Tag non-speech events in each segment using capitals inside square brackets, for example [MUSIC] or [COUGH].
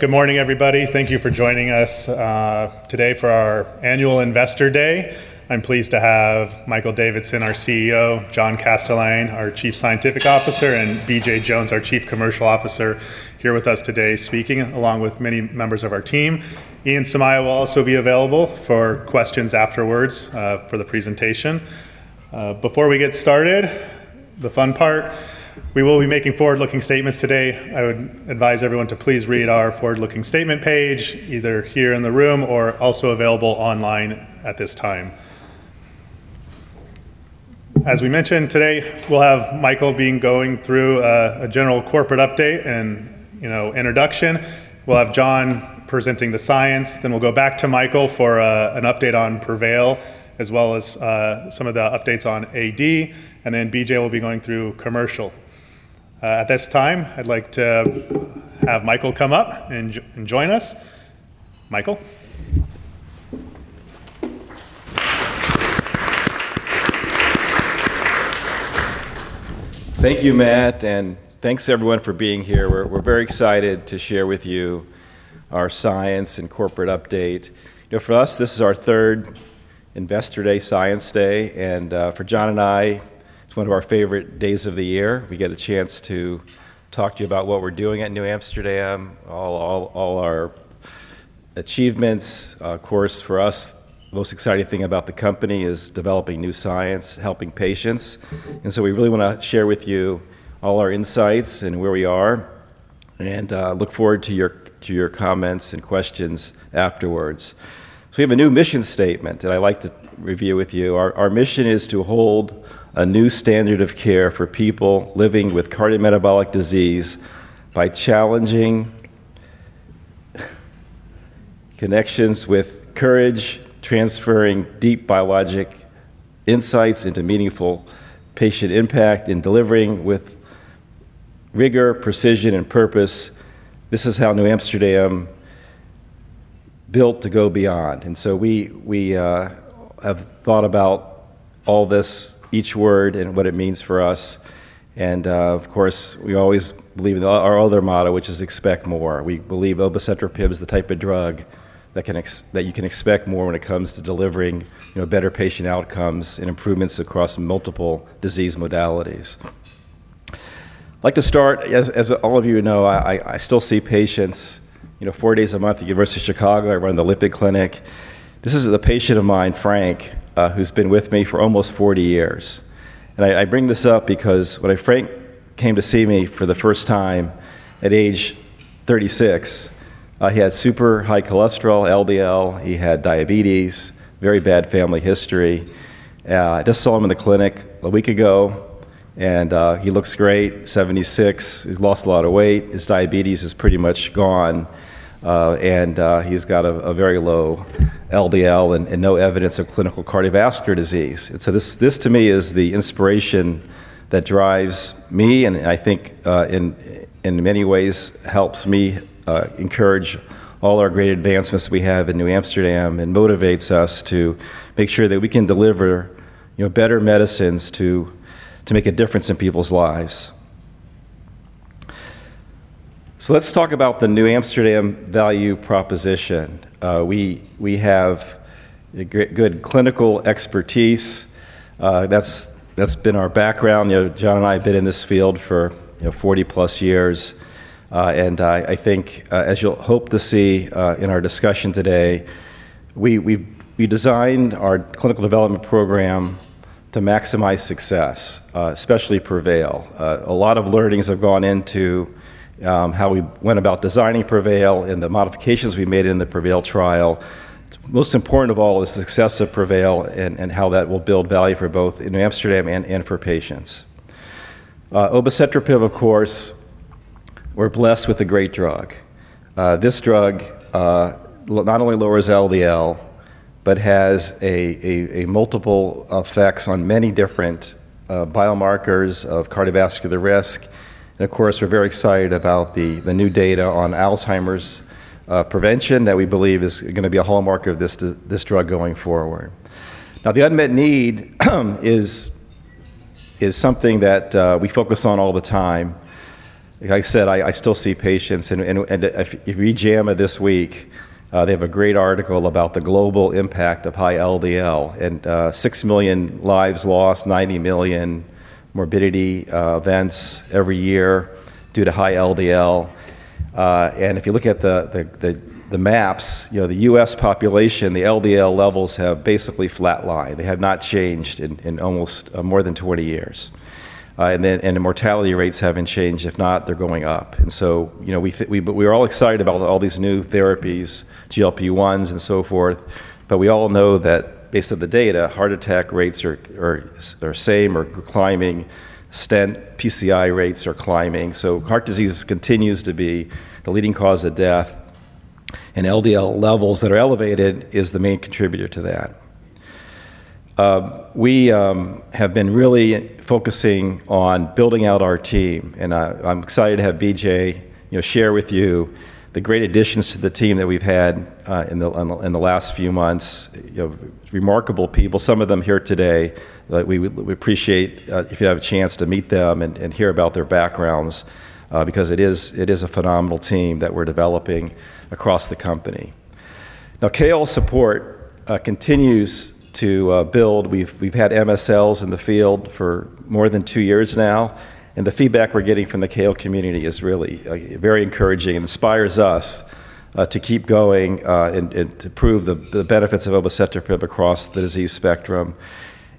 Good morning, everybody. Thank you for joining us today for our Annual Investor Day. I'm pleased to have Michael Davidson, our CEO, John Kastelein, our Chief Scientific Officer, and BJ Jones, our Chief Commercial Officer, here with us today speaking, along with many members of our team. Ian Somaiya will also be available for questions afterwards for the presentation. Before we get started, the fun part, we will be making forward-looking statements today. I would advise everyone to please read our forward-looking statement page, either here in the room or also available online at this time. As we mentioned, today, we'll have Michael going through a general corporate update and introduction. We'll have John presenting the science. We'll go back to Michael for an update on PREVAIL, as well as some of the updates on AD, and then BJ will be going through commercial. At this time, I'd like to have Michael come up and join us. Michael? Thank you, Matt, and thanks to everyone for being here. We're very excited to share with you our science and corporate update. For us, this is our third Investor Day and Science Day, and for John and me, it's one of our favorite days of the year. We get a chance to talk to you about what we're doing at NewAmsterdam, all our achievements. Of course, for us, the most exciting thing about the company is developing new science and helping patients. We really want to share with you all our insights and where we are and look forward to your comments and questions afterwards. We have a new mission statement that I'd like to review with you. Our mission is to hold a new standard of care for people living with cardiometabolic disease by challenging connections with courage, transferring deep biologic insights into meaningful patient impact, and delivering with rigor, precision, and purpose. This is how NewAmsterdam built to go beyond. We have thought about all this, each word, and what it means for us. Of course, we always believe in our other motto, which is expect more. We believe obicetrapib is the type of drug that you can expect more of when it comes to delivering better patient outcomes and improvements across multiple disease modalities. I'd like to start, as all of you know, I still see patients four days a month at the University of Chicago. I run the lipid clinic. This is a patient of mine, Frank, who's been with me for almost 40 years. I bring this up because when Frank came to see me for the first time at age 36, he had super high cholesterol, LDL. He had diabetes, very bad family history. I just saw him in the clinic a week ago, and he looks great. 76. He's lost a lot of weight. His diabetes is pretty much gone. He's got a very low LDL and no evidence of clinical cardiovascular disease. This to me is the inspiration that drives me, and I think in many ways helps me encourage all our great advancements we have in NewAmsterdam and motivates us to make sure that we can deliver better medicines to make a difference in people's lives. So let's talk about the NewAmsterdam value proposition. We have good clinical expertise. That's been our background. John and I have been in this field for +40 years. I think, as you'll hope to see in our discussion today, we designed our clinical development program to maximize success, especially PREVAIL. A lot of learnings have gone into how we went about designing PREVAIL and the modifications we made in the PREVAIL trial. Most important of all is the success of PREVAIL and how that will build value for both NewAmsterdam and for patients. Obicetrapib, of course, we're blessed with a great drug. This drug not only lowers LDL, but has multiple effects on many different biomarkers of cardiovascular risk. Of course, we're very excited about the new data on Alzheimer's prevention that we believe is going to be a hallmark of this drug going forward. Now, the unmet need is something that we focus on all the time. Like I said, I still see patients, and if you read JAMA this week, they have a great article about the global impact of high LDL, and six million lives lost, 90 million morbidity events every year due to high LDL. If you look at the maps, the U.S. population and the LDL levels have basically flatlined. They have not changed in more than 20 years. The mortality rates haven't changed. If not, they're going up. We're all excited about all these new therapies, GLP-1s and so forth, but we all know that based on the data, heart attack rates are the same or climbing. Stent PCI rates are climbing. So heart disease continues to be the leading cause of death, and elevated LDL levels are the main contributor to that. I'm excited to have BJ share with you the great additions to the team that we've had in the last few months of remarkable people, some of them here today. We would appreciate it if you had a chance to meet them and hear about their backgrounds, because it is a phenomenal team that we're developing across the company. Now, KOL support continues to build. We've had MSLs in the field for more than two years now, and the feedback we're getting from the KOL community is really very encouraging and inspires us to keep going and to prove the benefits of obicetrapib across the disease spectrum.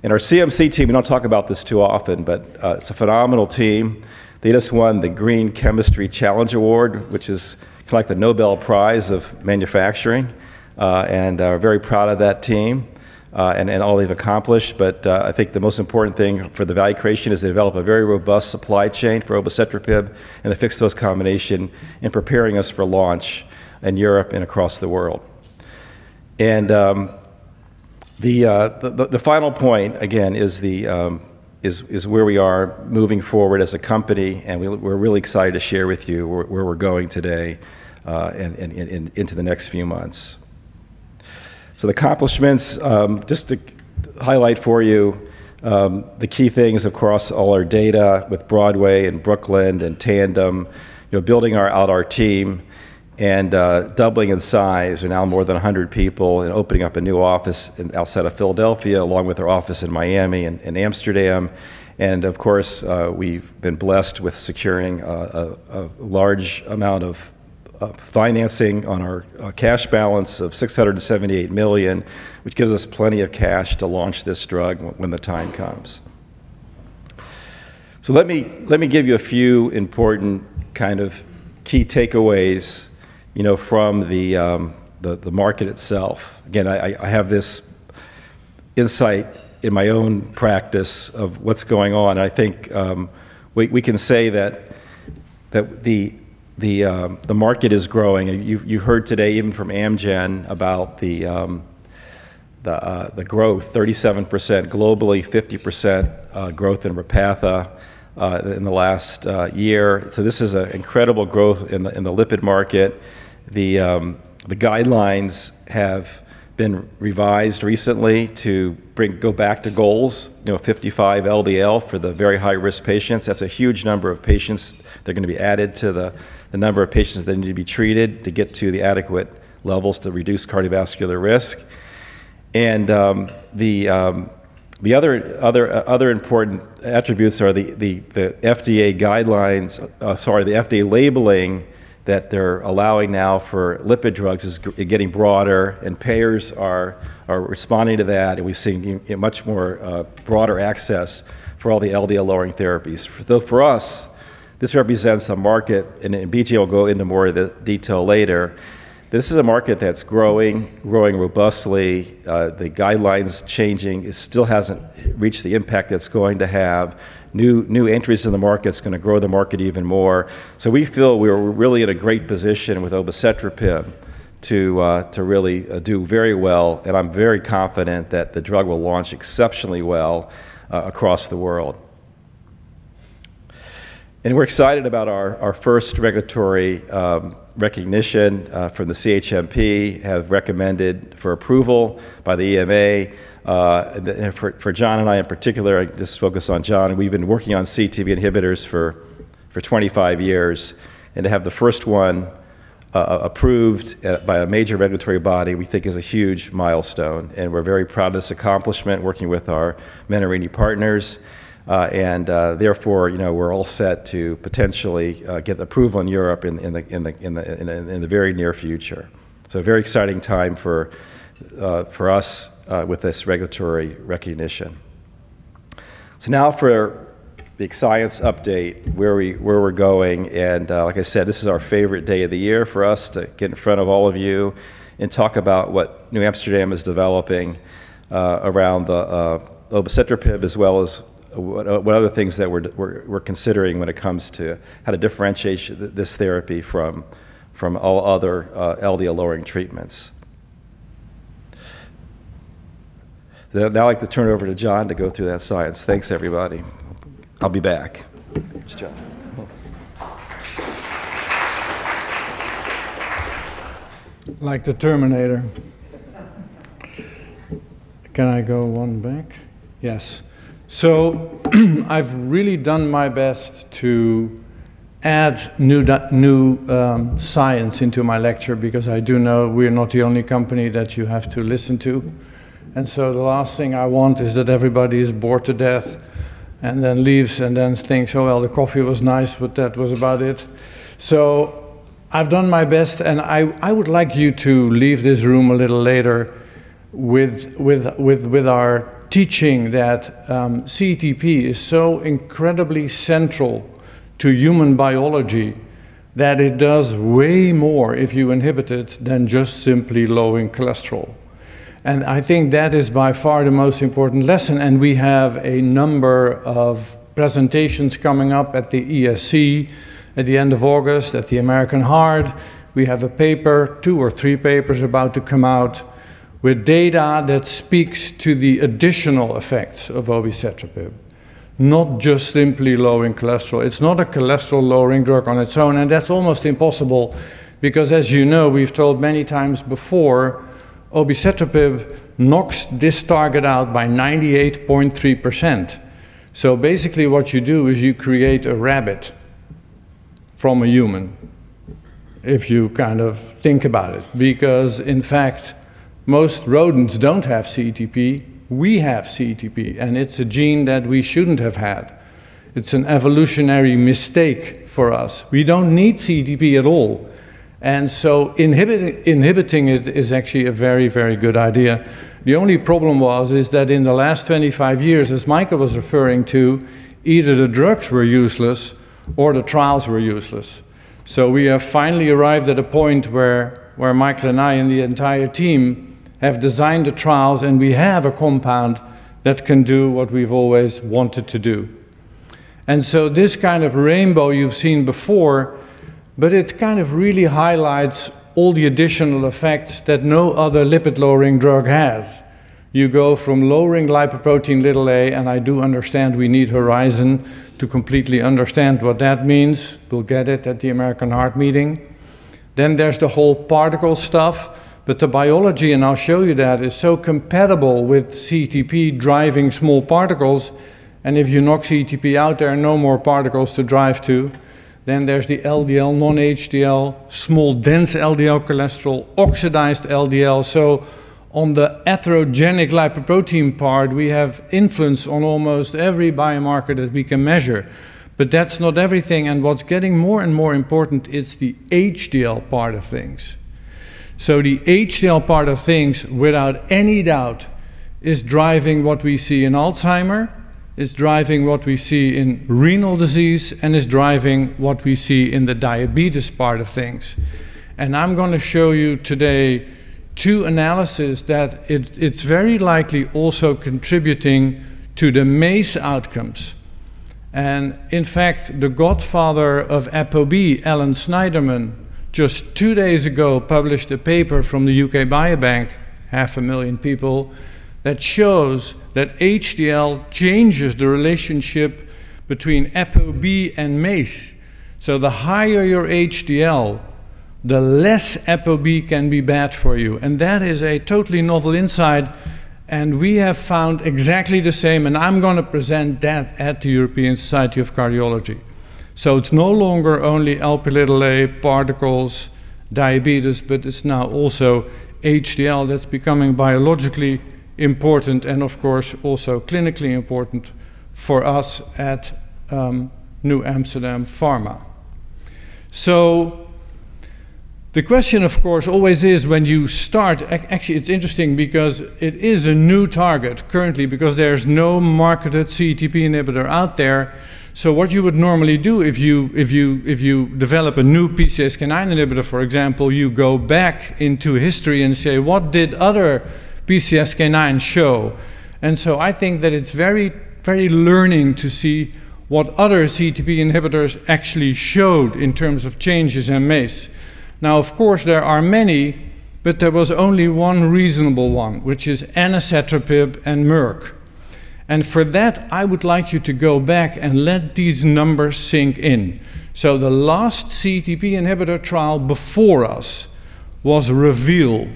Our CMC team, we don't talk about this too often, but it's a phenomenal team. They just won the Green Chemistry Challenge Award, which is like the Nobel Prize of manufacturing. We're very proud of that team and all they've accomplished. I think the most important thing for the value creation is they develop a very robust supply chain for obicetrapib and the fixed-dose combination in preparing us for launch in Europe and across the world. The final point, again, is where we are moving forward as a company, and we're really excited to share with you where we're going today and into the next few months. The accomplishments, just to highlight for you the key things across all our data with BROADWAY, BROOKLYN, and TANDEM, building out our team and doubling in size. We're now more than 100 people and opening up a new office in Philadelphia, along with our office in Miami and Amsterdam. Of course, we've been blessed with securing a large amount of financing on our cash balance of $678 million, which gives us plenty of cash to launch this drug when the time comes. Let me give you a few important kinds of key takeaways from the market itself. Again, I have this insight in my own practice of what's going on, and I think we can say that the market is growing. You heard today, even from Amgen, about the growth: 37% globally and 50% growth in Repatha in the last year. This is incredible growth in the lipid market. The guidelines have been revised recently to go back to goals of 55 LDL for the very high-risk patients. That's a huge number of patients that are going to be added to the number of patients that need to be treated to get to the adequate levels to reduce cardiovascular risk. The other important attributes are the FDA guidelines; sorry, the FDA labeling that they're allowing now for lipid drugs is getting broader, and payers are responding to that. We've seen much broader access for all the LDL-lowering therapies. Though for us, this represents a market, and BJ will go into more detail later. This is a market that's growing robustly. The guidelines are changing. It still hasn't reached the impact it's going to have. New entries in the market are going to grow the market even more. We feel we're really in a great position with obicetrapib to really do very well, and I'm very confident that the drug will launch exceptionally well across the world. We're excited about our first regulatory recognition from the CHMP, have recommended for approval by the EMA. For John and I, in particular, just focus on John. We've been working on CETP inhibitors for 25 years, and to have the first one approved by a major regulatory body, we think is a huge milestone, and we're very proud of this accomplishment, working with our Menarini partners. Therefore, we're all set to potentially get approved in Europe in the very near future. A very exciting time for us with this regulatory recognition. Now for the science update, where we're going, and like I said, this is our favorite day of the year for us to get in front of all of you and talk about what NewAmsterdam is developing around the obicetrapib, as well as what other things that we're considering when it comes to how to differentiate this therapy from all other LDL-lowering treatments. Now I'd like to turn it over to John to go through that science. Thanks, everybody. I'll be back. Here's John. Like the Terminator. Can I go one back? Yes. I've really done my best to add new science into my lecture because I do know we're not the only company that you have to listen to. The last thing I want is that everybody is bored to death and then leaves and then thinks, Oh, well, the coffee was nice, but that was about it. I've done my best, and I would like you to leave this room a little later with our teaching that CETP is so incredibly central to human biology that it does way more if you inhibit it than just simply lowering cholesterol. I think that is by far the most important lesson, and we have a number of presentations coming up at the ESC at the end of August at the American Heart. We have a paper, two or three papers about to come out with data that speaks to the additional effects of obicetrapib, not just simply lowering cholesterol. It's not a cholesterol-lowering drug on its own, and that's almost impossible because, as you know, we've told many times before, obicetrapib knocks this target out by 98.3%. Basically, what you do is you create a rabbit from a human, if you kind of think about it. Because, in fact, most rodents don't have CETP. We have CETP, and it's a gene that we shouldn't have had. It's an evolutionary mistake for us. We don't need CETP at all, and inhibiting it is actually a very good idea. The only problem was that in the last 25 years, as Michael was referring to, either the drugs were useless or the trials were useless. We have finally arrived at a point where Michael and I, and the entire team, have designed the trials, and we have a compound that can do what we've always wanted to do. This kind of rainbow you've seen before, but it kind of really highlights all the additional effects that no other lipid-lowering drug has. You go from lowering Lp(a); I do understand we need HORIZON to completely understand what that means. We'll get it at the American Heart meeting. There's the whole particle stuff. The biology, and I'll show you that, is so compatible with CETP-driving small particles, and if you knock CETP out, there are no more particles to drive to. There's the LDL, non-HDL, small dense LDL cholesterol, oxidized LDL. On the atherogenic lipoprotein part, we have influence on almost every biomarker that we can measure. That's not everything, and what's getting more and more important is the HDL part of things. The HDL part of things, without any doubt, is driving what we see in Alzheimer's, is driving what we see in renal disease, and is driving what we see in the diabetes part of things. I'm going to show you today two analyses that are very likely also contributing to the MACE outcomes. In fact, the godfather of ApoB, Allan Sniderman, just two days ago published a paper from the UK Biobank, 500,000 people, that shows that HDL changes the relationship between ApoB and MACE. The higher your HDL, the less ApoB can be bad for you. That is a totally novel insight, and we have found exactly the same, and I'm going to present that at the European Society of Cardiology. It's no longer only Lp(a), particles, diabetes, but it's now also HDL that's becoming biologically important and, of course, also clinically important for us at NewAmsterdam Pharma. The question, of course, always is when you start. Actually, it's interesting because it is a new target currently because there's no marketed CETP inhibitor out there. What you would normally do if you developed a new PCSK9 inhibitor, for example, is go back into history and say, What did other PCSK9 show? I think that it's very learning to see what other CETP inhibitors actually showed in terms of changes in MACE. Now, of course, there are many, but there was only one reasonable one, which is anacetrapib and Merck. For that, I would like you to go back and let these numbers sink in. The last CETP inhibitor trial before us was REVEAL.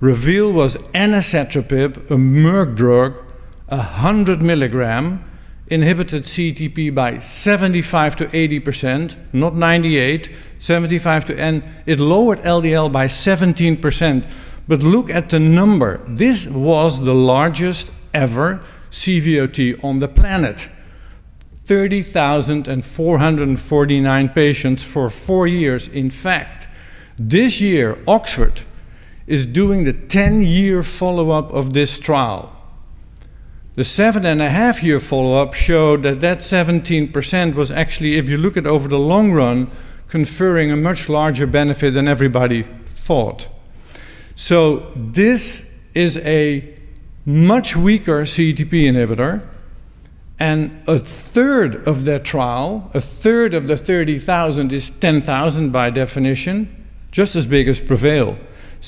REVEAL was anacetrapib, a Merck drug, 100 milligram, inhibited CETP by 75%-80%, not 98%. It lowered LDL by 17%. Look at the number. This was the largest-ever CVOT on the planet, 30,449 patients for four years. In fact, this year, Oxford is doing the 10-year follow-up of this trial. The seven-and-a-half-year follow-up showed that that 17% was actually, if you look at over the long run, conferring a much larger benefit than everybody thought. This is a much weaker CETP inhibitor, and a third of that trial, a third of the 30,000 is 10,000 by definition, just as big as PREVAIL.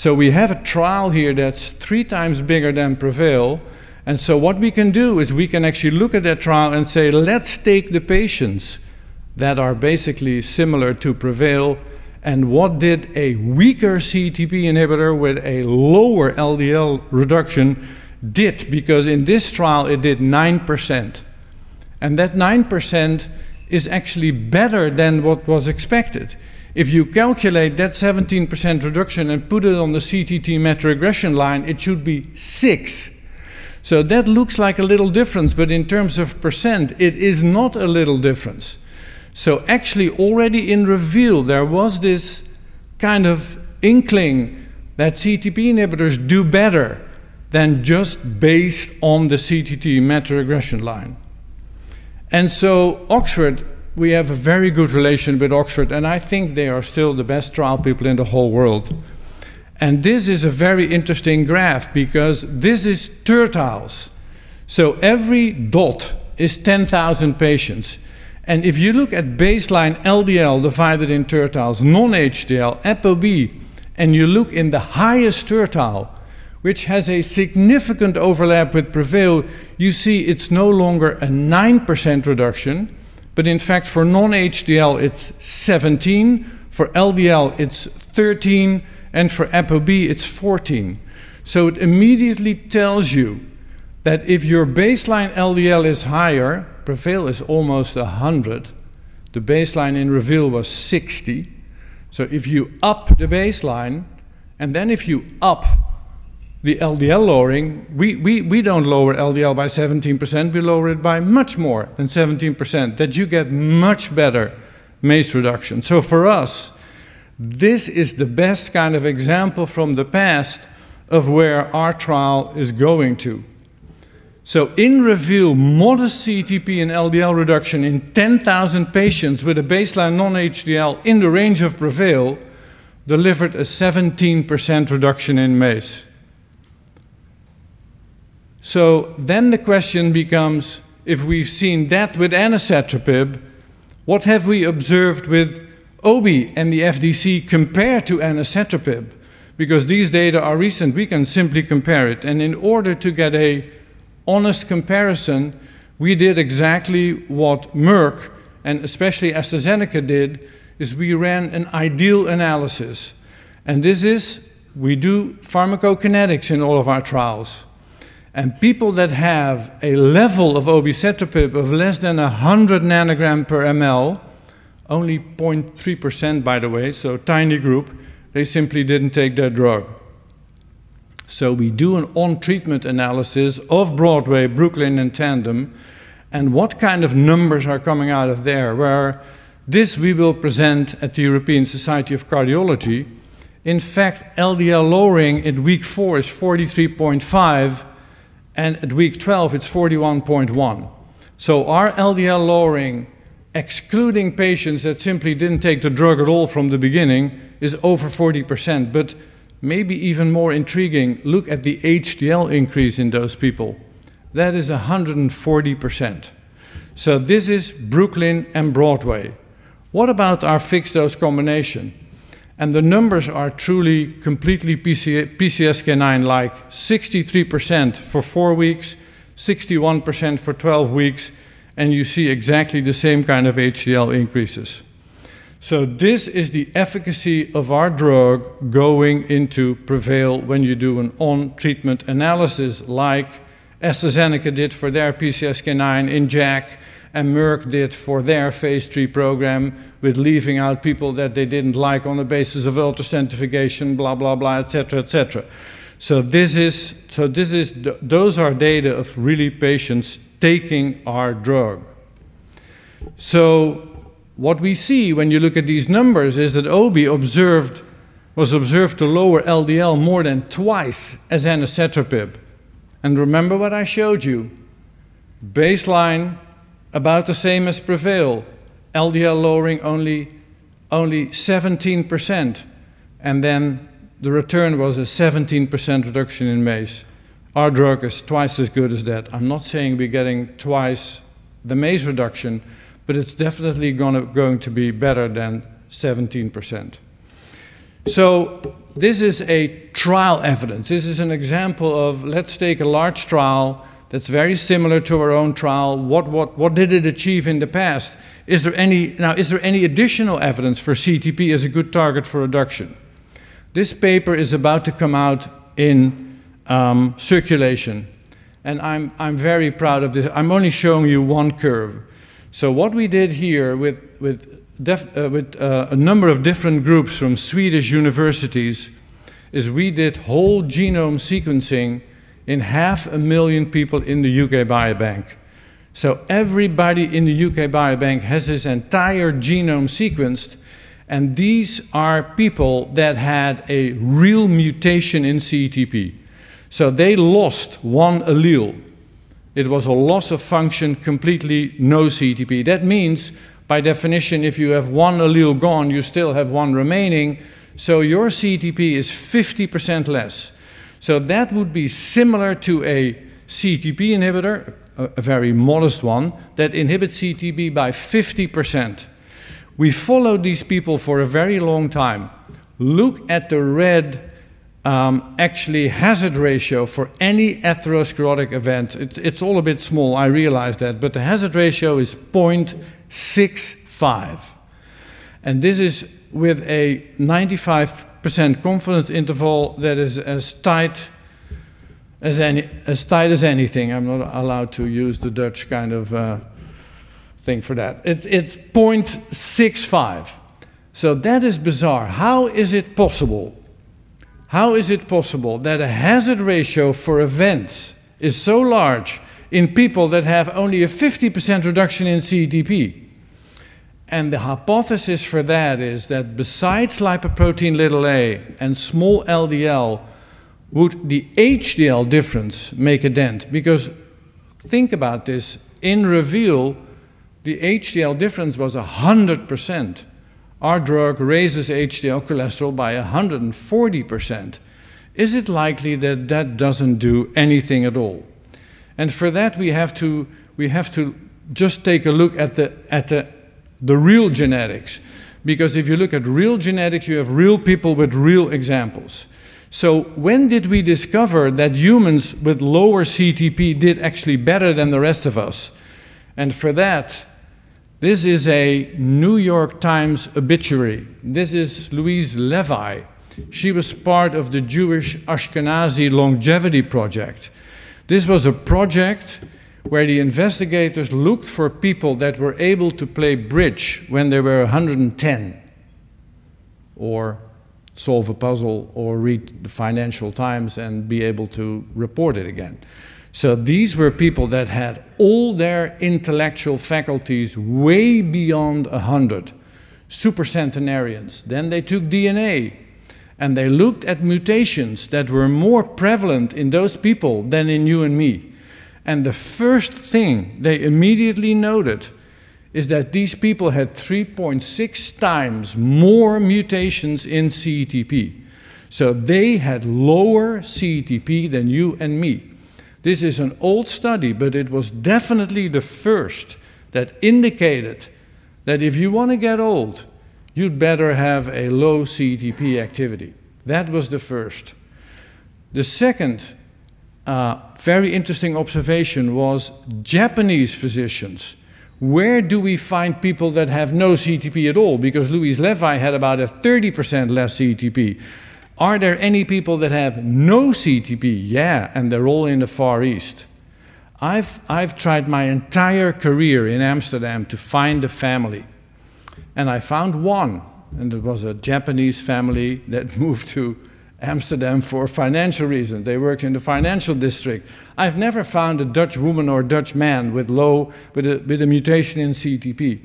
We have a trial here that's three times bigger than PREVAIL, and what we can do is we can actually look at that trial and say, Let's take the patients that are basically similar to PREVAIL, and what did a weaker CETP inhibitor with a lower LDL reduction did? In this trial, it did 9%, and that 9% is actually better than what was expected. If you calculate that 17% reduction and put it on the CTT meta-regression line, it should be six. That looks like a little difference, but in terms of percent, it is not a little difference. Actually already in REVEAL, there was this kind of inkling that CETP inhibitors do better than just based on the CTT meta-regression line. Oxford, we have a very good relationship with Oxford, and I think they are still the best trial people in the whole world. This is a very interesting graph because this is a tertile. Every dot is 10,000 patients. If you look at baseline LDL divided into tertiles, non-HDL, and ApoB, and you look in the highest tertile, which has a significant overlap with PREVAIL, you see it's no longer a 9% reduction. In fact, for non-HDL, it's 17%, for LDL, it's 13%, and for ApoB, it's 14%. It immediately tells you that if your baseline LDL is higher, PREVAIL is almost 100. The baseline in REVEAL was 60. If you go up the baseline and then go up the LDL lowering, we don't lower LDL by 17%; we lower it by much more than 17%, and you get much better MACE reduction. For us, this is the best kind of example from the past of where our trial is going to. In REVEAL, modest CETP and LDL reduction in 10,000 patients with a baseline non-HDL in the range of PREVAIL delivered a 17% reduction in MACE. The question becomes, if we've seen that with anacetrapib, what have we observed with Obi and the FDC compared to anacetrapib? These data are recent; we can simply compare them. In order to get an honest comparison, we did exactly what Merck and especially AstraZeneca did: we ran an ideal analysis. This is, we do pharmacokinetics in all of our trials, and people that have a level of obicetrapib of less than 100 nanogram per mL, only 0.3% by the way, so a tiny group, they simply didn't take their drug. We do an on-treatment analysis of BROADWAY, BROOKLYN, and TANDEM, and what kind of numbers are coming out of there? This we will present at the European Society of Cardiology. In fact, LDL lowering at week four is 43.5%, and at week 12, it's 41.1%. Our LDL lowering, excluding patients that simply didn't take the drug at all from the beginning, is over 40%. Maybe even more intriguing, look at the HDL increase in those people. That is 140%. This is BROOKLYN and BROADWAY. What about our fixed-dose combination? The numbers are truly completely PCSK9-like, 63% for four weeks, 61% for 12 weeks, and you see exactly the same kind of HDL increases. This is the efficacy of our drug going into PREVAIL when you do an on-treatment analysis like AstraZeneca did for their PCSK9 in Jack and Merck did for their phase III program with leaving out people that they didn't like on the basis of ultra-centrifugation, et cetera. Those are data of really patients taking our drug. What we see when you look at these numbers is that Obi was observed to lower LDL more than twice as anacetrapib. Remember what I showed you. Baseline, about the same as PREVAIL. LDL lowering only 17%, and then the return was a 17% reduction in MACE. Our drug is twice as good as that. I'm not saying we're getting twice the MACE reduction, but it's definitely going to be better than 17%. This is a trial evidence. This is an example of, let's say, a large trial that is very similar to our own trial. What did it achieve in the past? Is there any additional evidence for CETP as a good target for reduction? This paper is about to come out in circulation, and I'm very proud of this. I'm only showing you one curve. What we did here with a number of different groups from Swedish universities is we did whole-genome sequencing in half a million people in the U.K. Biobank. Everybody in the U.K. Biobank has his entire genome sequenced, and these are people that had a real mutation in CETP, so they lost one allele. It was a loss of function, completely no CETP. That means, by definition, if you have one allele gone, you still have one remaining; your CETP is 50% less. That would be similar to a CETP inhibitor, a very modest one, that inhibits CETP by 50%. We followed these people for a very long time. Look at the red, actually, hazard ratio for any atherosclerotic event. It's all a bit small; I realize that the hazard ratio is 0.65, and this is with a 95% confidence interval that is as tight as anything. I'm not allowed to use the Dutch kind of thing for that. It's 0.65. That is bizarre. How is it possible that a hazard ratio for events is so large in people that have only a 50% reduction in CETP? The hypothesis for that is that besides lipoprotein(a) and small LDL, would the HDL difference make a dent? Think about this. In REVEAL, the HDL difference was 100%. Our drug raises HDL cholesterol by 140%. Is it likely that that doesn't do anything at all? For that, we have to just take a look at the real genetics because if you look at real genetics, you have real people with real examples. When did we discover that humans with lower CETP did actually better than the rest of us? For that, this is a New York Times obituary. This is Louise Levy. She was part of the Jewish Ashkenazi Longevity Project. This was a project where the investigators looked for people that were able to play bridge when they were 110, or solve a puzzle or read the Financial Times and be able to report it again. These were people that had all their intellectual faculties way beyond 100, supercentenarians. They took DNA, and they looked at mutations that were more prevalent in those people than in you and me. The first thing they immediately noted is that these people had 3.6 times more mutations in CETP. They had lower CETP than you and me. This is an old study; it was definitely the first that indicated that if you want to get old, you'd better have a low CETP activity. That was the first. The second very interesting observation was Japanese physicians. Where do we find people that have no CETP at all? Louise Levy had about 30% less CETP. Are there any people that have no CETP? They're all in the Far East. I've tried my entire career in Amsterdam to find a family; I found one, it was a Japanese family that moved to Amsterdam for financial reasons. They worked in the financial district. I've never found a Dutch woman or a Dutch man with a mutation in CETP.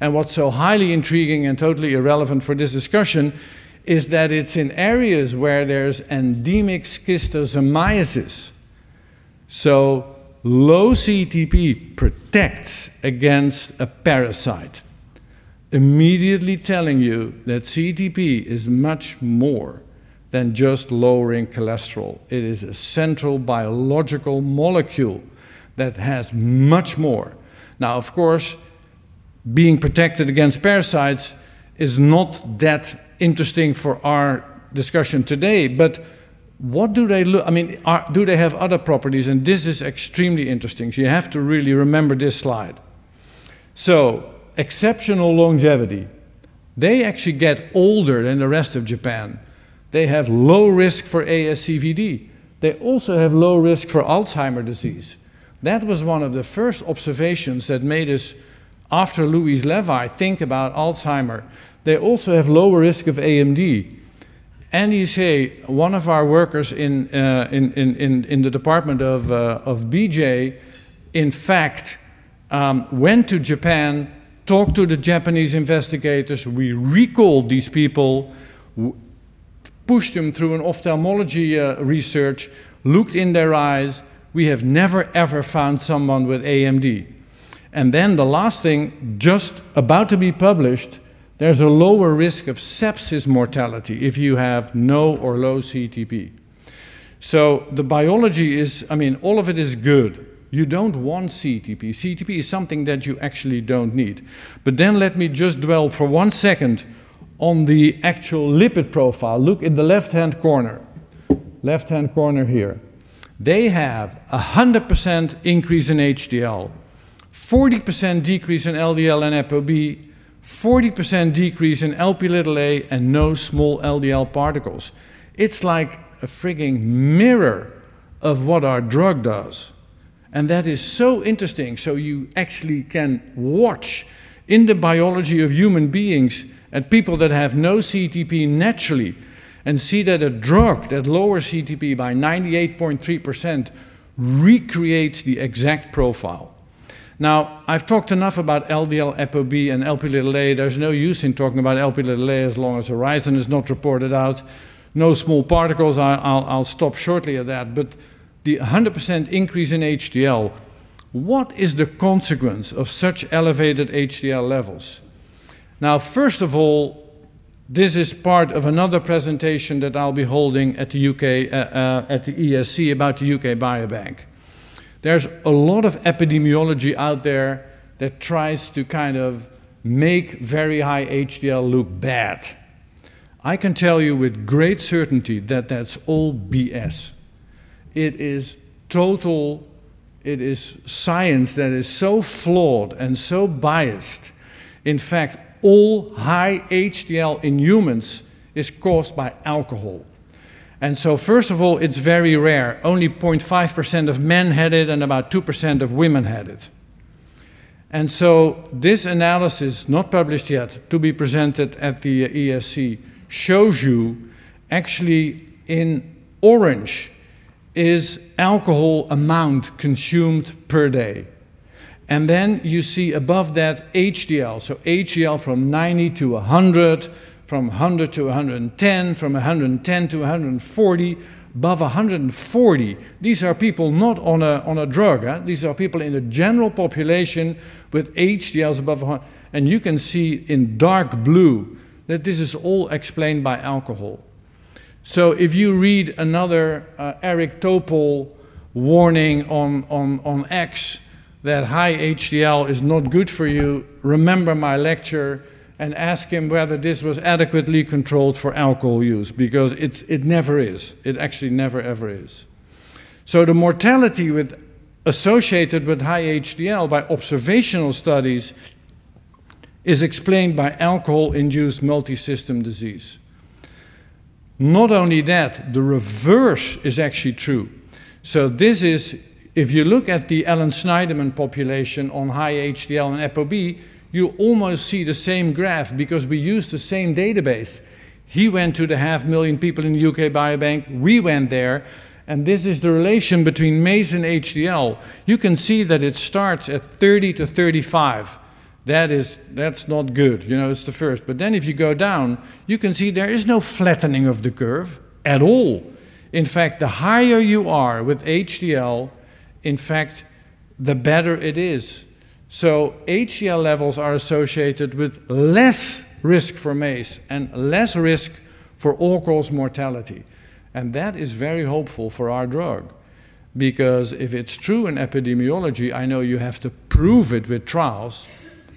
What's so highly intriguing and totally irrelevant for this discussion is that it's in areas where there's endemic schistosomiasis. Low CETP protects against a parasite, immediately telling you that CETP is much more than just lowering cholesterol. It is a central biological molecule that has much more. Being protected against parasites is not that interesting for our discussion today, but do they have other properties? This is extremely interesting; you have to really remember this slide. Exceptional longevity. They actually get older than the rest of Japan. They have low risk for ASCVD. They also have a low risk for Alzheimer's disease. That was one of the first observations that made us, after Louise Levy, think about Alzheimer's. They also have a lower risk of AMD. Andrew Hsieh, one of our workers in the department of BJ, in fact, went to Japan and talked to the Japanese investigators. We recalled these people, pushed them through ophthalmology research, and looked in their eyes. We have never, ever found someone with AMD. The last thing, just about to be published, is that there's a lower risk of sepsis mortality if you have no or low CETP. The biology is all of it is good. You don't want CETP. CETP is something that you actually don't need. Let me just dwell for one second on the actual lipid profile. Look in the left-hand corner. Left-hand corner here. They have 100% increase in HDL, 40% decrease in LDL and ApoB, 40% decrease in Lp(a), and no small LDL particles. It's like a freaking mirror of what our drug does, and that is so interesting. You actually can watch in the biology of human beings and people that have no CETP naturally and see that a drug that lowers CETP by 98.3% recreates the exact profile. I've talked enough about LDL, ApoB, and Lp(a). There's no use in talking about Lp(a) as long as HORIZON is not reported out. No small particles. I'll stop shortly at that. The 100% increase in HDL—what is the consequence of such elevated HDL levels? First of all, this is part of another presentation that I'll be holding at the ESC about the UK Biobank. There's a lot of epidemiology out there that tries to make very high HDL look bad. I can tell you with great certainty that that's all BS. It is science that is so flawed and so biased. In fact, all high HDL in humans is caused by alcohol. First of all, it's very rare. Only 0.5% of men had it, and about 2% of women had it. This analysis, not published yet, to be presented at the ESC, shows you actually in orange is the alcohol amount consumed per day. Then you see above that HDL. HDL from 90-100, from 100-110, from 110-140, above 140. These are people not on a drug. These are people in the general population with HDLs above 100. You can see in dark blue that this is all explained by alcohol. If you read another Eric Topol warning on X that high HDL is not good for you, remember my lecture and ask him whether this was adequately controlled for alcohol use, because it never is. It actually never, ever is. The mortality associated with high HDL by observational studies is explained by alcohol-induced multi-system disease. Not only that, the reverse is actually true. This is, if you look at the Allan Sniderman population on high HDL and ApoB, you almost see the same graph because we used the same database. He went to the 500,000 people in the UK Biobank, we went there, and this is the relation between MACE and HDL. You can see that it starts at 30-35. That is not good. It is the first. If you go down, you can see there is no flattening of the curve at all. In fact, the higher you are with HDL, the better it is. HDL levels are associated with less risk for MACE and less risk for all-cause mortality. That is very hopeful for our drug. If it is true in epidemiology, I know you have to prove it with trials,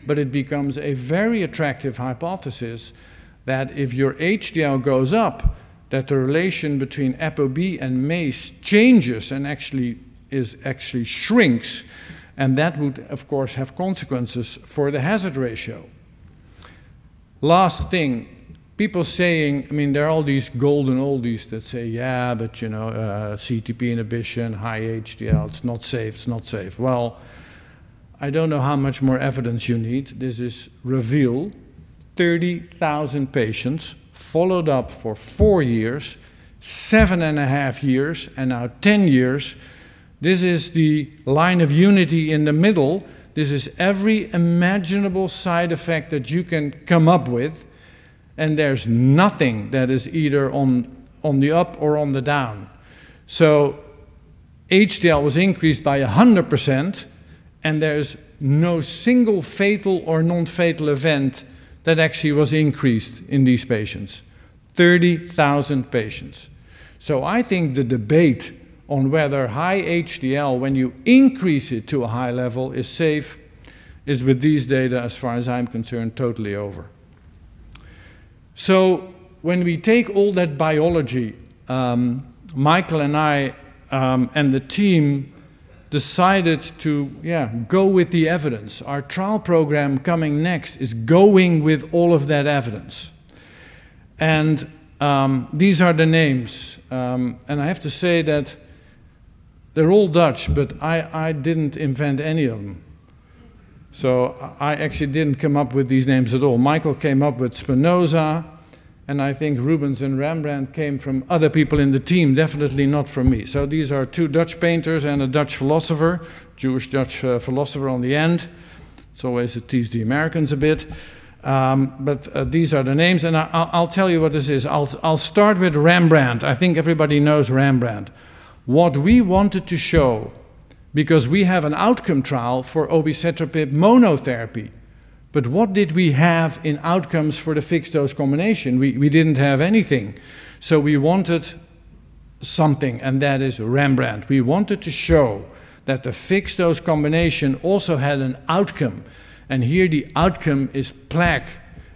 it becomes a very attractive hypothesis that if your HDL goes up, that the relation between ApoB and MACE changes and actually shrinks, and that would, of course, have consequences for the hazard ratio. Last thing. People saying, there are all these golden oldies that say, Yeah, but CETP inhibition, high HDL, it is not safe. I do not know how much more evidence you need. This is REVEAL. 30,000 patients followed up for four years, 7.5 years, and now 10 years. This is the line of unity in the middle. This is every imaginable side effect that you can come up with, and there is nothing that is either on the up or on the down. HDL was increased by 100%, and there is no single fatal or non-fatal event that actually was increased in these patients, 30,000 patients. I think the debate on whether high HDL, when you increase it to a high level, is safe, is, with these data, as far as I am concerned, totally over. When we took all that biology, Michael and I and the team decided to go with the evidence. Our trial program coming next is going with all of that evidence. These are the names. I have to say that they are all Dutch, but I did not invent any of them. I actually did not come up with these names at all. Michael came up with SPINOZA, and I think RUBENS and REMBRANDT came from other people in the team, definitely not from me. These are two Dutch painters and a Dutch philosopher, Jewish-Dutch philosopher on the end. It is always to tease the Americans a bit. These are the names, and I will tell you what this is. I will start with REMBRANDT. I think everybody knows REMBRANDT. What we wanted to show, because we have an outcome trial for obicetrapib monotherapy. What did we have in outcomes for the fixed-dose combination? We did not have anything. We wanted something, and that is REMBRANDT. We wanted to show that the fixed-dose combination also had an outcome, and here the outcome is plaque,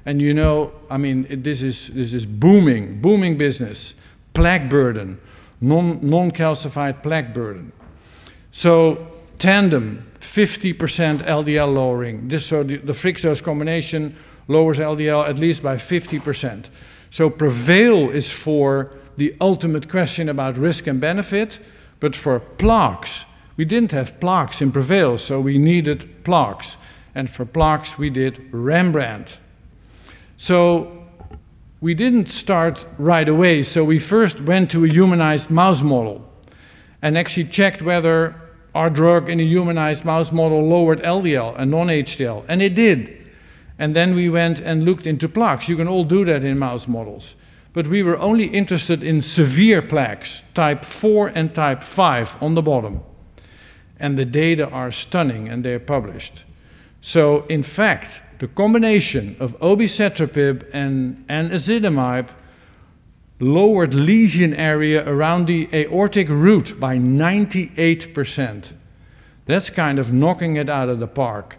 and this is booming business. Plaque burden, non-calcified plaque volume. TANDEM, 50% LDL lowering. The fixed-dose combination lowers LDL at least by 50%. PREVAIL is for the ultimate question about risk and benefit. For plaques, we did not have plaques in PREVAIL, so we needed plaques. For plaques, we did REMBRANDT. We didn't start right away. We first went to a humanized mouse model and actually checked whether our drug in a humanized mouse model lowered LDL and non-HDL, and it did. Then we went and looked into plaques. You can all do that in mouse models. We were only interested in severe plaques, type four and type five, on the bottom. The data are stunning, and they're published. In fact, the combination of obicetrapib and ezetimibe lowered lesion area around the aortic root by 98%. That's kind of knocking it out of the park.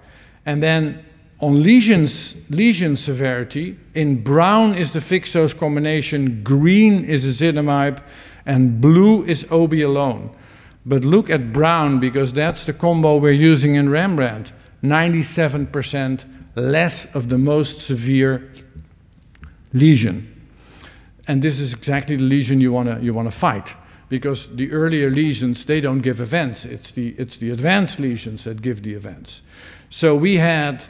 On lesion severity, in brown is the fixed-dose combination, green is ezetimibe, and blue is Obi alone. Look at brown because that's the combo we're using in REMBRANDT, 97% less of the most severe lesion. This is exactly the lesion you want to fight because the earlier lesions, they don't give events. It's the advanced lesions that give the events. We had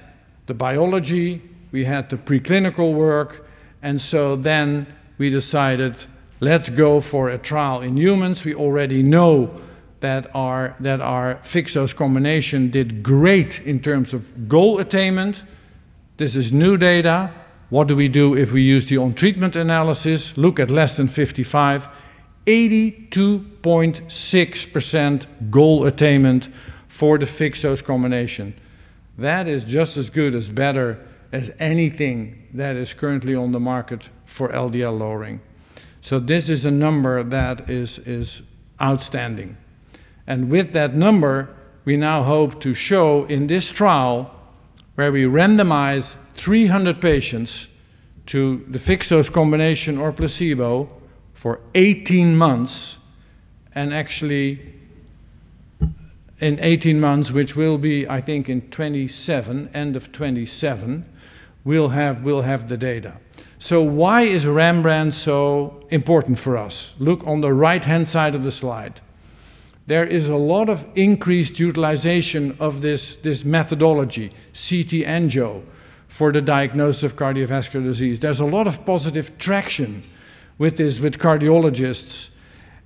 the biology, we had the preclinical work, and we decided, Let's go for a trial in humans. We already know that our fixed-dose combination did great in terms of goal attainment. This is new data. What do we do if we use the on-treatment analysis? Look at less than 55, 82.6% goal attainment for the fixed-dose combination. That is just as good as, or better than, anything that is currently on the market for LDL lowering. This is a number that is outstanding. With that number, we now hope to show in this trial where we randomize 300 patients to the fixed-dose combination or placebo for 18 months. In 18 months, which will be, I think, in end of 2027, we'll have the data. Why is REMBRANDT so important for us? Look on the right-hand side of the slide. There is a lot of increased utilization of this methodology, CCTA, for the diagnosis of cardiovascular disease. There's a lot of positive traction with this with cardiologists,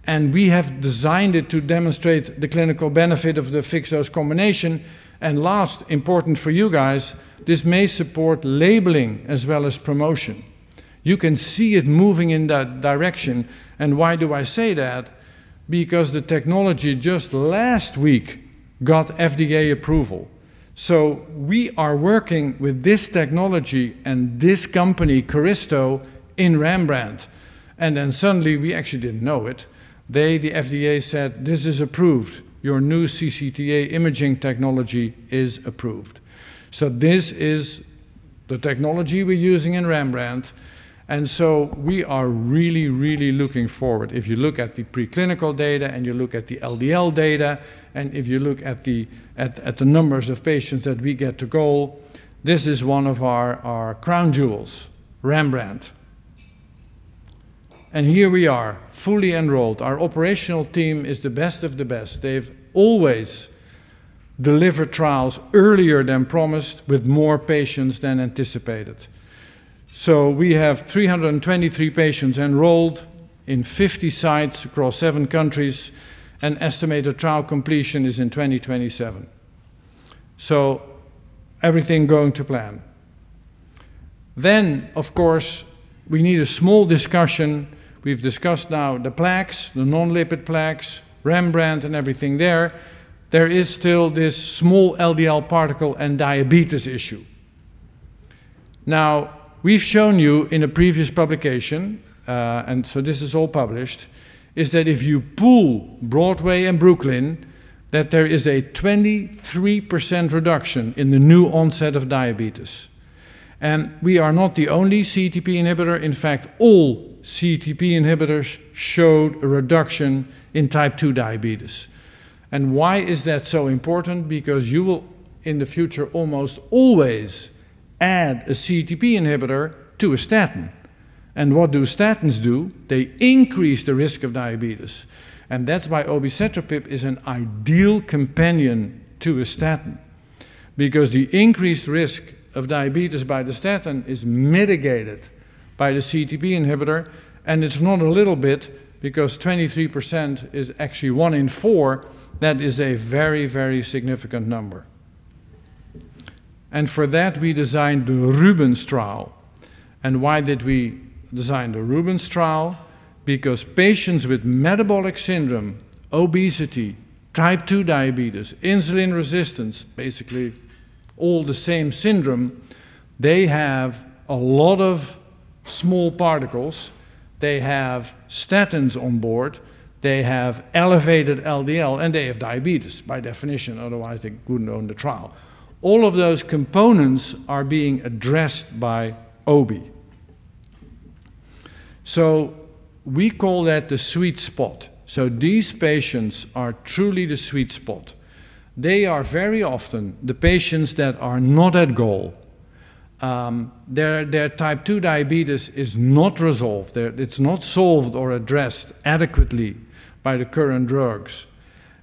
and we have designed it to demonstrate the clinical benefit of the fixed-dose combination. Last, important for you guys, this may support labeling as well as promotion. You can see it moving in that direction. Why do I say that? Because the technology just last week got FDA approval. We are working with this technology and this company, Caristo, in REMBRANDT. Suddenly, we actually didn't know it; the FDA said, This is approved. Your new CCTA imaging technology is approved. This is the technology we're using in REMBRANDT; we are really looking forward. If you look at the preclinical data, you look at the LDL data, if you look at the numbers of patients that we get to goal, this is one of our crown jewels, REMBRANDT. Here we are, fully enrolled. Our operational team is the best of the best. They've always delivered trials earlier than promised with more patients than anticipated. We have 323 patients enrolled in 50 sites across seven countries. An estimated trial completion is in 2027. Everything is going to plan. Of course, we need a small discussion. We've discussed now the plaques, the non-lipid plaques, REMBRANDT, and everything there. There is still this small LDL particle and diabetes issue. We've shown you in a previous publication; this is all published, is that if you pool BROADWAY and BROOKLYN, there is a 23% reduction in the new onset of diabetes? We are not the only CETP inhibitor. In fact, all CETP inhibitors showed a reduction in type 2 diabetes. Why is that so important? Because you will, in the future, almost always add a CETP inhibitor to a statin. What do statins do? They increase the risk of diabetes, and that is why obicetrapib is an ideal companion to a statin, because the increased risk of diabetes by the statin is mitigated by the CETP inhibitor. It is not a little bit because 23% is actually one in four. That is a very, very significant number. For that, we designed the RUBENS trial. Why did we design the RUBENS trial? Because patients with metabolic syndrome, obesity, type 2 diabetes, and insulin resistance—basically all the same syndrome—have a lot of small particles. They have statins on board. They have elevated LDL, and they have diabetes by definition; otherwise, they couldn't have owned the trial. All of those components are being addressed by Obi. We call that the sweet spot. These patients are truly the sweet spot. They are very often the patients that are not at goal. Their type 2 diabetes is not resolved. It is not solved or addressed adequately by the current drugs.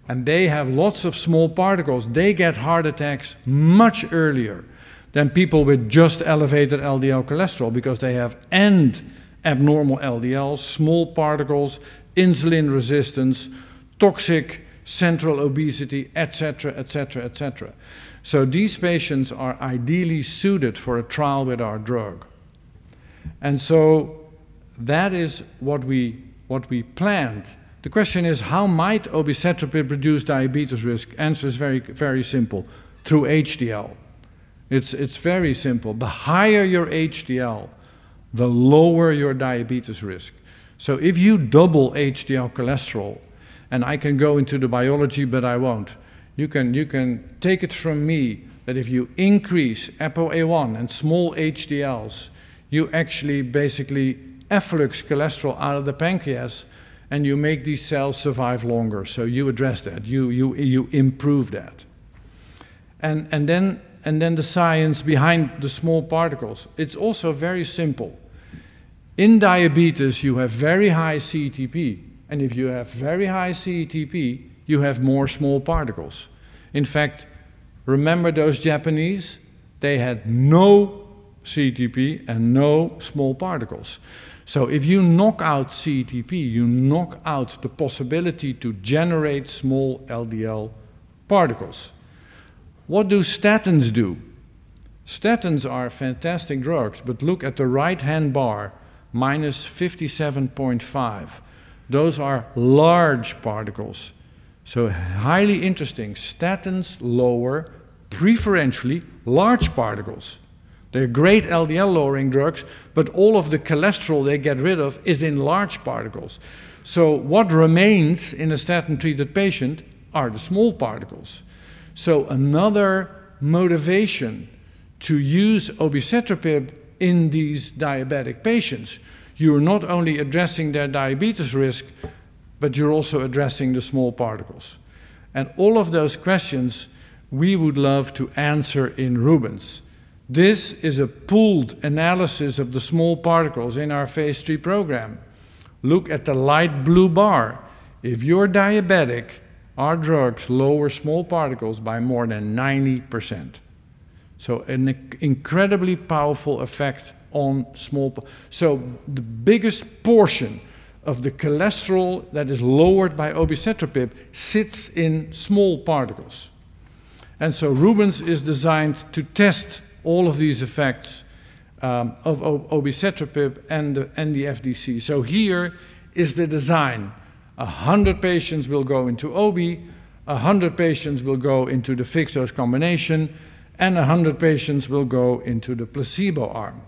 They have lots of small particles. They get heart attacks much earlier than people with just elevated LDL cholesterol because they have abnormal LDL, small particles, insulin resistance, toxic central obesity, et cetera. These patients are ideally suited for a trial with our drug. That is what we planned. The question is, how might obicetrapib reduce diabetes risk? The answer is very simple. Through HDL. It is very simple. The higher your HDL, the lower your diabetes risk. If you double HDL cholesterol, I can go into the biology, but I won't, you can take it from me that if you increase ApoA-I and small HDLs, you actually basically efflux cholesterol out of the pancreas, and you make these cells survive longer. You address that. You improve that. The science behind the small particles is also very simple. In diabetes, you have very high CETP, and if you have very high CETP, you have more small particles. In fact, remember those Japanese? They had no CETP and no small particles. If you knock out CETP, you knock out the possibility to generate small LDL particles. What do statins do? Statins are fantastic drugs, but look at the right-hand bar, -57. 5. Those are large particles. Highly interesting. Statins lower preferentially large particles. They are great LDL-lowering drugs, but all of the cholesterol they get rid of is in large particles. What remains in a statin-treated patient are the small particles. Another motivation to use obicetrapib in these diabetic patients, you are not only addressing their diabetes risk, but you are also addressing the small particles. All of those questions we would love to answer in RUBENS. This is a pooled analysis of the small particles in our phase III program. Look at the light blue bar. If you're diabetic, our drugs lower small particles by more than 90%. An incredibly powerful effect on small. The biggest portion of the cholesterol that is lowered by obicetrapib sits in small particles. RUBENS is designed to test all of these effects of obicetrapib and the FDC. Here is the design. 100 patients will go into Obi, 100 patients will go into the fixed-dose combination, and 100 patients will go into the placebo arm.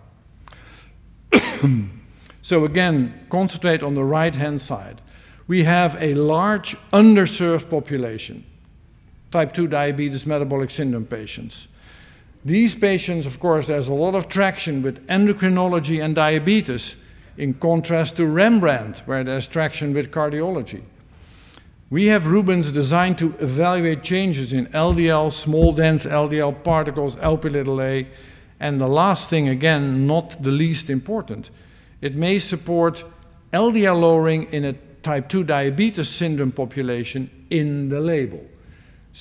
Again, concentrate on the right-hand side. We have a large underserved population of type 2 diabetes and metabolic syndrome patients. These patients, of course, have a lot of traction with endocrinology and diabetes, in contrast to REMBRANDT, where there's traction with cardiology. We have RUBENS designed to evaluate changes in LDL, small dense LDL particles, Lp(a), and the last thing, again, not the least important, it may support LDL lowering in a type 2 diabetes syndrome population in the label.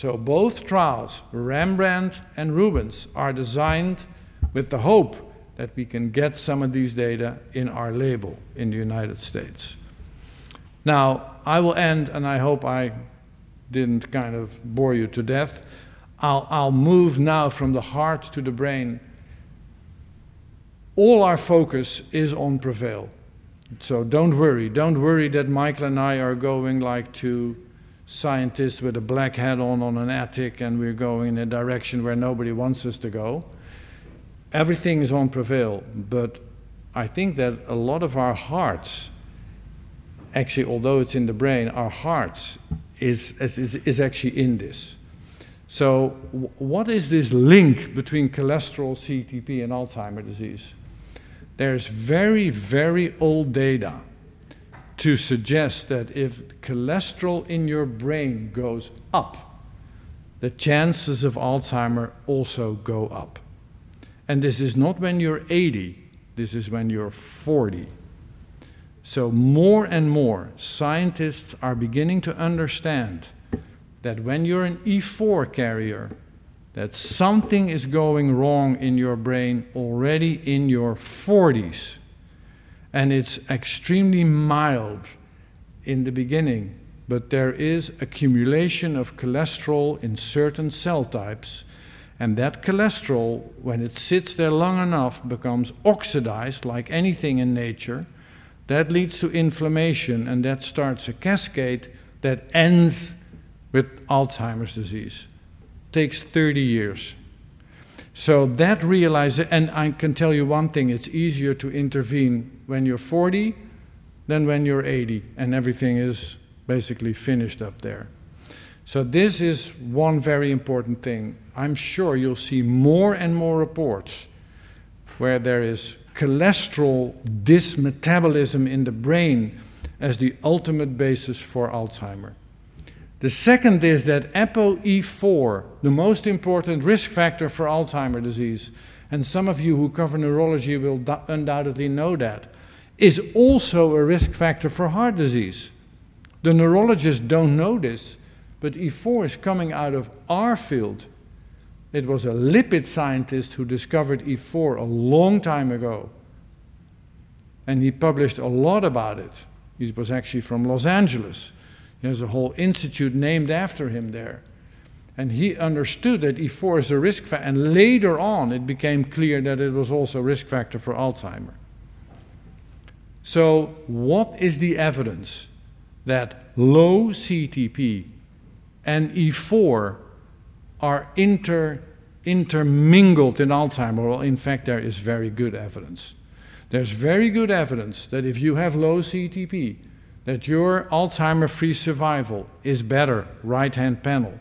Both trials, REMBRANDT and RUBENS, are designed with the hope that we can get some of these data in our label in the United States. I will end, and I hope I didn't bore you to death. I'll move now from the heart to the brain. All our focus is on PREVAIL, don't worry. Don't worry that Michael and I are going like two scientists with a black hat on in an attic, and we're going in a direction where nobody wants us to go. Everything is on PREVAIL, but I think that a lot of our hearts, actually, although it's in the brain, our hearts are actually in this. What is this link between cholesterol, CETP, and Alzheimer's disease? There's very, very old data to suggest that if cholesterol in your brain goes up, the chances of Alzheimer's also go up. This is not when you're 80; this is when you're 40. More and more scientists are beginning to understand that when you're an E4 carrier, that something is going wrong in your brain already in your 40s, and it's extremely mild in the beginning. But there is accumulation of cholesterol in certain cell types, and that cholesterol, when it sits there long enough, becomes oxidized like anything in nature. That leads to inflammation, and that starts a cascade that ends with Alzheimer's disease. Takes 30 years. That, and I can tell you one thing: it's easier to intervene when you're 40 than when you're 80, and everything is basically finished up there. This is one very important thing. I'm sure you'll see more and more reports where there is cholesterol dysmetabolism in the brain as the ultimate basis for Alzheimer's. The second is that APOE4, the most important risk factor for Alzheimer's disease, and some of you who cover neurology will undoubtedly know that is also a risk factor for heart disease. The neurologists don't know this, but E4 is coming out of our field. It was a lipid scientist who discovered E4 a long time ago, and he published a lot about it. He was actually from Los Angeles. There's a whole institute named after him there. He understood that E4 is a risk factor, and later on, it became clear that it was also a risk factor for Alzheimer's. What is the evidence that low CETP and E4 are intermingled in Alzheimer's? In fact, there is very good evidence. There's very good evidence that if you have low CETP, your Alzheimer-free survival is better, right-hand panel.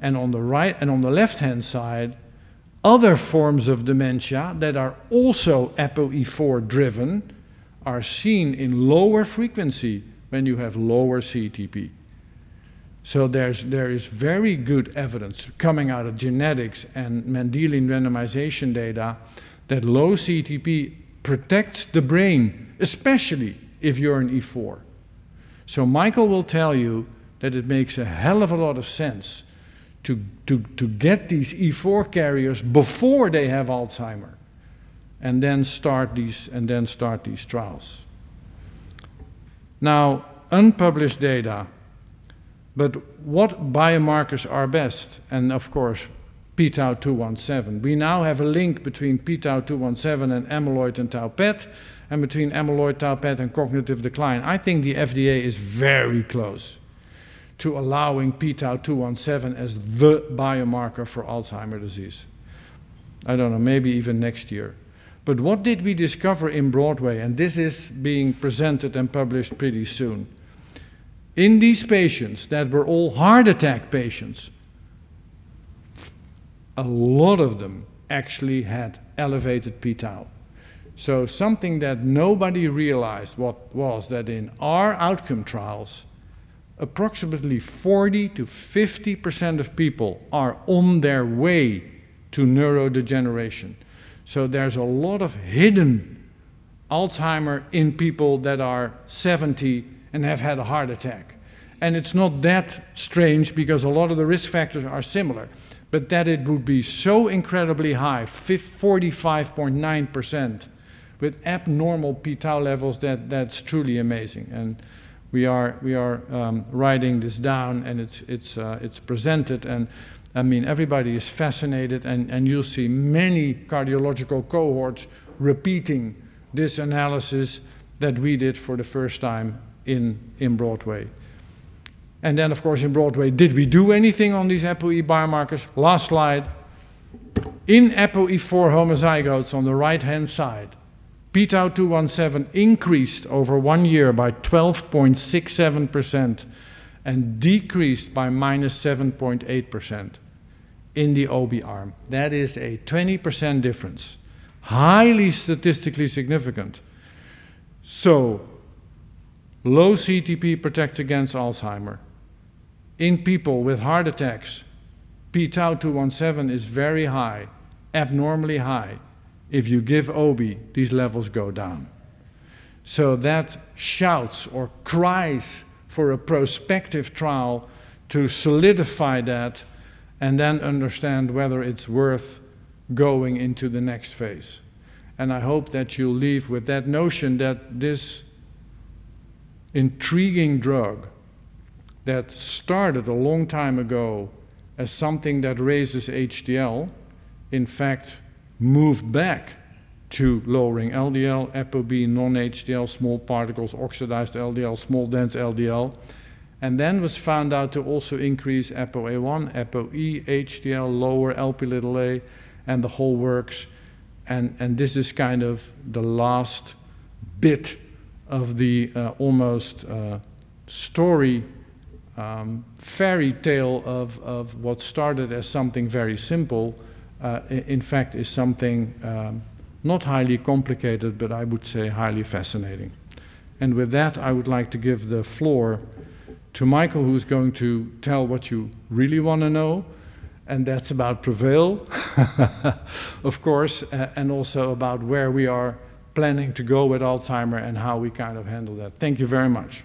And on the left-hand side, other forms of dementia that are also APOE4-driven are seen in lower frequency when you have lower CETP. There is very good evidence coming out of genetics and Mendelian randomization data that low CETP protects the brain, especially if you're an E4. Michael will tell you that it makes a hell of a lot of sense to get these E4 carriers before they have Alzheimer's and then start these trials. Unpublished data, but what biomarkers are best? Of course, p-tau217. We now have a link between p-tau217 and amyloid and tau PET, and between amyloid tau PET and cognitive decline. I think the FDA is very close to allowing p-tau217 as the biomarker for Alzheimer's disease. I don't know, maybe even next year. What did we discover in BROADWAY? This is being presented and published pretty soon. In these patients that were all heart attack patients, a lot of them actually had elevated p-tau. Something that nobody realized was that in our outcome trials, approximately 40%-50% of people are on their way to neurodegeneration. There's a lot of hidden Alzheimer in people that are 70 and have had a heart attack. It's not that strange because a lot of the risk factors are similar, but that it would be so incredibly high, 45.9% with abnormal p-tau levels, that's truly amazing. We are writing this down and it's presented, and everybody is fascinated, and you'll see many cardiological cohorts repeating this analysis that we did for the first time in BROADWAY. Of course, in BROADWAY, did we do anything on these ApoE biomarkers? Last slide. In ApoE4 homozygotes on the right-hand side, p-tau217 increased over one year by 12.67% and decreased by -7.8% in the Obi arm. That is a 20% difference. Highly statistically significant. Low CETP protects against Alzheimer. In people with heart attacks, p-tau217 is very high, abnormally high. If you give Obi, these levels go down. That shouts or cries for a prospective trial to solidify that and then understand whether it's worth going into the next phase. I hope that you'll leave with that notion that this intriguing drug that started a long time ago as something that raises HDL, in fact, moved back to lowering LDL, ApoB, non-HDL, small particles, oxidized LDL, small, dense LDL, and then was found out to also increase ApoA-I, ApoE, HDL, lower Lp(a), and the whole works. This is kind of the last bit of the almost story, a fairy tale of what started as something very simple, in fact, is something not highly complicated, but I would say highly fascinating. I would like to give the floor to Michael, who's going to tell what you really want to know, and that's about PREVAIL, of course, and also about where we are planning to go with Alzheimer and how we handle that. Thank you very much.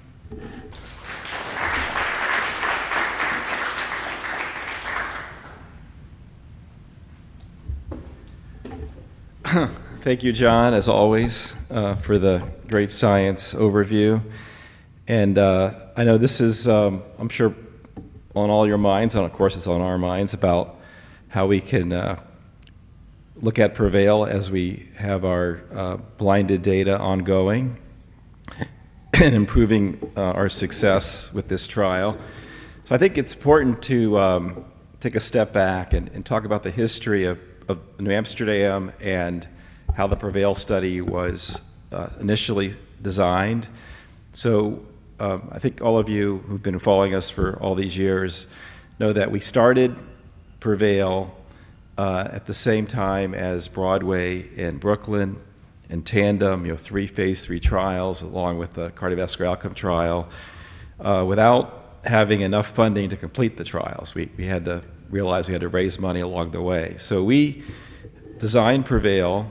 Thank you, John, as always, for the great science overview. I know this is, I'm sure, on all your minds, and of course, it's on our minds about how we can look at PREVAIL as we have our blinded data ongoing and improving our success with this trial. I think it's important to take a step back and talk about the history of NewAmsterdam and how the PREVAIL study was initially designed. I think all of you who've been following us for all these years know that we started PREVAIL at the same time as BROADWAY and BROOKLYN in tandem, three phase III trials along with the cardiovascular outcome trial, without having enough funding to complete the trials. We had to realize we had to raise money along the way. We designed PREVAIL.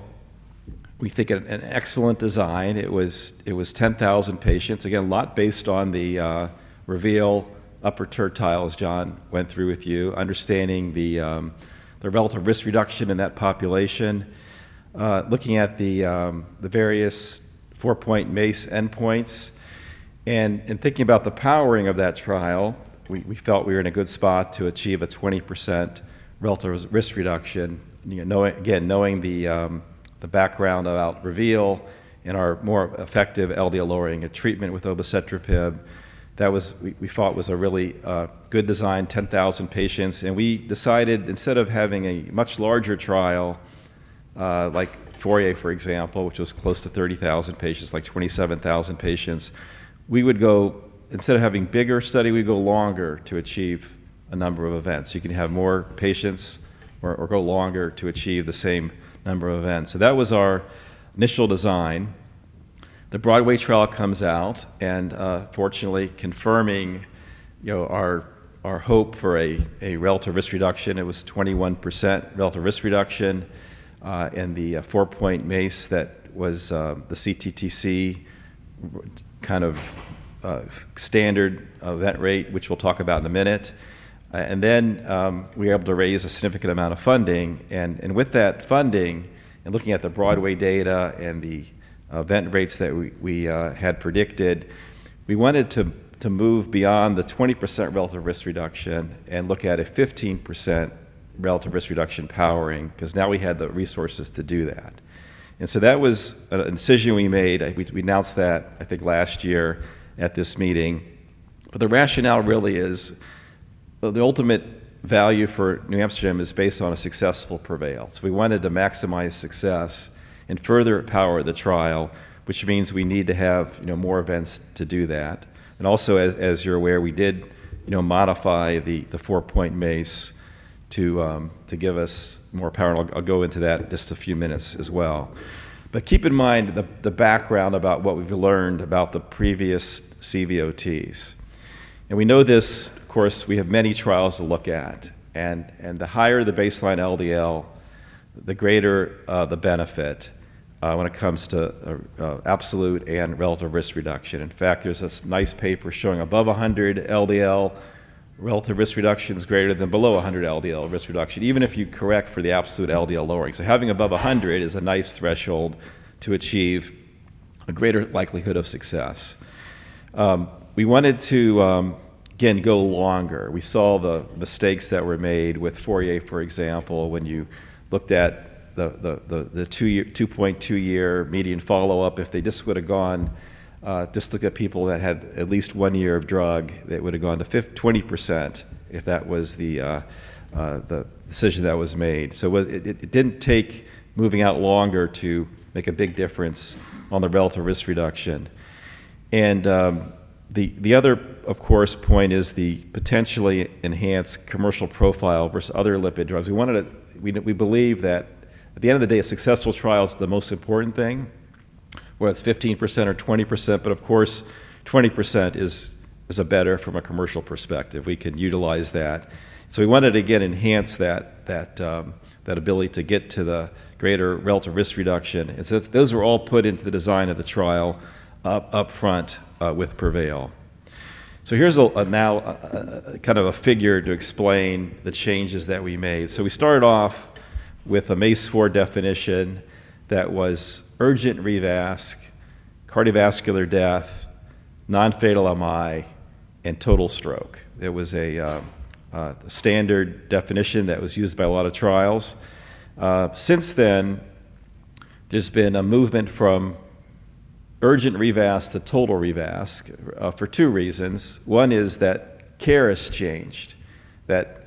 We think an excellent design. It was 10,000 patients. Again, a lot based on the REVEAL upper tertile, as John went through with you, understanding the relative risk reduction in that population, looking at the various four-point MACE endpoints. In thinking about the powering of that trial, we felt we were in a good spot to achieve a 20% relative risk reduction. Again, knowing the background about REVEAL and our more effective LDL-lowering treatment with obicetrapib, we thought was a really good design, 10,000 patients. We decided instead of having a much larger trial, like FOURIER, for example, which was close to 30,000 patients, like 27,000 patients, instead of having bigger study, we go longer to achieve a number of events. You can have more patients or go longer to achieve the same number of events. That was our initial design. The BROADWAY trial comes out, fortunately, confirming our hope for a relative risk reduction. It was 21% relative risk reduction in the four-point MACE that was the CTTC standard event rate, which we'll talk about in a minute. Then we were able to raise a significant amount of funding, and with that funding and looking at the BROADWAY data and the event rates that we had predicted, we wanted to move beyond the 20% relative risk reduction and look at a 15% relative risk reduction powering because now we had the resources to do that. That was a decision we made. We announced that I think last year at this meeting. The rationale really is the ultimate value for NewAmsterdam Pharma Company is based on a successful PREVAIL. We wanted to maximize success and further power the trial, which means we need to have more events to do that. Also, as you're aware, we did modify the four-point MACE to give us more power, and I'll go into that in just a few minutes as well. Keep in mind the background about what we've learned about the previous CVOTs. We know this, of course; we have many trials to look at. The higher the baseline LDL, the greater the benefit when it comes to absolute and relative risk reduction. In fact, there's this nice paper showing above 100 LDL relative risk reduction is greater than below 100 LDL risk reduction, even if you correct for the absolute LDL lowering. Having above 100 is a nice threshold to achieve a greater likelihood of success. We wanted to, again, go longer. We saw the mistakes that were made with FOURIER, for example, when you looked at the 2.2-year median follow-up. Just look at people that had at least one year of drugs; that would have gone to 20% if that was the decision that was made. It didn't take moving out longer to make a big difference in the relative risk reduction. The other, of course, point is the potentially enhanced commercial profile versus other lipid drugs. We believe that at the end of the day, a successful trial is the most important thing, whether it's 15% or 20%, but of course, 20% is better from a commercial perspective. We can utilize that. We wanted to, again, enhance that ability to get to the greater relative risk reduction. Those were all put into the design of the trial up front with PREVAIL. Here's now a figure to explain the changes that we made. We started off with a MACE 4 definition that was urgent revasc, cardiovascular death, non-fatal MI, and total stroke. There was a standard definition that was used by a lot of trials. Since then, there's been a movement from urgent revasc to total revasc for two reasons. One is that care has changed, that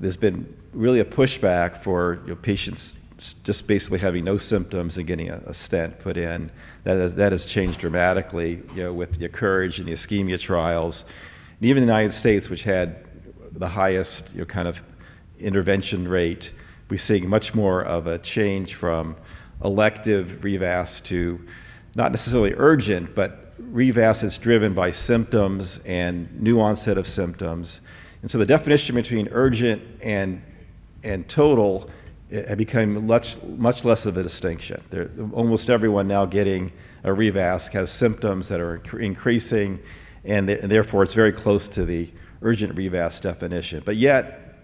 there's been really a pushback for patients just basically having no symptoms and getting a stent put in. That has changed dramatically with the COURAGE and the ISCHEMIA trials. Even the U.S., which had the highest kind of intervention rate, we're seeing much more of a change from elective revasc to not necessarily urgent, but revasc that's driven by symptoms and new onset of symptoms. The definition between urgent and total became much less of a distinction. Almost everyone now getting a revasc has symptoms that are increasing, and therefore, it's very close to the urgent revasc definition.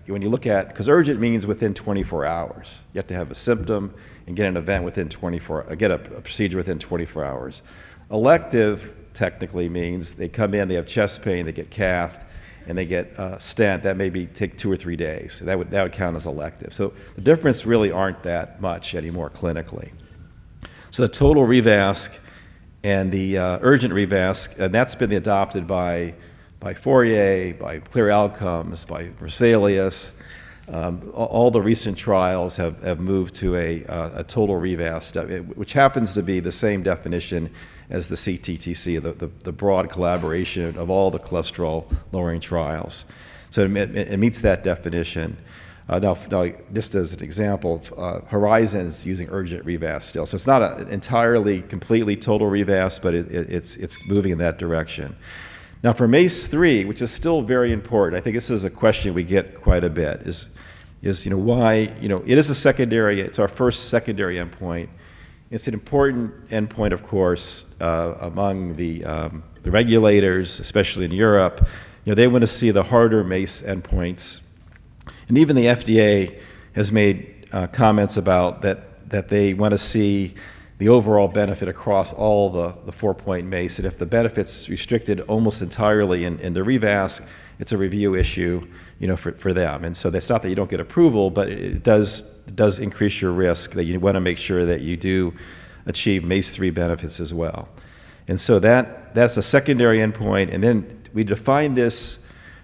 When you look at—because urgent means within 24 hours. You have to have a symptom and get a procedure within 24 hours. Elective technically means they come in, they have chest pain, they get CAFD, and they get a stent that maybe takes two or three days. That would count as elective. The difference really aren't that much anymore clinically. The total revasc and the urgent revasc, and that's been adopted by FOURIER, by CLEAR Outcomes, by VESALIUS. All the recent trials have moved to a total revasc, which happens to be the same definition as the CTTC, the broad collaboration of all the cholesterol-lowering trials. It meets that definition. Just as an example, HORIZON is using urgent revasc still. It's not an entirely, completely total revasc, but it's moving in that direction. For MACE 3, which is still very important, I think this is a question we get quite a bit is why. It is a secondary. It's our first secondary endpoint. It's an important endpoint, of course, among the regulators, especially in Europe. They want to see the harder MACE endpoints. Even the FDA has made comments about that they want to see the overall benefit across all the four-point MACE and if the benefit's restricted almost entirely in the revasc, it's a review issue for them. It's not that you don't get approval, but it does increase your risk that you want to make sure that you do achieve MACE 3 benefits as well. That's a secondary endpoint; then we define this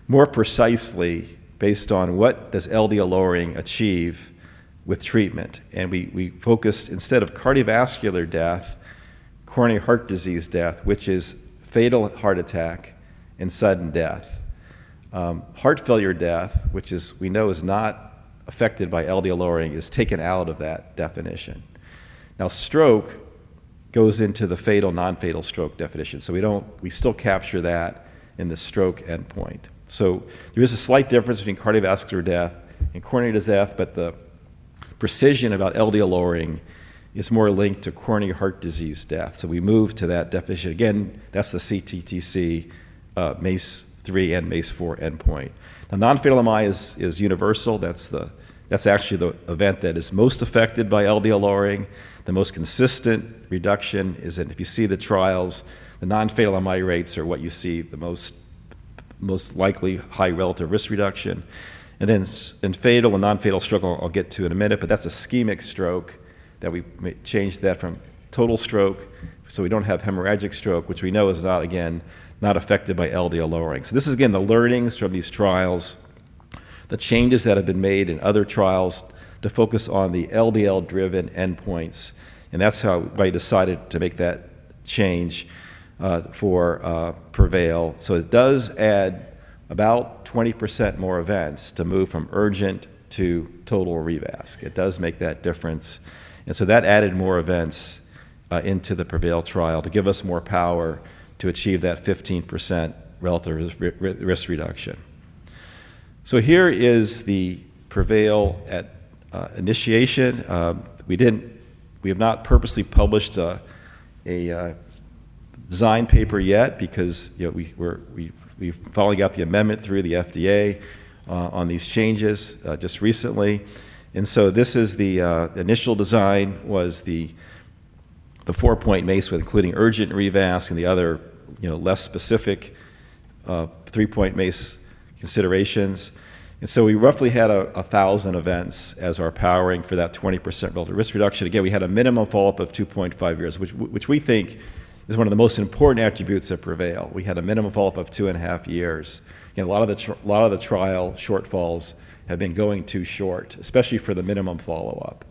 more precisely based on what LDL lowering achieves with treatment. We focused instead on cardiovascular death, coronary heart disease death, which is fatal heart attack and sudden death. Heart failure death, which we know is not affected by LDL lowering, is taken out of that definition. Stroke goes into the fatal, non-fatal stroke definition. We still capture that in the stroke endpoint. There is a slight difference between cardiovascular death and coronary death, but the precision about LDL lowering is more linked to coronary heart disease death. We move to that definition. Again, that's the CTTC MACE 3 and MACE 4 endpoint. Non-fatal MI is universal. That's actually the event that is most affected by LDL lowering. The most consistent reduction is if you see the trials, the non-fatal MI rates are what you see the most likely high relative risk reduction. Then fatal and non-fatal stroke, I'll get to in a minute, but that's ischemic stroke that we changed that from total stroke, so we don't have hemorrhagic stroke, which we know is, again, not affected by LDL lowering. This is, again, the learnings from these trials, the changes that have been made in other trials to focus on the LDL-driven endpoints, and that's why I decided to make that change for PREVAIL. It does add about 20% more events to move from urgent to total revasc. It does make that difference. That added more events into the PREVAIL trial to give us more power to achieve that 15% relative risk reduction. Here is the PREVAIL at initiation. We have not purposely published a design paper yet because we're following up the amendment through the FDA on these changes just recently. This is the initial design, the four-point MACE, including the urgent revasc and the other less specific three-point MACE considerations. We roughly had 1,000 events as our powering for that 20% relative risk reduction. Again, we had a minimum follow-up of two and a half years, which we think is one of the most important attributes of PREVAIL. We had a minimum follow-up of two and a half years. A lot of the trial shortfalls have been going too short, especially for the minimum follow-up.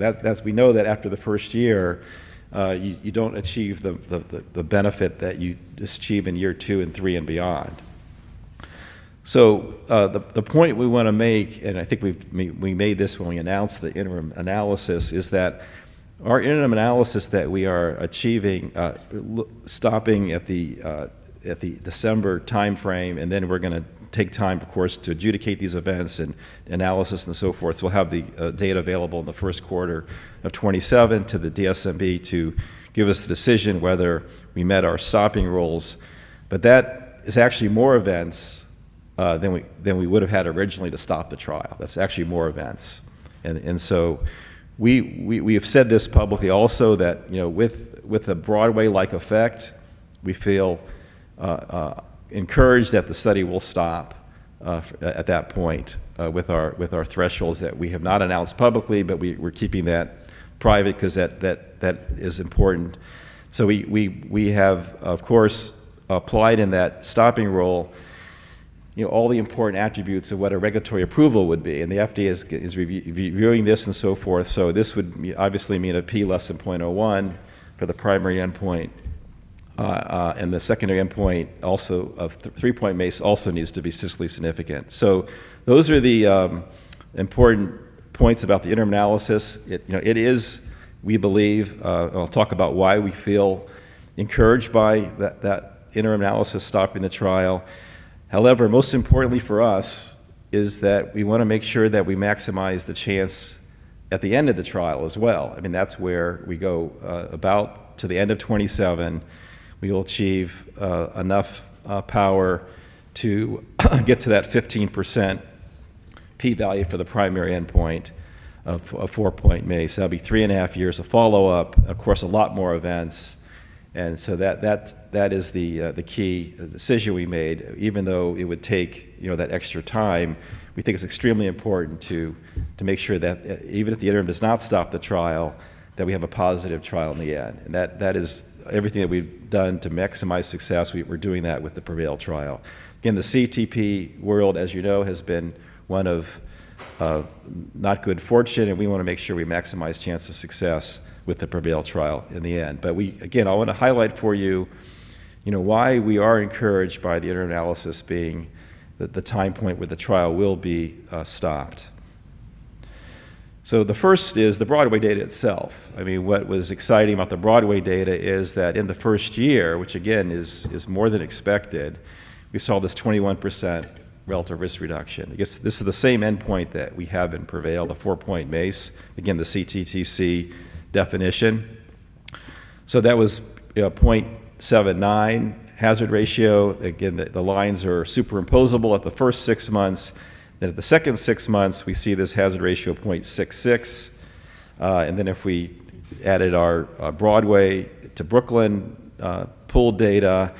As we know, after the first year, you don't achieve the benefit that you achieve in years two and three and beyond. The point we want to make, and I think we made this when we announced the interim analysis, is that our interim analysis that we are achieving, stopping at the December timeframe, and then we're going to take time, of course, to adjudicate these events and analysis and so forth. We'll have the data available in the first quarter of 2027 to the DSMB to give us the decision whether we met our stopping rules. That is actually more events than we would have had originally to stop the trial. That's actually more events. We have said this publicly also that with a BROADWAY-like effect, we feel encouraged that the study will stop at that point, with our thresholds that we have not announced publicly, but we're keeping that private because that is important. We have, of course, applied in that stopping role all the important attributes of what a regulatory approval would be. The FDA is reviewing this and so forth. This would obviously mean a P less than 0.01 for the primary endpoint. The secondary endpoint also of three-point MACE also needs to be statistically significant. Those are the important points about the interim analysis. It is; we believe I'll talk about why we feel encouraged by that interim analysis stopping the trial. Most importantly for us is that we want to make sure that we maximize the chance at the end of the trial as well. That's where we go about to the end of 2027. We will achieve enough power to get to that 15% P value for the primary endpoint of four-point MACE. That'll be three and a half years of follow-up, of course, and a lot more events. That is the key decision we made, even though it would take that extra time. We think it's extremely important to make sure that even if the interim does not stop the trial, that we have a positive trial in the end. That is everything that we've done to maximize success. We're doing that with the PREVAIL trial. Again, the CETP world, as you know, has been one of not good fortune, and we want to make sure we maximize chance of success with the PREVAIL trial in the end. Again, I want to highlight for you why we are encouraged by the interim analysis, being that it is the time point where the trial will be stopped. The first is the BROADWAY data itself. What was exciting about the BROADWAY data is that in the first year, which again is more than expected, we saw this 21% relative risk reduction. I guess this is the same endpoint that we have in PREVAIL, the four-point MACE. Again, the CTTC definition. That was 0.79 hazard ratio. Again, the lines are superimposable at the first six months. At the second six months, we see this hazard ratio of 0.66. If we added our BROADWAY to BROOKLYN pooled data,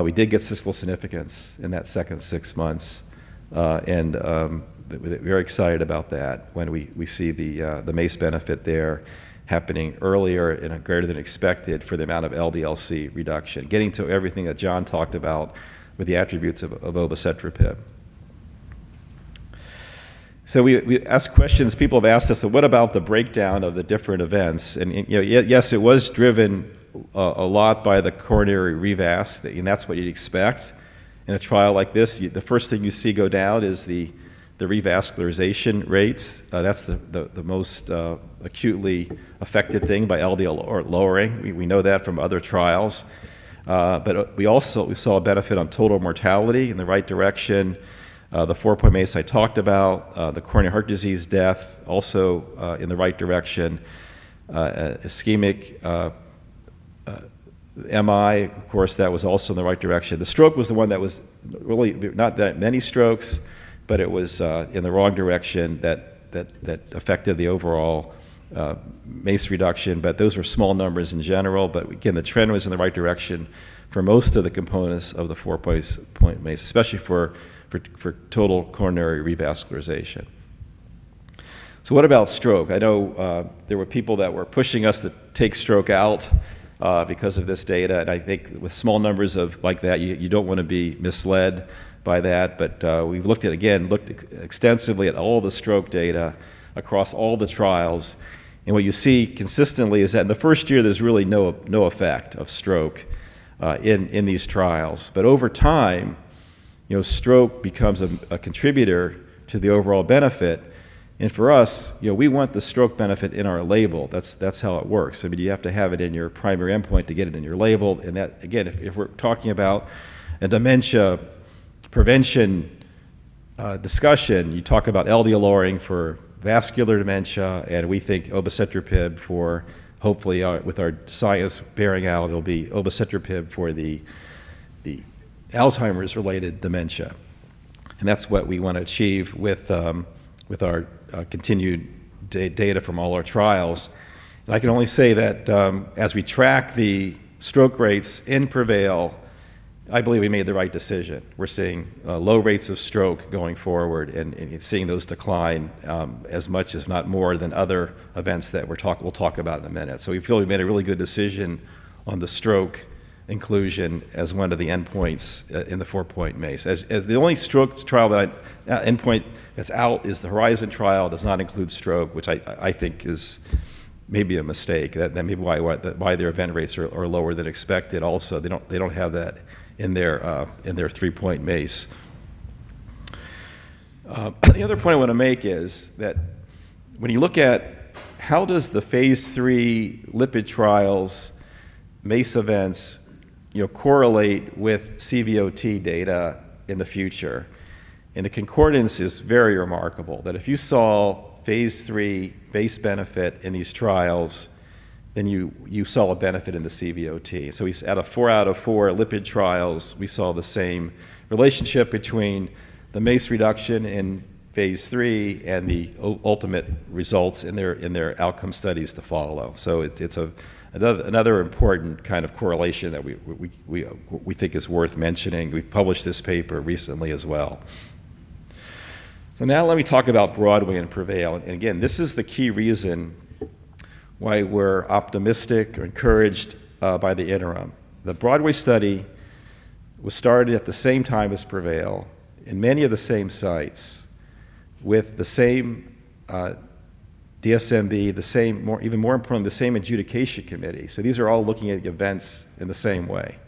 we did get statistical significance in that second six months. We're very excited about that when we see the MACE benefit there happening earlier and greater than expected for the amount of LDL-C reduction. Getting to everything that John talked about with the attributes of obicetrapib. We ask questions. People have asked us, What about the breakdown of the different events? Yes, it was driven a lot by the coronary revasc, and that's what you'd expect. In a trial like this, the first thing you see go down is the revascularization rates. That's the most acutely affected thing by LDL lowering. We know that from other trials. We also saw a benefit on total mortality in the right direction. The four-point MACE I talked about. The coronary heart disease death was also in the right direction. Ischemic MI, of course, was also in the right direction. The stroke was the one that was really not that many strokes, but it was in the wrong direction that affected the overall MACE reduction. Those were small numbers in general. Again, the trend was in the right direction for most of the components of the four-point MACE, especially for total coronary revascularization. What about stroke? I know there were people that were pushing us to take stroke out because of this data. I think with small numbers like that, you don't want to be misled by that. We've looked again extensively at all the stroke data across all the trials. What you see consistently is that in the first year, there's really no effect of stroke in these trials. Over time, stroke becomes a contributor to the overall benefit. For us, we want the stroke benefit in our label. That's how it works. You have to have it in your primary endpoint to get it in your label. That, again, if we're talking about a dementia prevention discussion, you talk about LDL lowering for vascular dementia. We think obicetrapib for hopefully, with our science bearing out, it'll be obicetrapib for the Alzheimer's-related dementia. That's what we want to achieve with our continued data from all our trials. I can only say that as we track the stroke rates in PREVAIL, I believe we made the right decision. We're seeing low rates of stroke going forward and seeing those decline as much, if not more, than other events that we'll talk about in a minute. We feel we've made a really good decision on the stroke inclusion as one of the endpoints in the four-point MACE. The only stroke trial endpoint that's out is the HORIZON trial, which does not include stroke, which I think is maybe a mistake. That may be why their event rates are lower than expected also. They don't have that in their three-point MACE. The other point I want to make is that when you look at how the phase III lipid trials' MACE events correlate with CVOT data in the future. The concordance is very remarkable. If you saw phase III MACE benefit in these trials, you saw a benefit in the CVOT. At four out of four lipid trials, we saw the same relationship between the MACE reduction in phase III and the ultimate results in their outcome studies to follow. It's another important kind of correlation that we think is worth mentioning. We published this paper recently as well. Now let me talk about BROADWAY and PREVAIL. Again, this is the key reason why we're optimistic or encouraged by the interim. The BROADWAY study was started at the same time as PREVAIL in many of the same sites with the same DSMB, even more important, the same adjudication committee. These are all looking at events in the same way.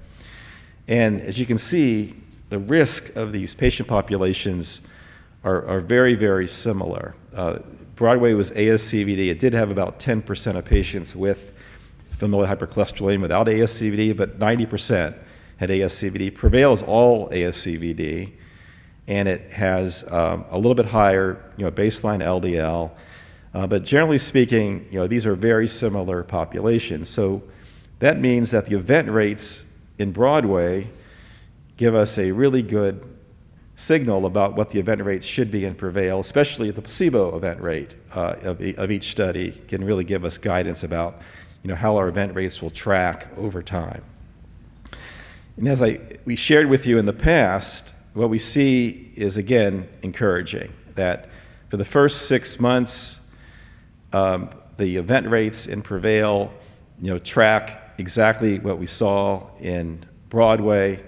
As you can see, the risks of these patient populations are very similar. BROADWAY was ASCVD. It did have about 10% of patients with familial hypercholesterolemia without ASCVD, but 90% had ASCVD. PREVAIL is all ASCVD, and it has a little bit higher baseline LDL. Generally speaking, these are very similar populations. That means that the event rates in BROADWAY give us a really good signal about what the event rates should be in PREVAIL, especially at the placebo event rate of each study, can really give us guidance about how our event rates will track over time. As we shared with you in the past, what we see is, again, encouraging, that for the first six months, the event rates in PREVAIL track exactly what we saw in BROADWAY,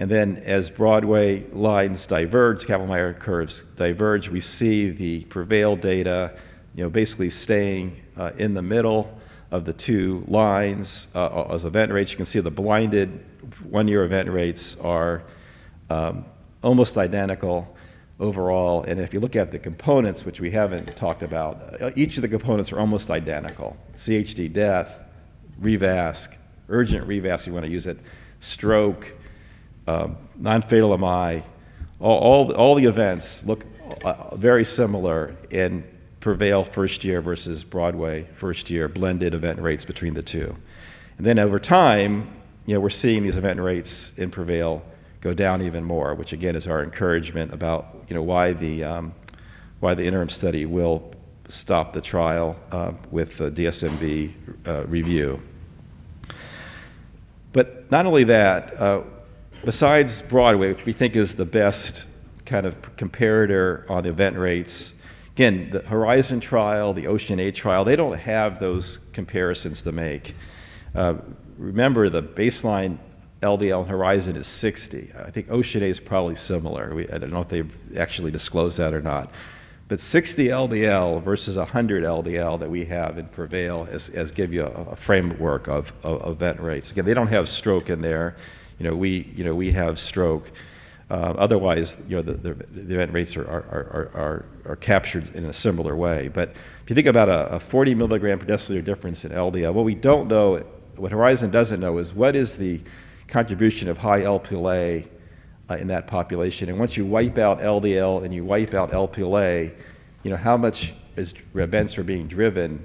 and then as BROADWAY lines diverge, Kaplan-Meier curves diverge, we see the PREVAIL data basically staying in the middle of the two lines as event rates. You can see the blinded one-year event rates are almost identical overall. If you look at the components, which we haven't talked about, each of the components are almost identical. CHD, death, urgent revasc, you want to use it, stroke, non-fatal MI, all the events look very similar in PREVAIL first year versus BROADWAY first year, blended event rates between the two. Over time, we're seeing these event rates in PREVAIL go down even more, which again is our encouragement about why the interim study will stop the trial with DSMB review. Not only that, besides BROADWAY, which we think is the best kind of comparator on event rates, again, the HORIZON trial and the OCEANA trial don't have those comparisons to make. Remember, the baseline LDL in HORIZON is 60. I think OCEANA is probably similar. I don't know if they've actually disclosed that or not. 60 LDL versus 100 LDL that we have in PREVAIL gives you a framework of event rates. Again, they don't have a stroke in there. We have a stroke. Otherwise, the event rates are captured in a similar way. If you think about a 40 milligram per deciliter difference in LDL, what HORIZON doesn't know is what is the contribution of high Lp(a) in that population? Once you wipe out LDL and you wipe out Lp(a), how much events are being driven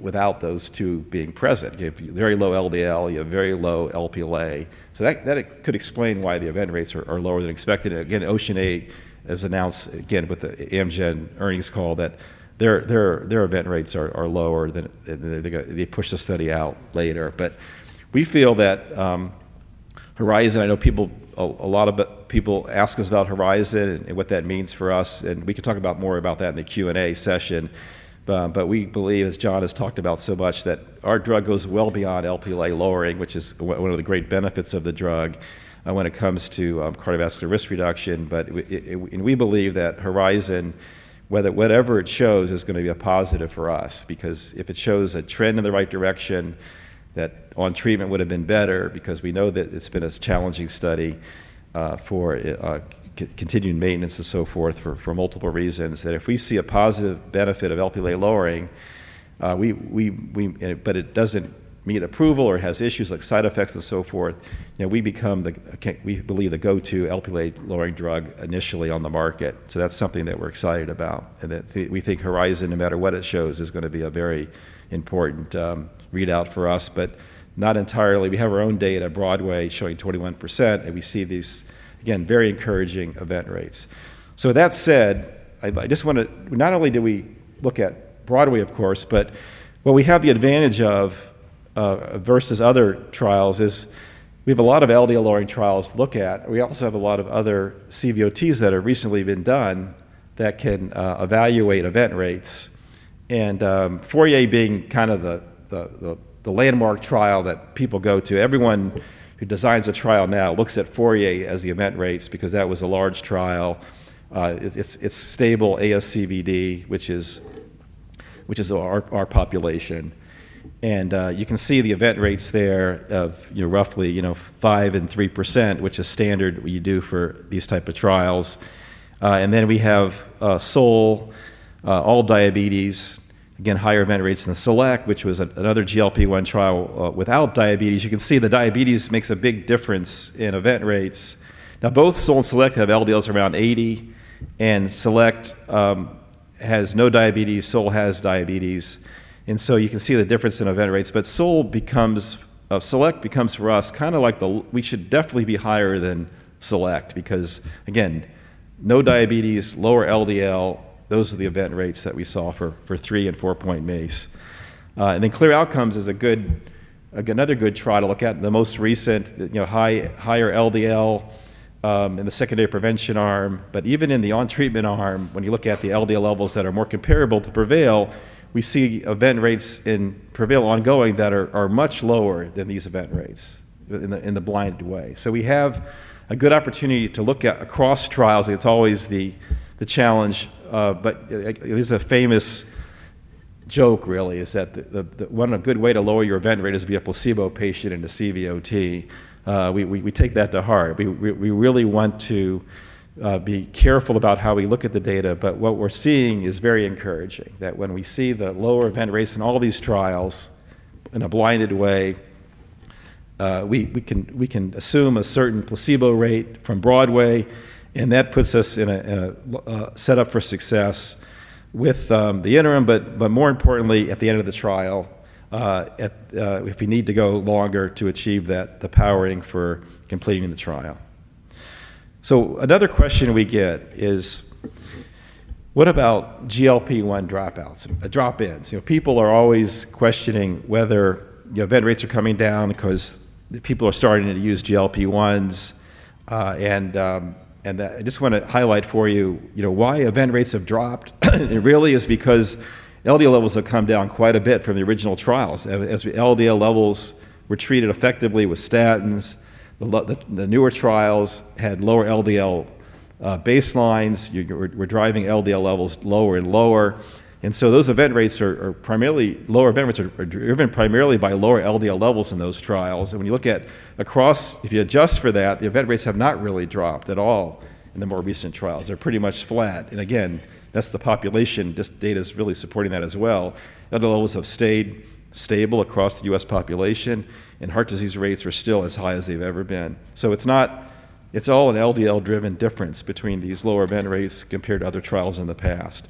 without those two being present? If very low LDL, you have very low Lp(a). That could explain why the event rates are lower than expected. Again, OCEANA has announced again with the Amgen earnings call that their event rates are lower than. They pushed the study out later. We feel that HORIZON, I know a lot about people ask us about HORIZON and what that means for us, and we can talk about more about that in the Q&A session. We believe, as John has talked about so much, that our drug goes well beyond Lp(a) lowering, which is one of the great benefits of the drug when it comes to cardiovascular risk reduction. We believe that HORIZON, whatever it shows, is going to be a positive for us because if it shows a trend in the right direction, that on-treatment would have been better because we know that it's been a challenging study for continued maintenance and so forth for multiple reasons. That if we see a positive benefit of Lp(a) lowering, but it doesn't meet approval or has issues like side effects and so forth, we believe the go-to Lp(a) lowering drug initially on the market. That's something that we're excited about, and that we think HORIZON, no matter what it shows, is going to be a very important readout for us, but not entirely. We have our own data, BROADWAY, showing 21%, and we see these, again, very encouraging event rates. With that said, not only do we look at BROADWAY, of course, but what we have the advantage of versus other trials is we have a lot of LDL-lowering trials to look at. We also have a lot of other CVOTs that have recently been done that can evaluate event rates, and FOURIER being the landmark trial that people go to. Everyone who designs a trial now looks at FOURIER as the event rates because that was a large trial. It's stable ASCVD, which is our population. And you can see the event rates there are roughly 5% and 3%, which is standard you do for these type two trials. Then we have SOUL, all diabetes, again, with higher event rates than SELECT, which was another GLP-1 trial without diabetes. You can see the diabetes makes a big difference in event rates. Now, both SOUL and SELECT have LDLs around 80, and SELECT has no diabetes, SOUL has diabetes, and so you can see the difference in event rates. SELECT becomes for us like the. We should definitely be higher than SELECT because, again, no diabetes and lower LDL—those are the event rates that we saw for three- and four-point MACE. Then CLEAR Outcomes is another good trial to look at. The most recent, higher LDL in the secondary prevention arm. But even in the on-treatment arm, when you look at the LDL levels that are more comparable to PREVAIL, we see event rates in PREVAIL ongoing that are much lower than these event rates in the blinded way. So we have a good opportunity to look across trials. It's always the challenge. There's a famous joke, really, is that a good way to lower your event rate is to be a placebo patient in the CVOT. We take that to heart. We really want to be careful about how we look at the data, but what we're seeing is very encouraging. That when we see the lower event rates in all of these trials in a blinded way, we can assume a certain placebo rate from BROADWAY, and that puts us in a setup for success with the interim, but more importantly, at the end of the trial, if we need to go longer to achieve the powering for completing the trial. Another question we get is, What about GLP-1 drop-ins? People are always questioning whether event rates are coming down because people are starting to use GLP-1s. I just want to highlight for you why event rates have dropped really is because LDL levels have come down quite a bit from the original trials. As LDL levels were treated effectively with statins, the newer trials had lower LDL baselines. We're driving LDL levels lower and lower. Those lower event rates are driven primarily by lower LDL levels in those trials. When you look across, if you adjust for that, the event rates have not really dropped at all in the more recent trials. They're pretty much flat. Again, that's the population. This data's really supporting that as well. LDL levels have stayed stable across the U.S. population, and heart disease rates are still as high as they've ever been. It's all an LDL-driven difference between these lower event rates compared to other trials in the past.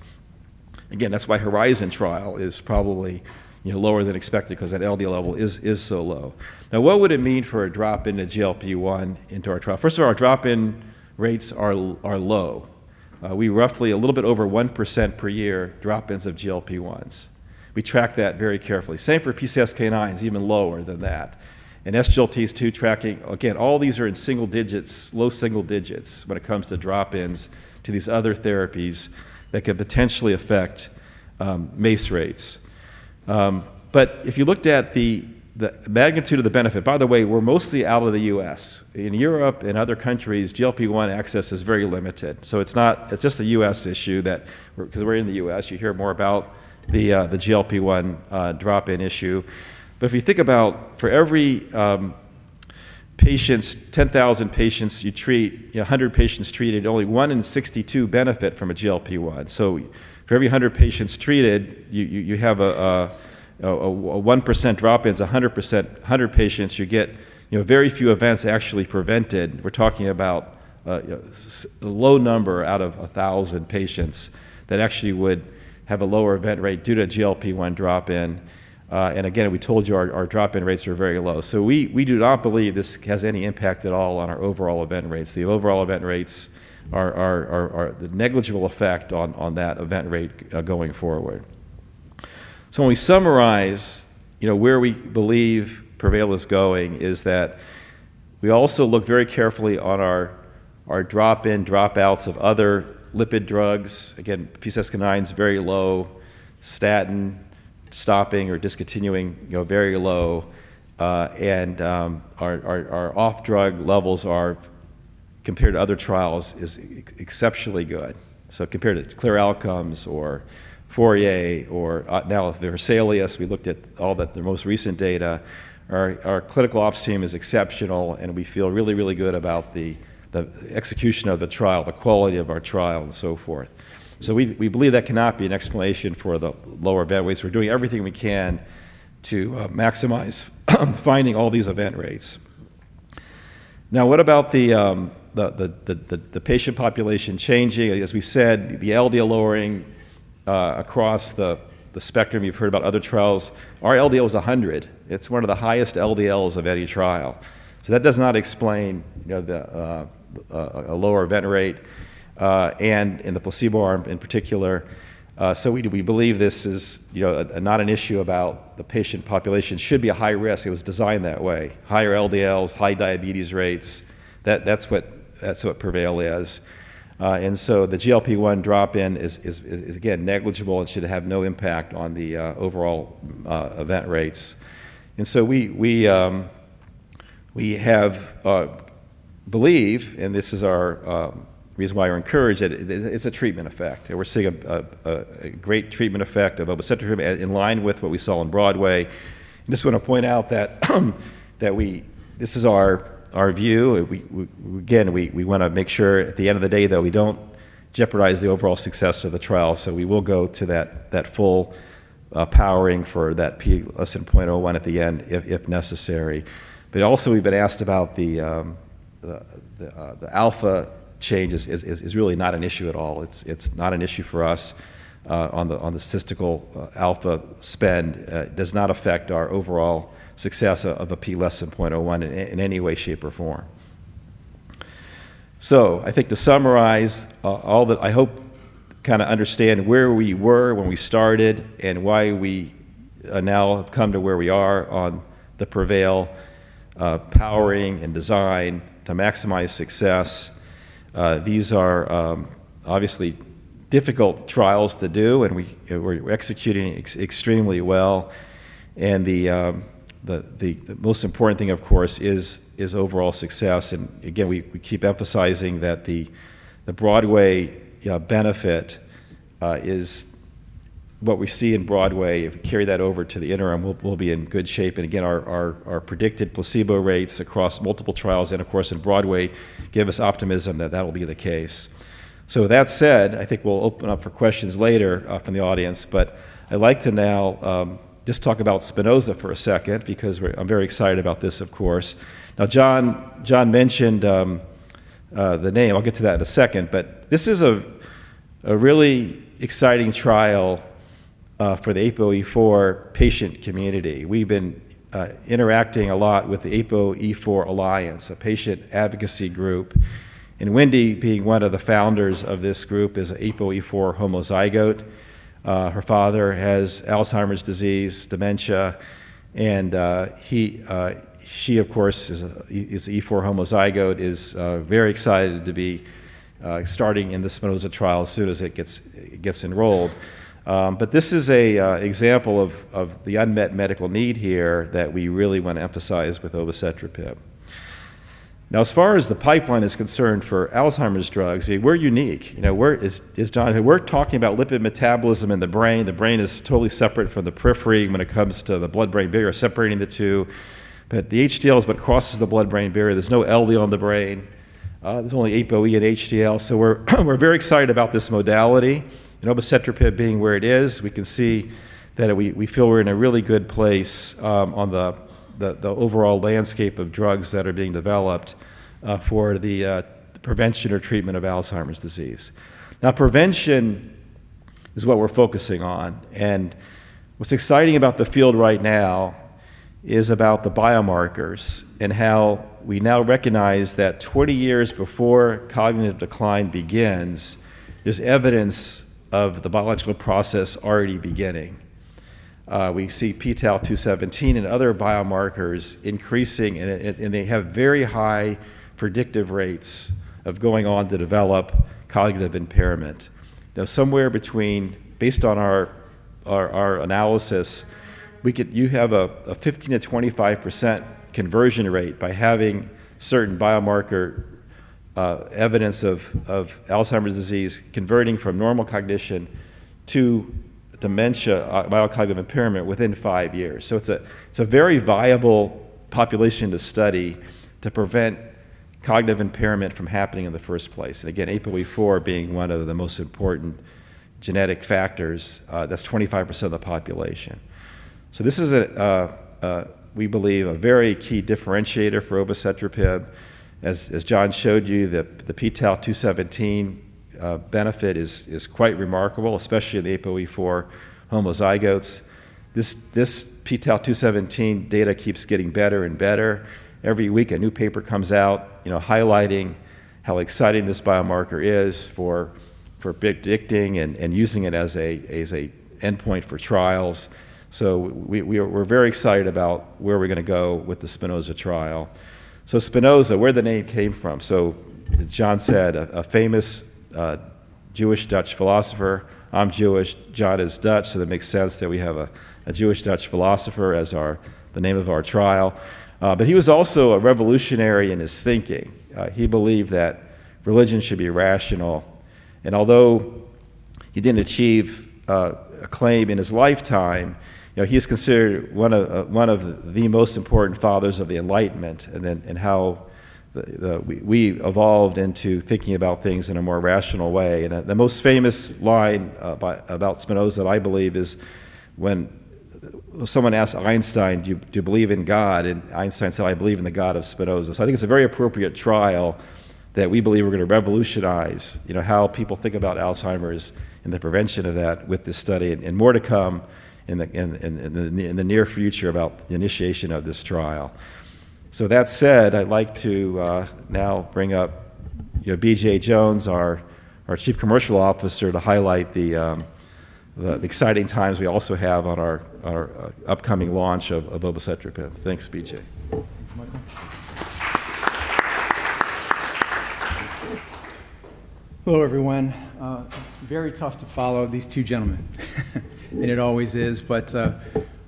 That's why the HORIZON trial is probably lower than expected because that LDL level is so low. What would it mean for a drop in a GLP-1 into our trial? First of all, our drop-in rates are low. We are roughly a little bit over 1% per year in drop-ins of GLP-1s. We track that very carefully. The same for PCSK9; it's even lower than that. SGLT2 tracking: all these are in single-digits, low single-digits when it comes to drop-ins to these other therapies that could potentially affect MACE rates. If you looked at the magnitude of the benefit. By the way, we're mostly out of the U.S. In Europe and other countries, GLP-1 access is very limited. It's just the U.S. issue that because we're in the U.S., you hear more about the GLP-1 drop-in issue. If you think about it, for every 10,000 patients you treat, 100 patients are treated, and only one in 62 benefit from a GLP-1. For every 100 patients treated, you have a 1% drop-ins. For 100 patients, you get very few events actually prevented. We're talking about a low number out of 1,000 patients that actually would have a lower event rate due to GLP-1 drop-in. We told you our drop-in rates are very low. We do not believe this has any impact at all on our overall event rates. The overall event rates are the negligible effect on that event rate going forward. When we summarize where we believe PREVAIL is going, we also look very carefully at our drop-ins and drop-outs of other lipid drugs. PCSK9 is very low, statin stopping or discontinuing, very low, our off-drug levels are, compared to other trials, exceptionally good. Compared to CLEAR Outcomes or FOURIER or now with VESALIUS, we looked at all the most recent data. Our clinical ops team is exceptional; we feel really, really good about the execution of the trial, the quality of our trial, and so forth. We believe that cannot be an explanation for the lower event rates. We're doing everything we can to maximize finding all these event rates. What about the patient population changing? As we said, the LDL lowering across the spectrum. You've heard about other trials. Our LDL is 100. It's one of the highest LDLs of any trial. That does not explain a lower event rate in the placebo arm in particular. We believe this is not an issue about the patient population. Should be a high risk. It was designed that way. Higher LDLs and high diabetes rates—that's what PREVAIL is. The GLP-1 drop-in is, again, negligible and should have no impact on the overall event rates. We believe, and this is our reason why we're encouraged, that it's a treatment effect. We're seeing a great treatment effect of obicetrapib in line with what we saw on BROADWAY. I just want to point out that this is our view. We want to make sure at the end of the day that we don't jeopardize the overall success of the trial. We will go to that full powering for that P less than 0.01 at the end if necessary. Also, we've been asked about the alpha changes. It's really not an issue at all. It's not an issue for us on the statistical alpha spend. Does not affect our overall success of a P less than 0.01 in any way, shape, or form. I think to summarize all that, I hope you kind of understand where we were when we started and why we now have come to where we are on the PREVAIL powering and design to maximize success. These are obviously difficult trials to do, and we're executing extremely well. The most important thing, of course, is overall success. Again, we keep emphasizing that the BROADWAY benefit is what we see in BROADWAY. If we carry that over to the interim, we'll be in good shape. Again, our predicted placebo rates across multiple trials and, of course, in BROADWAY give us optimism that that'll be the case. With that said, I think we'll open up for questions later from the audience. I'd like to now just talk about SPINOZA for a second because I'm very excited about this, of course. John mentioned the name. I'll get to that in a second. This is a really exciting trial for the APOE4 patient community. We've been interacting a lot with the APOE4 Alliance, a patient advocacy group. Wendy, being one of the founders of this group, is an APOE4 homozygote. Her father has Alzheimer's disease, dementia, and she, of course, is E4 homozygote, is very excited to be starting in the SPINOZA trial as soon as it gets enrolled. This is an example of the unmet medical need here that we really want to emphasize with obicetrapib. As far as the pipeline is concerned for Alzheimer's drugs, we're unique. As John said, we're talking about lipid metabolism in the brain. The brain is totally separate from the periphery when it comes to the blood-brain barrier, separating the two. The HDL is what crosses the blood-brain barrier. There's no LDL in the brain. There's only APOE and HDL. We're very excited about this modality and obicetrapib being where it is. We can see that we feel we're in a really good place on the overall landscape of drugs that are being developed for the prevention or treatment of Alzheimer's disease. Prevention is what we're focusing on. What's exciting about the field right now is about the biomarkers and how we now recognize that 20 years before cognitive decline begins, there's evidence of the biological process already beginning. We see p-tau217 and other biomarkers increasing; they have very high predictive rates of going on to develop cognitive impairment. Now, somewhere between, based on our analysis, you have a 15%-25% conversion rate by having certain biomarker evidence of Alzheimer's disease converting from normal cognition to dementia, mild cognitive impairment, within five years. It's a very viable population to study to prevent cognitive impairment from happening in the first place. Again, APOE4 being one of the most important genetic factors, that's 25% of the population. This is, we believe, a very key differentiator for obicetrapib. As John showed you, the p-tau217 benefit is quite remarkable, especially in the APOE4 homozygotes. This p-tau217 data keeps getting better and better. Every week, a new paper comes out highlighting how exciting this biomarker is for predicting and using it as an endpoint for trials. We're very excited about where we're going to go with the SPINOZA trial. SPINOZA, where the name came from. John said, a famous Jewish Dutch philosopher. I'm Jewish, and John is Dutch, so it makes sense that we have a Jewish Dutch philosopher as the name of our trial. He was also a revolutionary in his thinking. He believed that religion should be rational, and although he didn't achieve acclaim in his lifetime, he is considered one of the most important fathers of the Enlightenment and in how we evolved into thinking about things in a more rational way. The most famous line about SPINOZA, I believe, is when someone asked Einstein, Do you believe in God? Einstein said, I believe in the God of SPINOZA. I think it's a very appropriate trial that we believe we're going to revolutionize how people think about Alzheimer's and the prevention of that with this study, and more to come in the near future about the initiation of this trial. That said, I'd like to now bring up BJ Jones, our Chief Commercial Officer, to highlight the exciting times we also have on our upcoming launch of obicetrapib. Thanks, BJ. Thank you, Michael. Hello, everyone. Very tough to follow these two gentlemen. It always is, but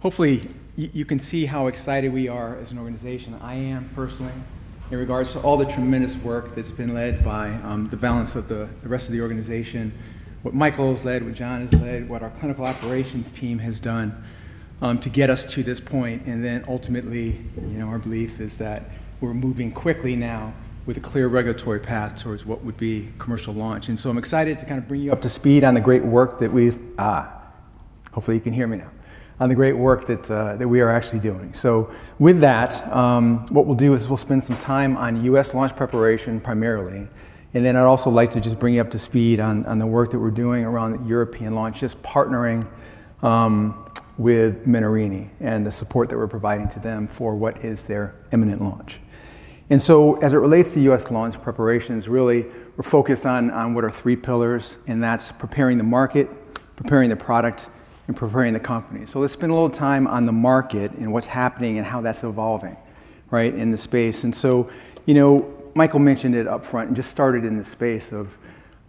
hopefully you can see how excited we are as an organization. I am personally, in regards to all the tremendous work that's been led by the balance of the rest of the organization, what Michael has led, what John has led, what our clinical operations team has done to get us to this point. Ultimately, our belief is that we're moving quickly now with a clear regulatory path towards what would be a commercial launch. I'm excited to bring you up to speed on the great work that we are actually doing. Hopefully you can hear me now. With that, what we'll do is we'll spend some time on the U.S. I'd also like to just bring you up to speed on the work that we're doing around the European launch, just partnering with Menarini and the support that we're providing to them for what is their imminent launch. As it relates to U.S. launch preparations, really we're focused on what are three pillars, and that's preparing the market, preparing the product, and preparing the company. Let's spend a little time on the market and what's happening and how that's evolving in the space. Michael mentioned it up front, and just started in the space of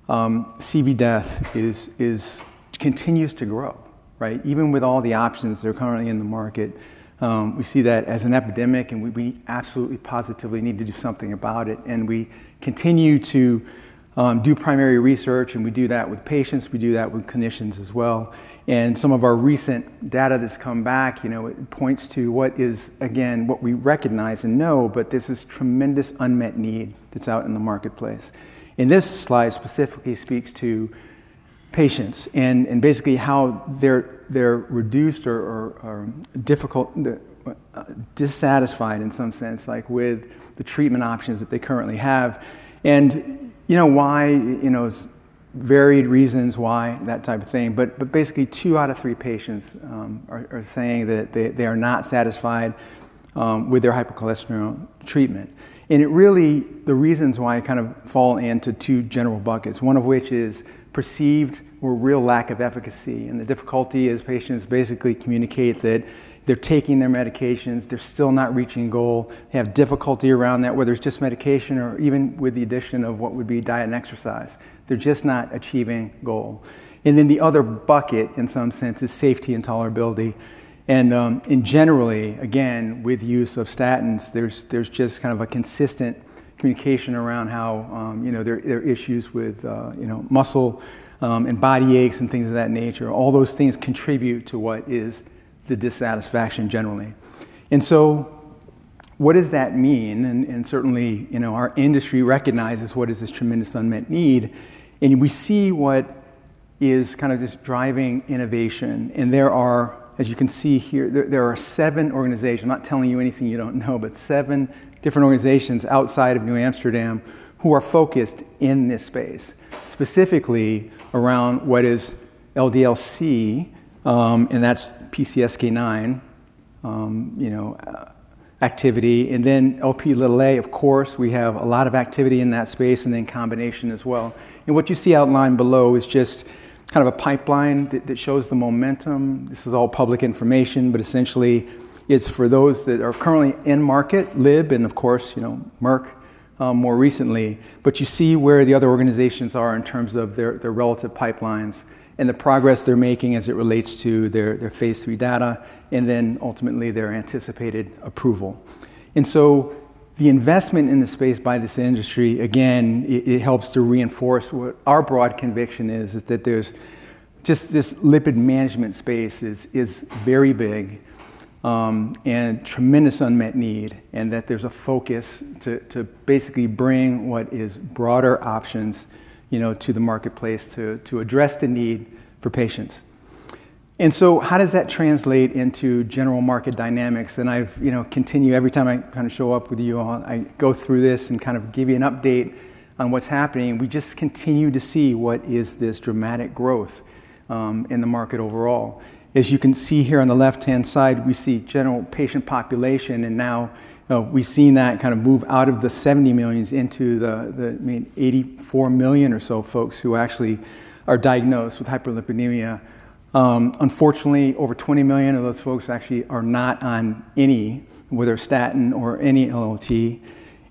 CV death continues to grow. Even with all the options that are currently in the market, we see that as an epidemic, and we absolutely, positively need to do something about it. We continue to do primary research, and we do that with patients; we do that with clinicians as well. Some of our recent data that's come back points to what is, again, what we recognize and know, but this is a tremendous unmet need that's out in the marketplace. This slide specifically speaks to patients and basically how they're reduced or difficult, dissatisfied in some sense with the treatment options that they currently have. Why? it's varied reasons why that type of thing. Basically, two out of three patients are saying that they are not satisfied with their hypercholesterolemia treatment. Really, the reasons why kind of fall into two general buckets, one of which is perceived or real lack of efficacy. The difficulty is patients basically communicate that they're taking their medications, they're still not reaching goal, have difficulty around that, whether it's just medication or even with the addition of what would be diet and exercise. They're just not achieving goal. The other bucket, in some sense, is safety and tolerability. Generally, again, with the use of statins, there's just kind of a consistent communication around how there are issues with muscle and body aches and things of that nature. All those things contribute to what is the dissatisfaction generally. What does that mean? Certainly, our industry recognizes what this is—a tremendous unmet need—and we see what is this driving innovation. There are, as you can see here, there are seven organizations, I'm not telling you anything you don't know, but seven different organizations outside of NewAmsterdam who are focused in this space, specifically around what is LDLC, and that's PCSK9 activity. Lp(a), of course. We have a lot of activity in that space, and in combination as well. What you see outlined below is just kind of a pipeline that shows the momentum. This is all public information, but essentially it's for those that are currently in the market, Lib, and of course, Merck more recently. You see where the other organizations are in terms of their relative pipelines and the progress they're making as it relates to their phase II data and then ultimately their anticipated approval. The investment in the space by this industry, again, it helps to reinforce what our broad conviction is that just this lipid management space is very big and tremendous unmet need, and that there's a focus to basically bring what is broader options to the marketplace to address the need for patients. How does that translate into general market dynamics? I continue every time I kind of show up with you all, I go through this and kind of give you an update on what's happening, and we just continue to see what is this dramatic growth in the market overall. As you can see here on the left-hand side, we see general patient population, now we've seen that kind of move out of the 70 million into the 84 million or so folks who actually are diagnosed with hyperlipidemia. Unfortunately, over 20 million of those folks actually are not on any, whether statin or any LLT.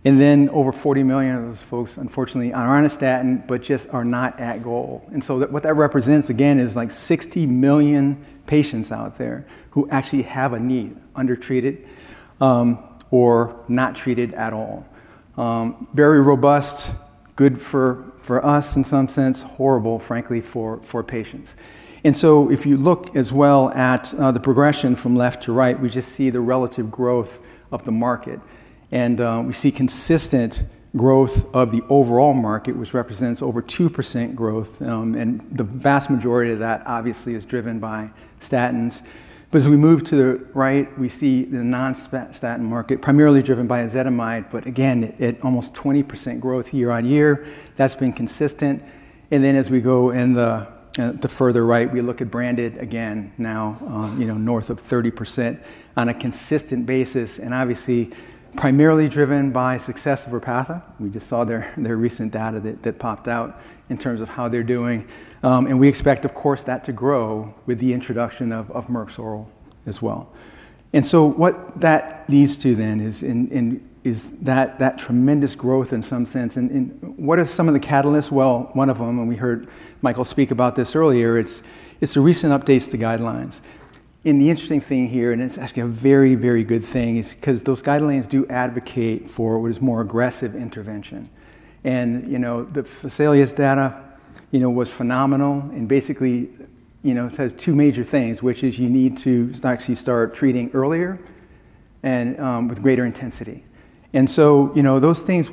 Over 40 million of those folks, unfortunately, are on a statin but just are not at goal. What that represents again is like 60 million patients out there who actually have a need, undertreated or not treated at all. Very robust, good for us in some sense, horrible, frankly, for patients. If you look as well at the progression from left to right, we just see the relative growth of the market. We see consistent growth of the overall market, which represents over 2% growth, and the vast majority of that obviously is driven by statins. As we move to the right, we see the non-statin market primarily driven by ezetimibe, but again, at almost 20% growth year-on-year, that's been consistent. As we go in the further right, we look at branded again now north of 30% on a consistent basis and obviously primarily driven by success of REPATHA. We just saw their recent data that popped out in terms of how they're doing. We expect, of course, to grow with the introduction of Merck's oral as well. What that leads to then is that tremendous growth in some sense, and what are some of the catalysts? Well, one of them, and we heard Michael speak about this earlier, is the recent update to guidelines. The interesting thing here, and it's actually a very good thing, is because those guidelines do advocate for what is more aggressive intervention. The FACILITATE data was phenomenal and basically says two major things, which are that you need to actually start treating earlier and with greater intensity. Those things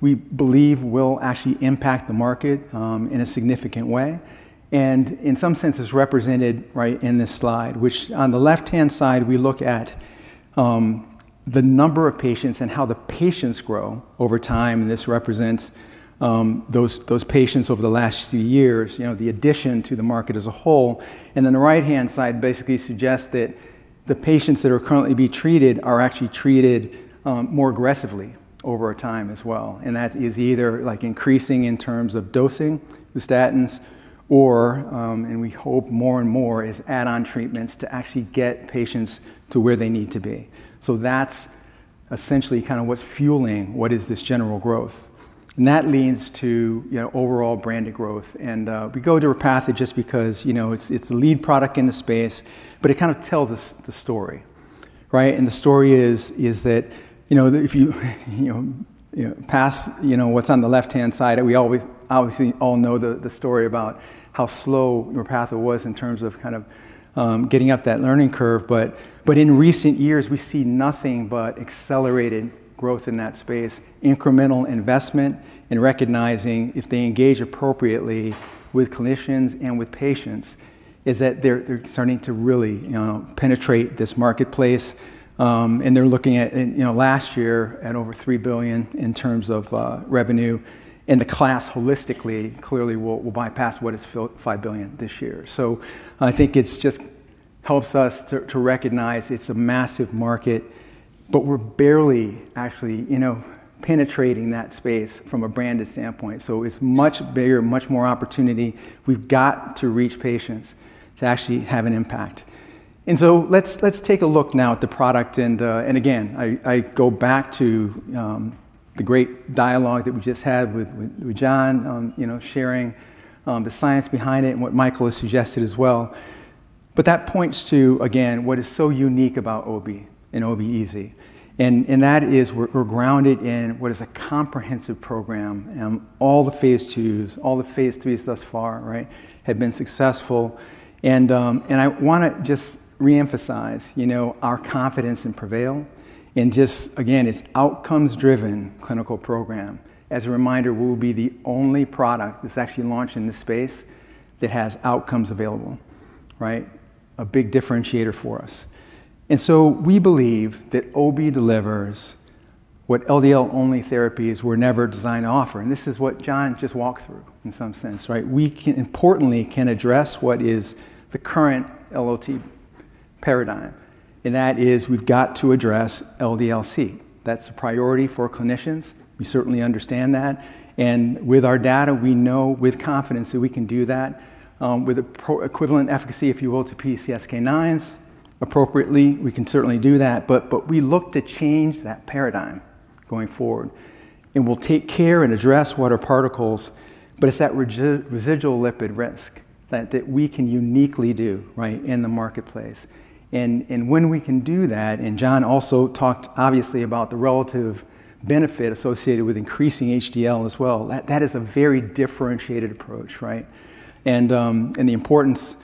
we believe will actually impact the market in a significant way. In some sense, it's represented right in this slide, which on the left-hand side, we look at the number of patients and how the patients grow over time, and this represents those patients over the last few years, the addition to the market as a whole. The right-hand side basically suggests that the patients that are currently being treated are actually treated more aggressively over time as well. That is either increasing in terms of dosing the statins or, and we hope more and more, is add-on treatments to actually get patients to where they need to be. That's essentially kind of what's fueling what is this general growth. That leads to overall branded growth. We go to REPATHA just because it's the lead product in the space, it kind of tells the story, right? The story is that if you pass what's on the left-hand side, we obviously all know the story about how slow REPATHA was in terms of kind of getting up that learning curve. In recent years, we see nothing but accelerated growth in that space, incremental investment, and recognizing if they engage appropriately with clinicians and with patients, is that they're starting to really penetrate this marketplace. They're looking at last year at over $3 billion in terms of revenue, and the class holistically clearly will bypass what is $5 billion this year. I think it just helps us to recognize it's a massive market, but we're barely actually penetrating that space from a branded standpoint. It's much bigger, much more opportunity. We've got to reach patients to actually have an impact. Let's take a look now at the product, again, I go back to the great dialogue that we just had with John on sharing the science behind it and what Michael Davidson has suggested as well. That points to, again, what is so unique about Obi and Obi Z, and that is we're grounded in what is a comprehensive program. All the phase IIs, all the phase IIIs thus far have been successful. I want to just reemphasize our confidence in PREVAIL and just, again, its outcomes-driven clinical program. As a reminder, we'll be the only product that's actually launched in this space that has outcomes available. A big differentiator for us. We believe that ObE delivers what LDL-only therapies were never designed to offer, and this is what John just walked through in some sense. We importantly can address what the current LLT paradigm is, and that is we've got to address LDL-C. That's a priority for clinicians. We certainly understand that. With our data, we know with confidence that we can do that with equivalent efficacy, if you will, to PCSK9s appropriately. We can certainly do that. We look to change that paradigm going forward, and we'll take care and address what are particles, but it's that residual lipid risk that we can uniquely do in the marketplace. When we can do that, John also talked obviously about the relative benefit associated with increasing HDL as well, that is a very differentiated approach. The importance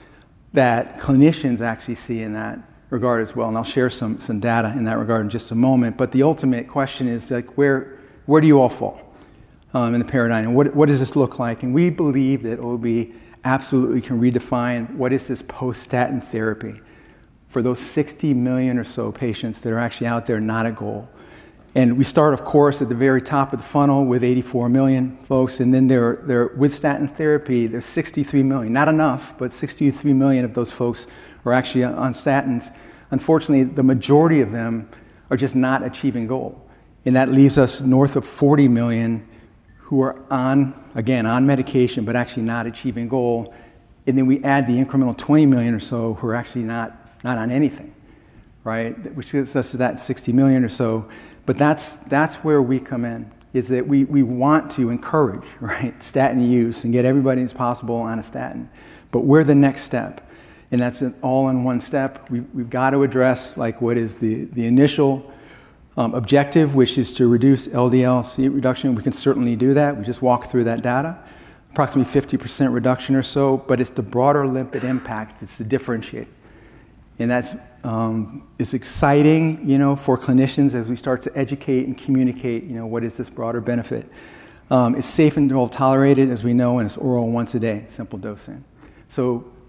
that clinicians actually see in that regard as well—I'll share some data in that regard in just a moment, the ultimate question is, where do you all fall? In the paradigm, what does this look like? We believe that Obe absolutely can redefine what this post-statin therapy is for those 60 million or so patients that are actually out there, not a goal. We start, of course, at the very top of the funnel with 84 million folks, then with statin therapy, there are 63 million. Not enough; 63 million of those folks are actually on statins. Unfortunately, the majority of them are just not achieving their goals. That leaves us north of 40 million who are, again, on medication but actually not achieving goal. We add the incremental 20 million or so who are actually not on anything, right? Which gets us to that 60 million or so. That's where we come in, is that we want to encourage, right, statin use and get everybody that's possible on a statin. We're the next step, and that's an all-in-one step. We've got to address what the initial objective is, which is to reduce LDL-C reduction, we can certainly do that; we just walked through that data. Approximately 50% reduction or so, but it's the broader lipid impact that's the differentiator. That's exciting for clinicians as we start to educate and communicate what is this broader benefit is It's safe and well-tolerated, as we know, and it's oral once a day, simple dosing.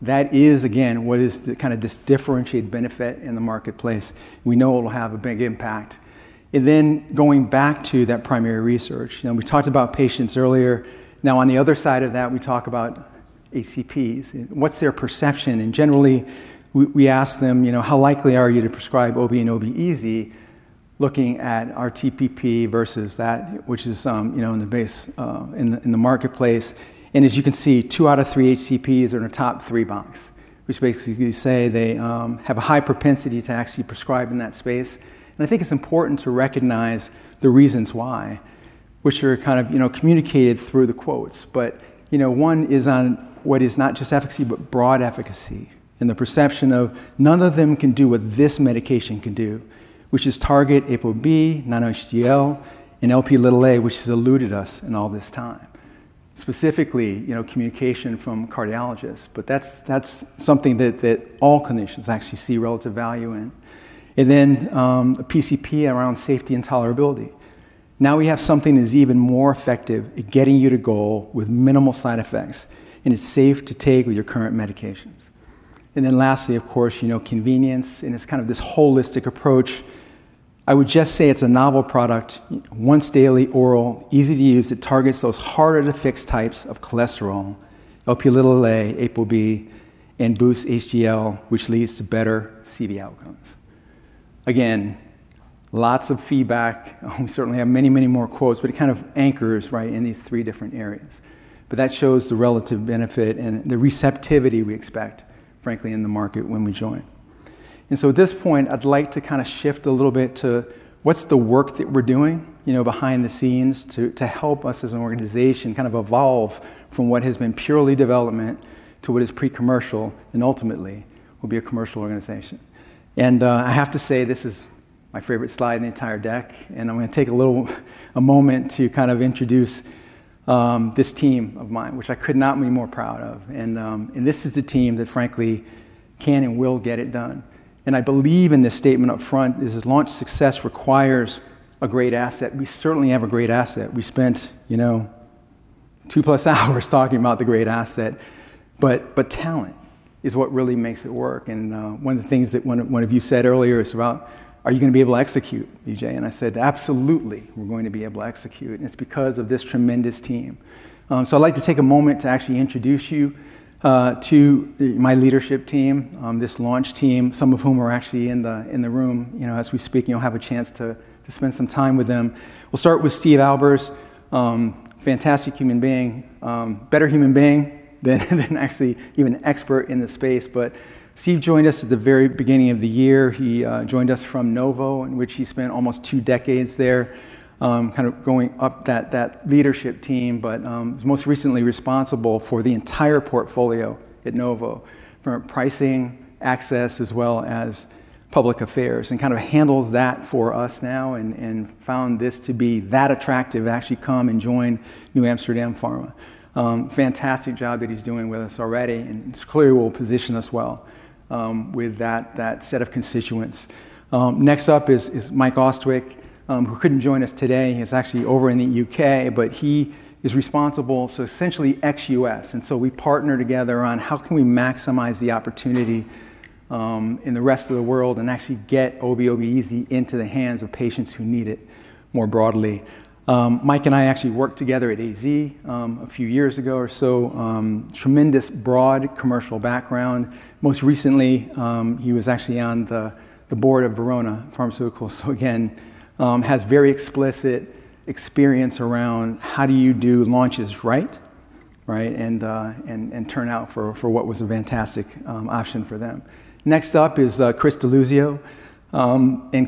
That is, again, what is this differentiated benefit in the marketplace? We know it'll have a big impact. Going back to that primary research, we talked about patients earlier. On the other side of that, we talk about HCPs. What's their perception? Generally, we ask them, How likely are you to prescribe Obi and Obi-Easy looking at RTPB versus that which is in the marketplace? As you can see, two out of three HCPs are in the top three box, which basically say they have a high propensity to actually prescribe in that space. I think it's important to recognize the reasons why, which are kind of communicated through the quotes. One is on what is not just efficacy, but broad efficacy and the perception of none of them can do what this medication can do, which is target ApoB, non-HDL, and Lp(a) which has eluded us in all this time. Specifically, communication from cardiologists—that's something that all clinicians actually see relative value in. A PCP around safety and tolerability. We have something that's even more effective at getting you to goal with minimal side effects, and it's safe to take with your current medications. Lastly, of course, convenience, and it's kind of this holistic approach. I would just say it's a novel product, once-daily oral, easy to use, that targets those harder-to-fix types of cholesterol, Lp(a), ApoB, and boosts HDL, which leads to better CV outcomes. Again, lots of feedback. We certainly have many more quotes, but it kind of anchors in these three different areas. That shows the relative benefit and the receptivity we expect, frankly, in the market when we join. At this point, I'd like to kind of shift a little bit to what's the work that we're doing behind the scenes to help us as an organization kind of evolve from what has been purely development to what is pre-commercial and ultimately will be a commercial organization. I have to say, this is my favorite slide in the entire deck, and I'm going to take a moment to kind of introduce this team of mine, which I could not be more proud of. This is the team that frankly can and will get it done. I believe in this statement up front: does this launch success require a great asset? We certainly have a great asset. We spent two-plus hours talking about the great asset. Talent is what really makes it work, and one of the things that one of you said earlier is about, are you going to be able to execute, BJ? I said, Absolutely, we're going to be able to execute, and it's because of this tremendous team. I'd like to take a moment to actually introduce you to my leadership team, this launch team, some of whom are actually in the room as we speak. You'll have a chance to spend some time with them. We'll start with Steve Albers. Fantastic human being. Better human being than actually even expert in this space. Steve joined us at the very beginning of the year. He joined us from Novo, in which he spent almost two decades there, kind of going up that leadership team. was most recently responsible for the entire portfolio at Novo, from pricing, access, as well as public affairs. kind of handles that for us now and found this to be that attractive to actually come and join NewAmsterdam Pharma. Fantastic job that he's doing with us already, and it's clear he will position us well with that set of constituents. Next up is Mike Austwick, who couldn't join us today. He's actually over in the U.K., but he is responsible, so essentially ex-U.S. we partner together on how can we maximize the opportunity in the rest of the world and actually get Obi into the hands of patients who need it more broadly. Mike and I actually worked together at AZ a few years ago or so. Tremendous broad commercial background. Most recently, he was actually on the board of Verona Pharma. Again, has very explicit experience around how you do launches, right? turn out to be a fantastic option for them. Next up is Chris Deluzio.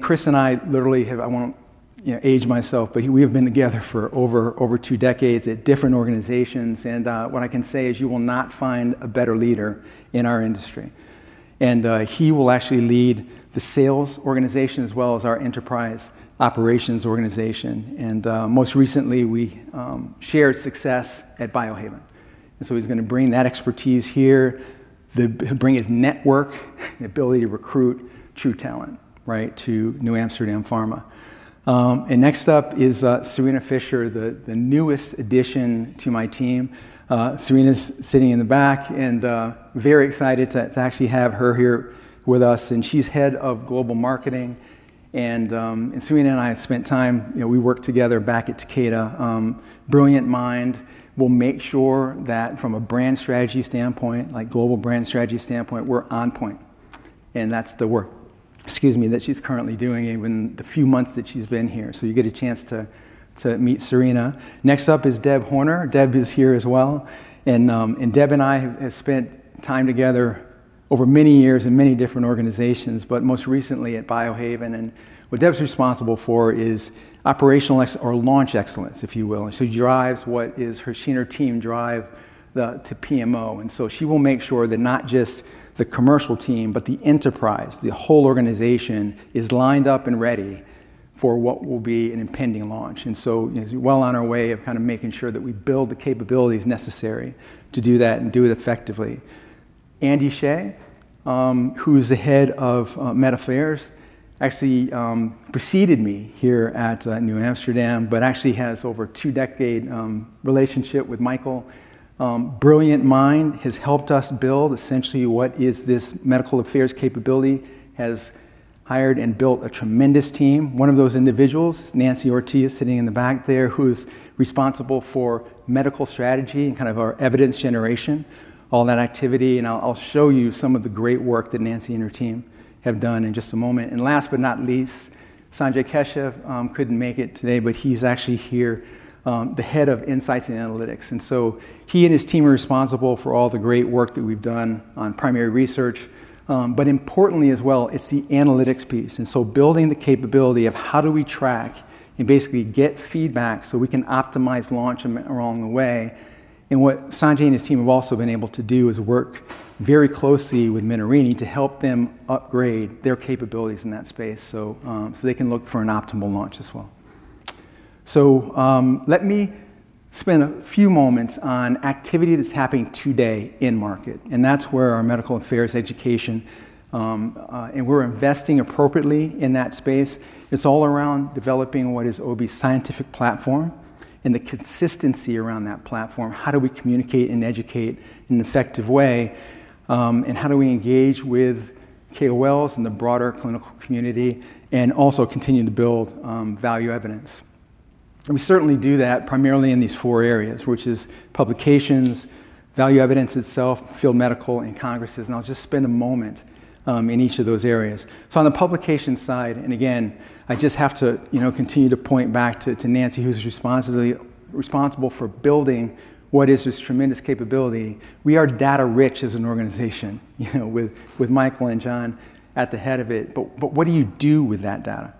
Chris and I literally have. I won't age myself, but we have been together for over two decades at different organizations. What I can say is you will not find a better leader in our industry. He will actually lead the sales organization as well as our enterprise operations organization. Most recently, we shared success at Biohaven. He's going to bring that expertise here. He'll bring his network and ability to recruit true talent to NewAmsterdam Pharma. Next up is Serina Fischer, the newest addition to my team. Serina's sitting in the back and very excited to actually have her here with us, and she's head of global marketing. Serina and I have spent time; we worked together back at Takeda. Brilliant mind, will make sure that from a brand strategy standpoint, like a global brand strategy standpoint, we're on point. That's the work, excuse me, that she's currently doing even for the few months that she's been here. You'll get a chance to meet Serina. Next up is Deb Horner. Deb is here as well. Deb and I have spent time together over many years in many different organizations, but most recently at Biohaven. What Deb's responsible for is operational or launch excellence, if you will. She and her team drive the PMO. She will make sure that not just the commercial team, but the enterprise, the whole organization, is lined up and ready for what will be an impending launch. As we're well on our way of kind of making sure that we build the capabilities necessary to do that and do it effectively. Andy Hsieh, who's the head of Med Affairs, actually preceded me here at New Amsterdam, but actually has over 2-decade relationship with Michael. Brilliant mind, has helped us build essentially what is this medical affairs capability. Has hired and built a tremendous team. One of those individuals, Nancy Orzechowski, sitting in the back there, who's responsible for medical strategy and kind of our evidence generation, all that activity. I'll show you some of the great work that Nancy and her team have done in just a moment. Last but not least, Sanjay Kaul couldn't make it today, but he's actually here, the head of insights and analytics. He and his team are responsible for all the great work that we've done on primary research. Importantly as well, it's the analytics piece. Building the capability of how do we track and basically get feedback so we can optimize launch along the way. What Sanjay and his team have also been able to do is work very closely with Menarini to help them upgrade their capabilities in that space so they can look for an optimal launch as well. Let me spend a few moments on activity that's happening today in market, and that's where our medical affairs education, and we're investing appropriately in that space. It's all around developing what is Obi's scientific platform and the consistency around that platform. How do we communicate and educate in an effective way? How do we engage with KOLs and the broader clinical community and also continue to build value evidence? We certainly do that primarily in these four areas, which is publications, value evidence itself, field medical, and congresses. I'll just spend a moment in each of those areas. On the publication side, again, I just have to continue to point back to Nancy, who's responsible for building what is this tremendous capability. We are data-rich as an organization with Michael and John at the head of it. What do you do with that data?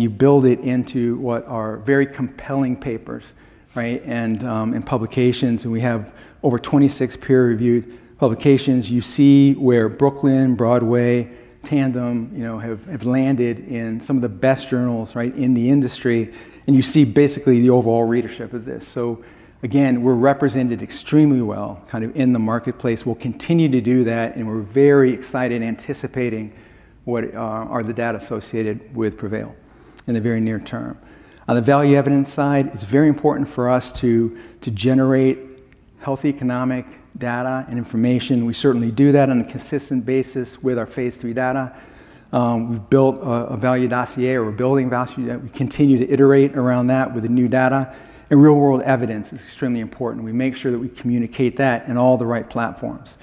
You build it into what are very compelling papers and publications, and we have over 26 peer-reviewed publications. You see where BROOKLYN, BROADWAY, TANDEM, have landed in some of the best journals in the industry. You see basically the overall readership of this. Again, we're represented extremely well, kind of, in the marketplace. We'll continue to do that, we're very excited anticipating what are the data associated with PREVAIL in the very near term. On the value evidence side, it's very important for us to generate healthy economic data and information. We certainly do that on a consistent basis with our phase III data. We've built a value dossier, or we're building a value dossier. We continue to iterate around that with the new data; real-world evidence is extremely important. We make sure that we communicate that in all the right platforms;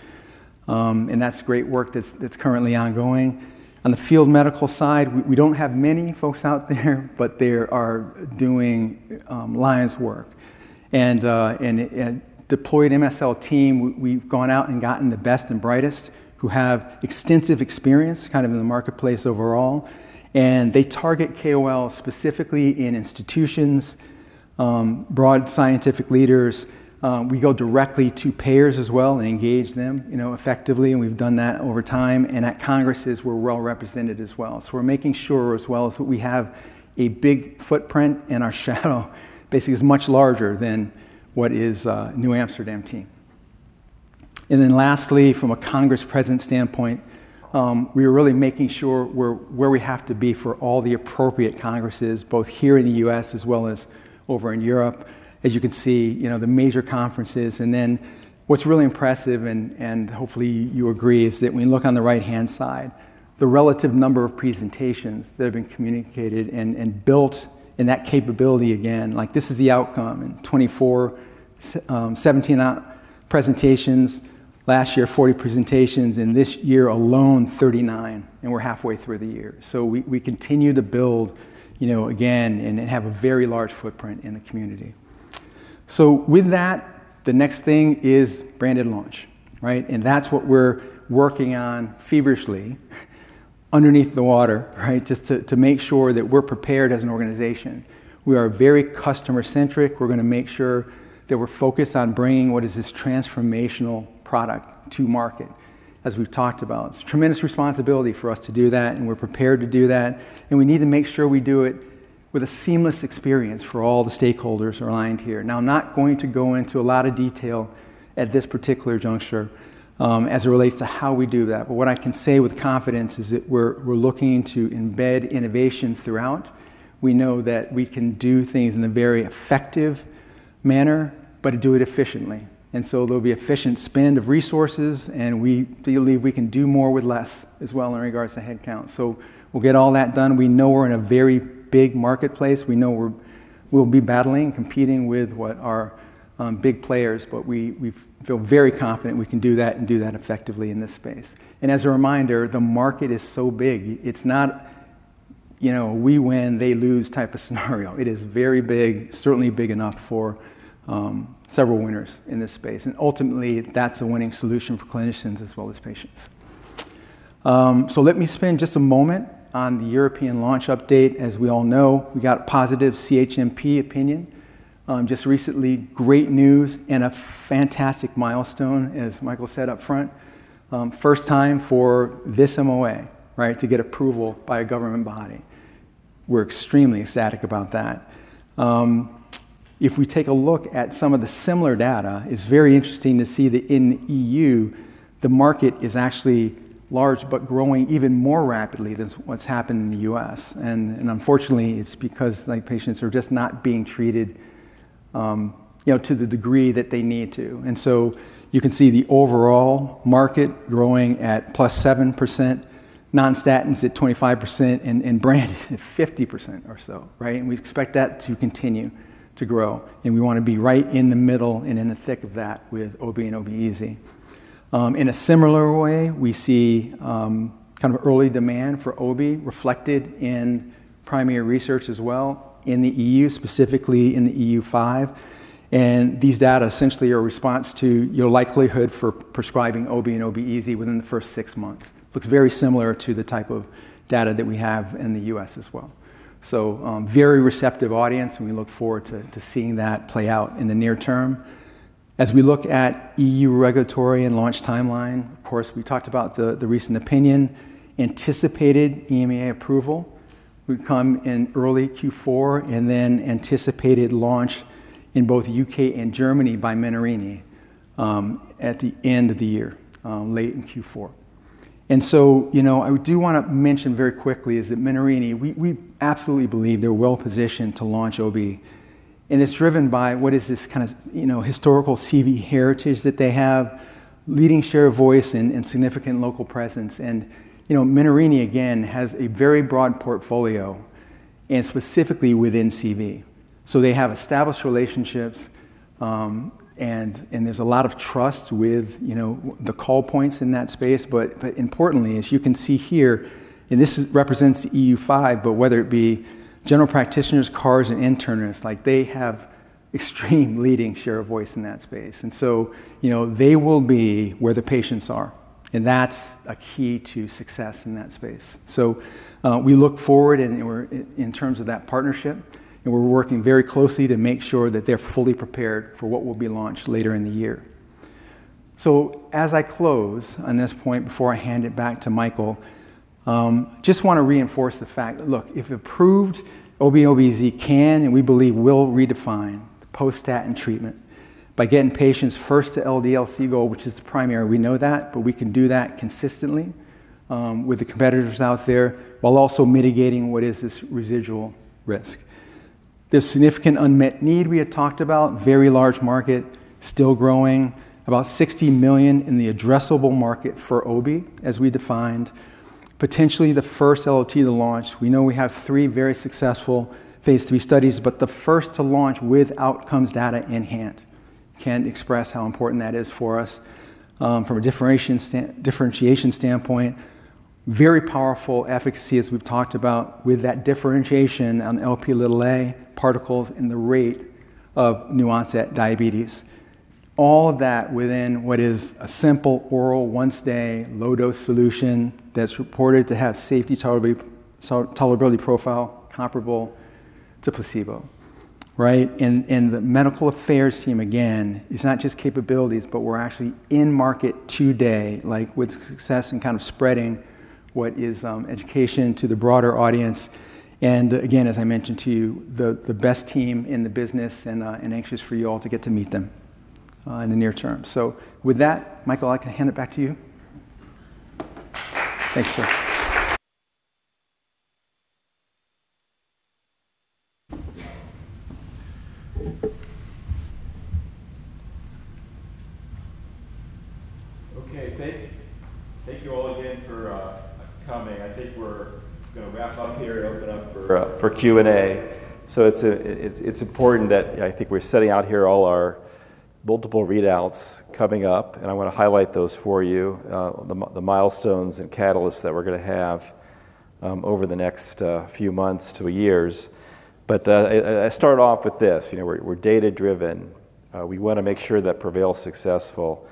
that's great work that's currently ongoing. On the field medical side, we don't have many folks out there, but they are doing lion's work. Deployed MSL team, we've gone out and gotten the best and brightest who have extensive experience kind of in the marketplace overall, and they target KOLs specifically in institutions, broad scientific leaders. We go directly to payers as well and engage them effectively, and we've done that over time. At congresses, we're well represented as well. We're making sure as well that we have a big footprint, and our shadow basically is much larger than what is NewAmsterdam team. Lastly, from a congress presence standpoint, we are really making sure we're where we have to be for all the appropriate congresses, both here in the U.S. as well as over in Europe, as you can see, the major conferences. What's really impressive, and hopefully you agree, is that when you look on the right-hand side, the relative number of presentations that have been communicated and built in that capability again, like this is the outcome in 2024, 17 presentations last year, 40 presentations, and this year alone, 39, and we're halfway through the year. We continue to build, again, and have a very large footprint in the community. With that, the next thing is branded launch, right? That's what we're working on feverishly underneath the water just to make sure that we're prepared as an organization. We are very customer-centric. We're going to make sure that we're focused on bringing what is this transformational product to market, as we've talked about. It's a tremendous responsibility for us to do that, and we're prepared to do that, and we need to make sure we do it with a seamless experience for all the stakeholders aligned here. Now, I'm not going to go into a lot of detail at this particular juncture as it relates to how we do that. What I can say with confidence is that we're looking to embed innovation throughout. We know that we can do things in a very effective manner, but do it efficiently. There'll be efficient spend of resources, and we believe we can do more with less as well in regards to headcount. We'll get all that done. We know we're in a very big marketplace. We know we'll be battling, competing with what are big players. We feel very confident we can do that and do that effectively in this space. As a reminder, the market is so big, it's not a we win, they lose type of scenario. It is very big, certainly big enough for several winners in this space, and ultimately, that's a winning solution for clinicians as well as patients. Let me spend just a moment on the European launch update. As we all know, we got positive CHMP opinion just recently, great news and a fantastic milestone, as Michael said up front. First time for this MOA to get approval by a government body. We're extremely ecstatic about that. If we take a look at some of the similar data, it's very interesting to see that in the EU, the market is actually large but growing even more rapidly than what's happened in the U.S. Unfortunately, it's because patients are just not being treated to the degree that they need to. You can see the overall market growing at +7%, non-statins at 25%, and branded at 50% or so. We expect that to continue to grow, and we want to be right in the middle and in the thick of that with Obi and Obi Z. In a similar way, we see early demand for Obi reflected in primary research as well in the EU, specifically in the EU5, and these data essentially are a response to your likelihood for prescribing Obi and Obi Z within the first six months. Looks very similar to the type of data that we have in the U.S. as well. Very receptive audience, and we look forward to seeing that play out in the near term. As we look at EU regulatory and launch timeline, of course, we talked about the recent opinion, anticipated EMA approval would come in early Q4, then anticipated launch in both U.K. and Germany by Menarini at the end of the year, late in Q4. I do want to mention very quickly is that Menarini, we absolutely believe they're well-positioned to launch Obi, and it's driven by what is this kind of historical CV heritage that they have, leading share of voice and significant local presence. Menarini, again, has a very broad portfolio, and specifically within CV. So they have established relationships, and there's a lot of trust with the call points in that space. Importantly, as you can see here, and this represents the EU5, but whether it be general practitioners, cardiologists, and internists, they have extreme leading share of voice in that space. They will be where the patients are, and that's a key to success in that space. We look forward in terms of that partnership, and we're working very closely to make sure that they're fully prepared for what will be launched later in the year. As I close on this point before I hand it back to Michael, just want to reinforce the fact that, look, if approved, Obi Z can, and we believe will redefine post-statin treatment by getting patients first to LDL-C goal, which is the primary. We know that, but we can do that consistently with the competitors out there while also mitigating what is this residual risk. There's significant unmet need we had talked about, very large market, still growing, about $60 million in the addressable market for Obi, as we defined. Potentially the first LLT to launch. We know we have three very successful phase III studies, but the first to launch with outcomes data in hand. Can't express how important that is for us from a differentiation standpoint. Very powerful efficacy, as we've talked about, with that differentiation on Lp particles and the rate of new-onset diabetes. All of that within what is a simple oral, once-day, low-dose solution that's reported to have safety tolerability profile comparable to placebo. The medical affairs team, again, it's not just capabilities, but we're actually in market today with success and spreading what is education to the broader audience. Again, as I mentioned to you, the best team in the business and anxious for you all to get to meet them in the near term. With that, Michael, I can hand it back to you. Thanks. Thank you all again for coming. I think we're going to wrap up here and open up for Q&A. It's important that I think we're setting out here all our multiple readouts coming up, and I want to highlight those for you, the milestones and catalysts that we're going to have over the next few months to years. I start off with this. We're data-driven. We want to make sure that PREVAIL's successful.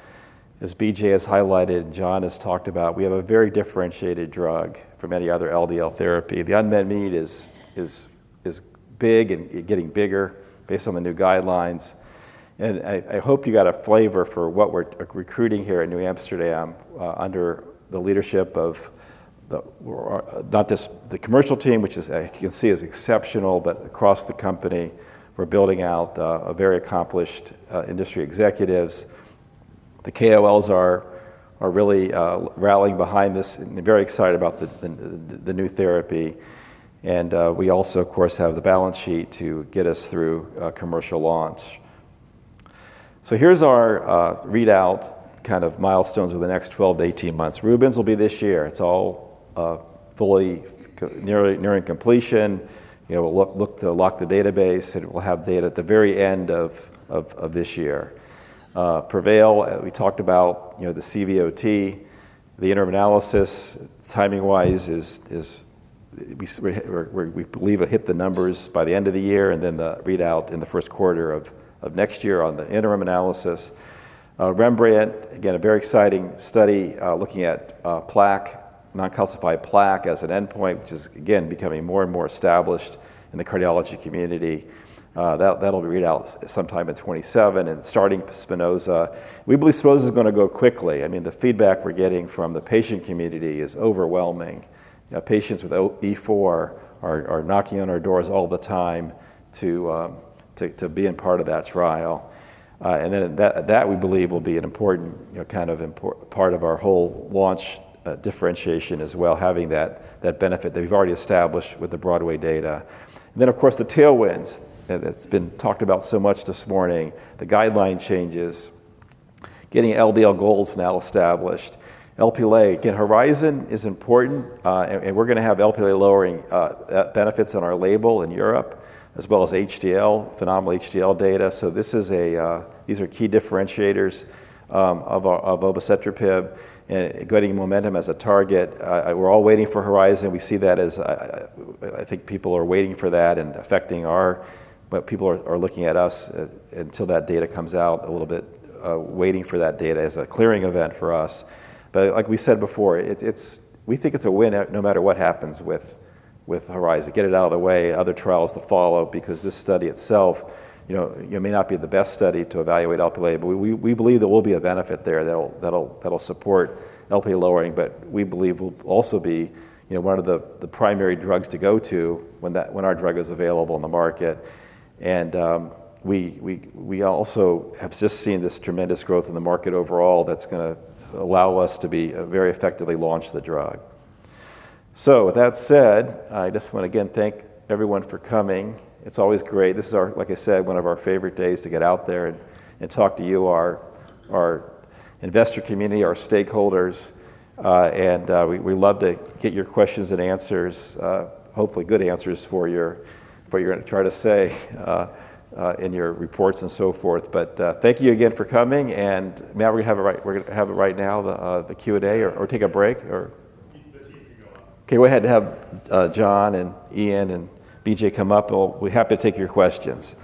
As BJ has highlighted and John has talked about, we have a very differentiated drug from any other LDL therapy. The unmet need is big and getting bigger based on the new guidelines. I hope you got a flavor for what we're recruiting here at NewAmsterdam under the leadership of not just the commercial team, which as you can see, is exceptional, but across the company, we're building out very accomplished industry executives. The KOLs are really rallying behind this and very excited about the new therapy. We also, of course, have the balance sheet to get us through commercial launch. Here's our readout kind of milestones over the next 12 to 18 months. RUBENS will be this year. It's all nearly nearing completion. We'll lock the database, and we'll have data at the very end of this year. PREVAIL, we talked about the CVOT, the interim analysis, timing-wise, we believe will hit the numbers by the end of the year, and then the readout in the first quarter of next year on the interim analysis. REMBRANDT, again, a very exciting study looking at non-calcified plaque as an endpoint, which is, again, becoming more and more established in the cardiology community. That'll be read out sometime in 2027. Starting SPINOZA. We believe SPINOZA is going to go quickly. The feedback we're getting from the patient community is overwhelming. Patients with APOE4 are knocking on our doors all the time to be in part of that trial. Then that we believe will be an important part of our whole launch differentiation as well, having that benefit that we've already established with the BROADWAY data. Then, of course, the tailwinds that's been talked about so much this morning, the guideline changes, getting LDL goals now established. Lp(a), again, HORIZON is important, and we're going to have Lp(a) lowering benefits on our label in Europe, as well as phenomenal HDL data. These are key differentiators of obicetrapib, getting momentum as a target. We're all waiting for HORIZON. People are looking at us until that data comes out a little bit, waiting for that data as a clearing event for us. Like we said before, we think it's a win no matter what happens with HORIZON. Get it out of the way, other trials to follow because this study itself may not be the best study to evaluate Lp(a), but we believe there will be a benefit there that'll support Lp(a) lowering. We believe we'll also be one of the primary drugs to go to when our drug is available on the market. We also have just seen this tremendous growth in the market overall that's going to allow us to very effectively launch the drug. With that said, I just want to again thank everyone for coming. It's always great. This is, like I said, one of our favorite days to get out there and talk to you, our investor community, our stakeholders. We love to get your questions-and-answers, hopefully good answers for what you're going to try to say in your reports and so forth. Thank you again for coming. Matt, we're going to have it right now, the Q&A, or take a break or— The team can go up. Okay. Go ahead and have John and Ian and BJ come up. We're happy to take your questions.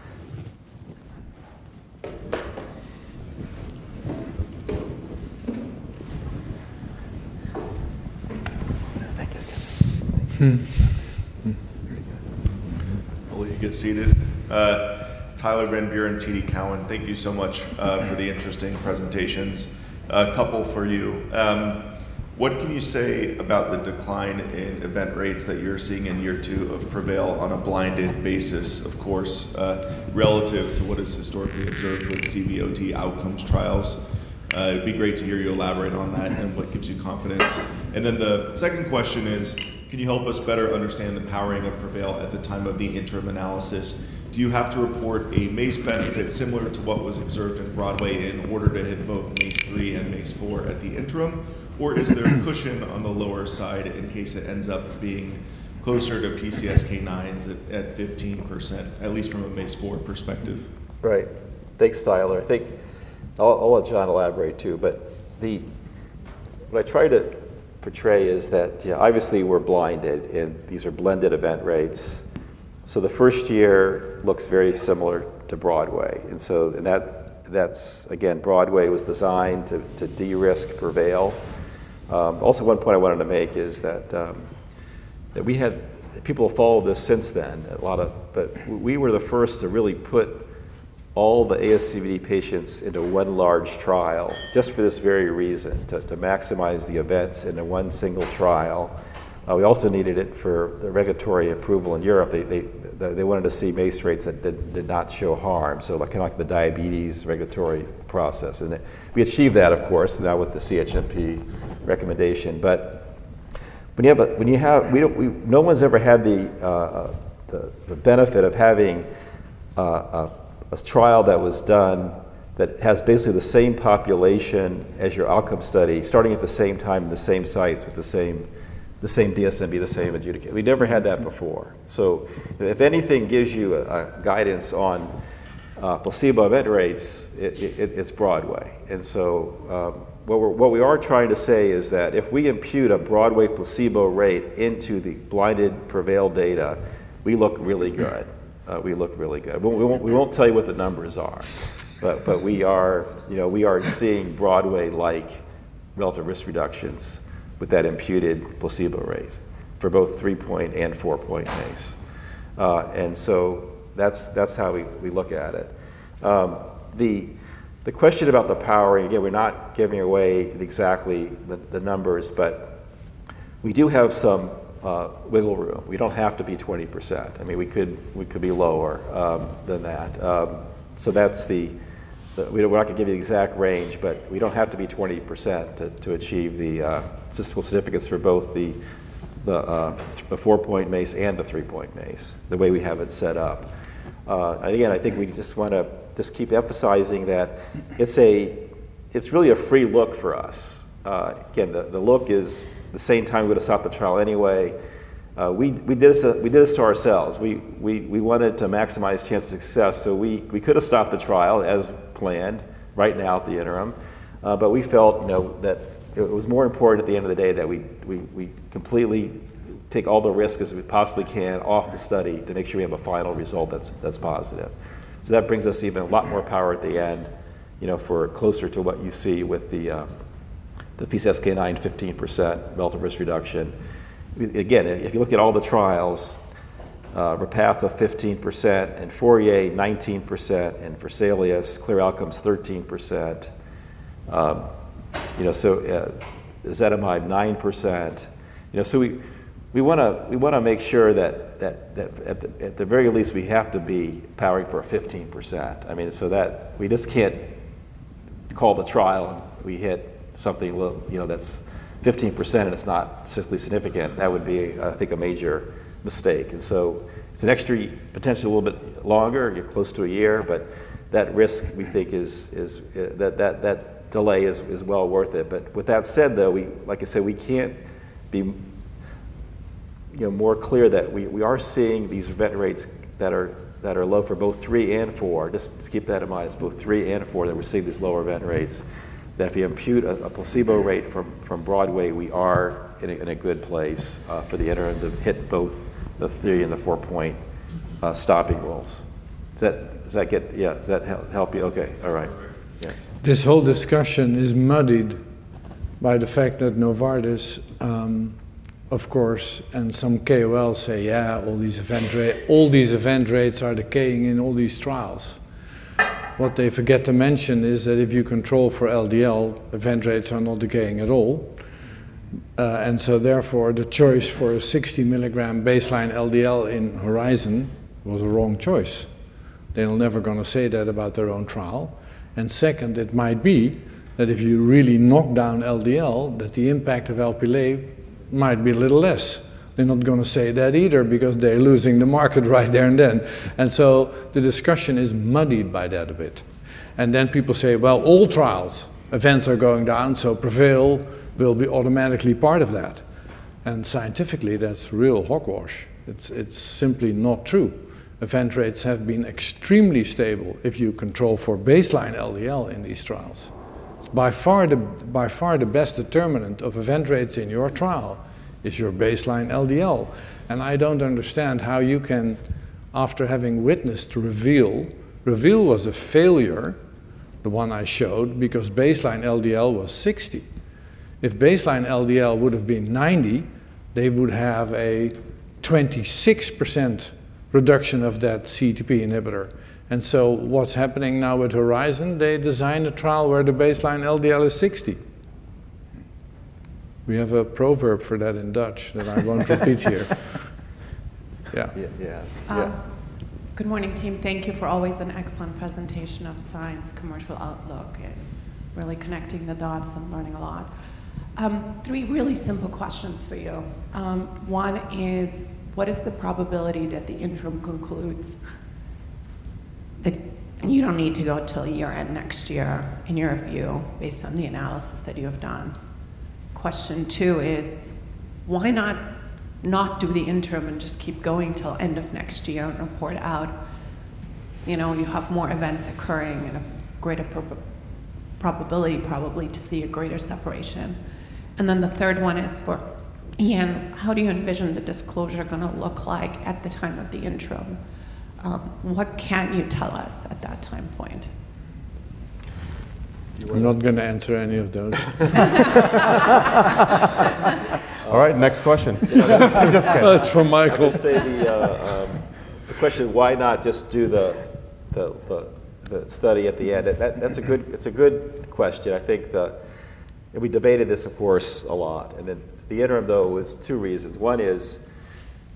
Thank you. Very good. Well, you get seated. Tyler Van Buren, TD Cowen. Thank you so much for the interesting presentations. A couple for you. What can you say about the decline in event rates that you're seeing in year two of PREVAIL on a blinded basis, of course, relative to what is historically observed with CVOT outcomes trials? It would be great to hear you elaborate on that and what gives you confidence. The second question is, can you help us better understand the powering of PREVAIL at the time of the interim analysis? Do you have to report a MACE benefit similar to what was observed in BROADWAY in order to hit both MACE-3 and MACE-4 at the interim? Or is there a cushion on the lower side in case it ends up being closer to PCSK9s at 15%, at least from a MACE-4 perspective? Right. Thanks, Tyler. I think I'll let John elaborate, too. What I tried to portray is that obviously we're blinded, and these are blended event rates. The first year looks very similar to BROADWAY. That's, again, BROADWAY was designed to de-risk PREVAIL. Also, one point I wanted to make is that people have followed this since then, but we were the first to really put all the ASCVD patients into one large trial just for this very reason, to maximize the events into one single trial. We also needed it for the regulatory approval in Europe. They wanted to see MACE rates that did not show harm, so kind of like the diabetes regulatory process. We achieved that, of course, now with the CHMP recommendation. No one's ever had the benefit of having a trial that was done that has basically the same population as your outcome study, starting at the same time, the same sites with the same DSMB, the same adjudicator. We never had that before. If anything gives you a guidance on placebo event rates, it's BROADWAY. What we are trying to say is that if we impute a BROADWAY placebo rate into the blinded PREVAIL data, we look really good. We won't tell you what the numbers are. We are seeing BROADWAY-like relative risk reductions with that imputed placebo rate for both three-point and four-point MACE. That's how we look at it. The question about the power, again, we're not giving away exactly the numbers, but we do have some wiggle room. We don't have to be 20%. We could be lower than that. We're not going to give you the exact range, but we don't have to be 20% to achieve the statistical significance for both the four-point MACE and the three-point MACE, the way we have it set up. I think we just want to keep emphasizing that it's really a free look for us. The look is the same time we would have stopped the trial anyway. We did this to ourselves. We wanted to maximize chance of success, so we could have stopped the trial as planned right now at the interim. We felt that it was more important at the end of the day that we completely take all the risk as we possibly can off the study to make sure we have a final result that's positive. That brings us even a lot more power at the end, for closer to what you see with the PCSK9 15% relative risk reduction. If you look at all the trials, REPATHA 15% and FOURIER 19%, and CLEAR Outcomes 13%. ezetimibe 9%. We want to make sure that at the very least we have to be powering for a 15%. We just can't call the trial, and we hit something that's 15%, and it's not statistically significant. That would be, I think, a major mistake. It's an extra, potentially a little bit longer; you're close to a year, but that risk—we think that delay is well worth it. With that said, though, like I said, we can't be more clear that we are seeing these event rates that are low for both three and four. Just keep that in mind. It's both three and four that we're seeing these lower event rates. That if you impute a placebo rate from BROADWAY, we are in a good place for the interim to hit both the three- and the four-point stopping rules. Does that help you? Okay. All right. Yes. This whole discussion is muddied by the fact that Novartis, of course, and some KOL say, Yeah, all these event rates are decaying in all these trials. What they forget to mention is that if you control for LDL, event rates are not decaying at all. Therefore, the choice for a 60-milligram baseline LDL in HORIZON was a wrong choice. They are never going to say that about their own trial. Second, it might be that if you really knock down Lp, that the impact of Lp might be a little less. They're not going to say that either, because they're losing the market right there and then. The discussion is muddied by that a bit. Then people say, Well, all trials, events are going down, so PREVAIL will be automatically part of that. Scientifically, that's real hogwash. It's simply not true. Event rates have been extremely stable if you control for baseline LDL in these trials. By far the best determinant of event rates in your trial is your baseline LDL. I don't understand how you can, after having witnessed REVEAL was a failure, the one I showed, because baseline LDL was 60. If baseline LDL would have been 90, they would have a 26% reduction of that CETP inhibitor. What's happening now with HORIZON, they designed a trial where the baseline LDL is 60. We have a proverb for that in Dutch that I won't repeat here. Yeah. Good morning, team. Thank you for always an excellent presentation of science, commercial outlook, and really connecting the dots and learning a lot. Three really simple questions for you. One is, what is the probability that the interim concludes that you don't need to go till year-end next year in your view, based on the analysis that you have done? Question two is, why not not do the interim and just keep going till end of next year and report out, you have more events occurring and a greater probability probably to see a greater separation. The third one is for Ian, how do you envision the disclosure going to look like at the time of the interim? What can you tell us at that time point? I'm not going to answer any of those. All right, next question. Just kidding. That's from Michael. I will say the question, why not just do the study at the end? It's a good question. I think that we debated this, of course, a lot. The interim, though, was two reasons. One is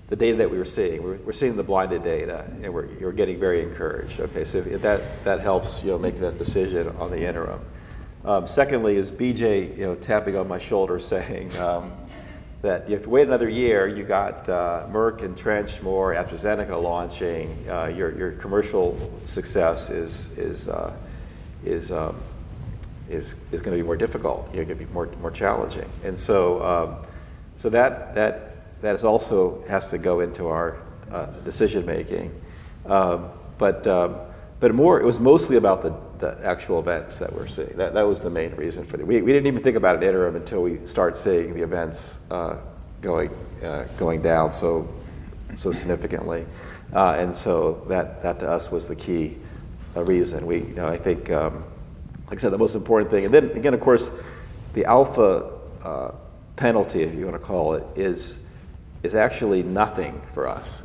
the data that we were seeing. We're seeing the blinded data, and we're getting very encouraged. That helps making that decision on the interim. Secondly is BJ tapping on my shoulder saying that if you wait another year, you got Merck and Trenchmore, AstraZeneca launching, your commercial success is going to be more difficult. It's going to be more challenging. That also has to go into our decision-making. It was mostly about the actual events that we're seeing. That was the main reason for that. We didn't even think about an interim until we start seeing the events going down. So significantly. That to us was the key reason. I think, like I said, the most important thing again, of course, the alpha penalty, if you want to call it, is actually nothing for us.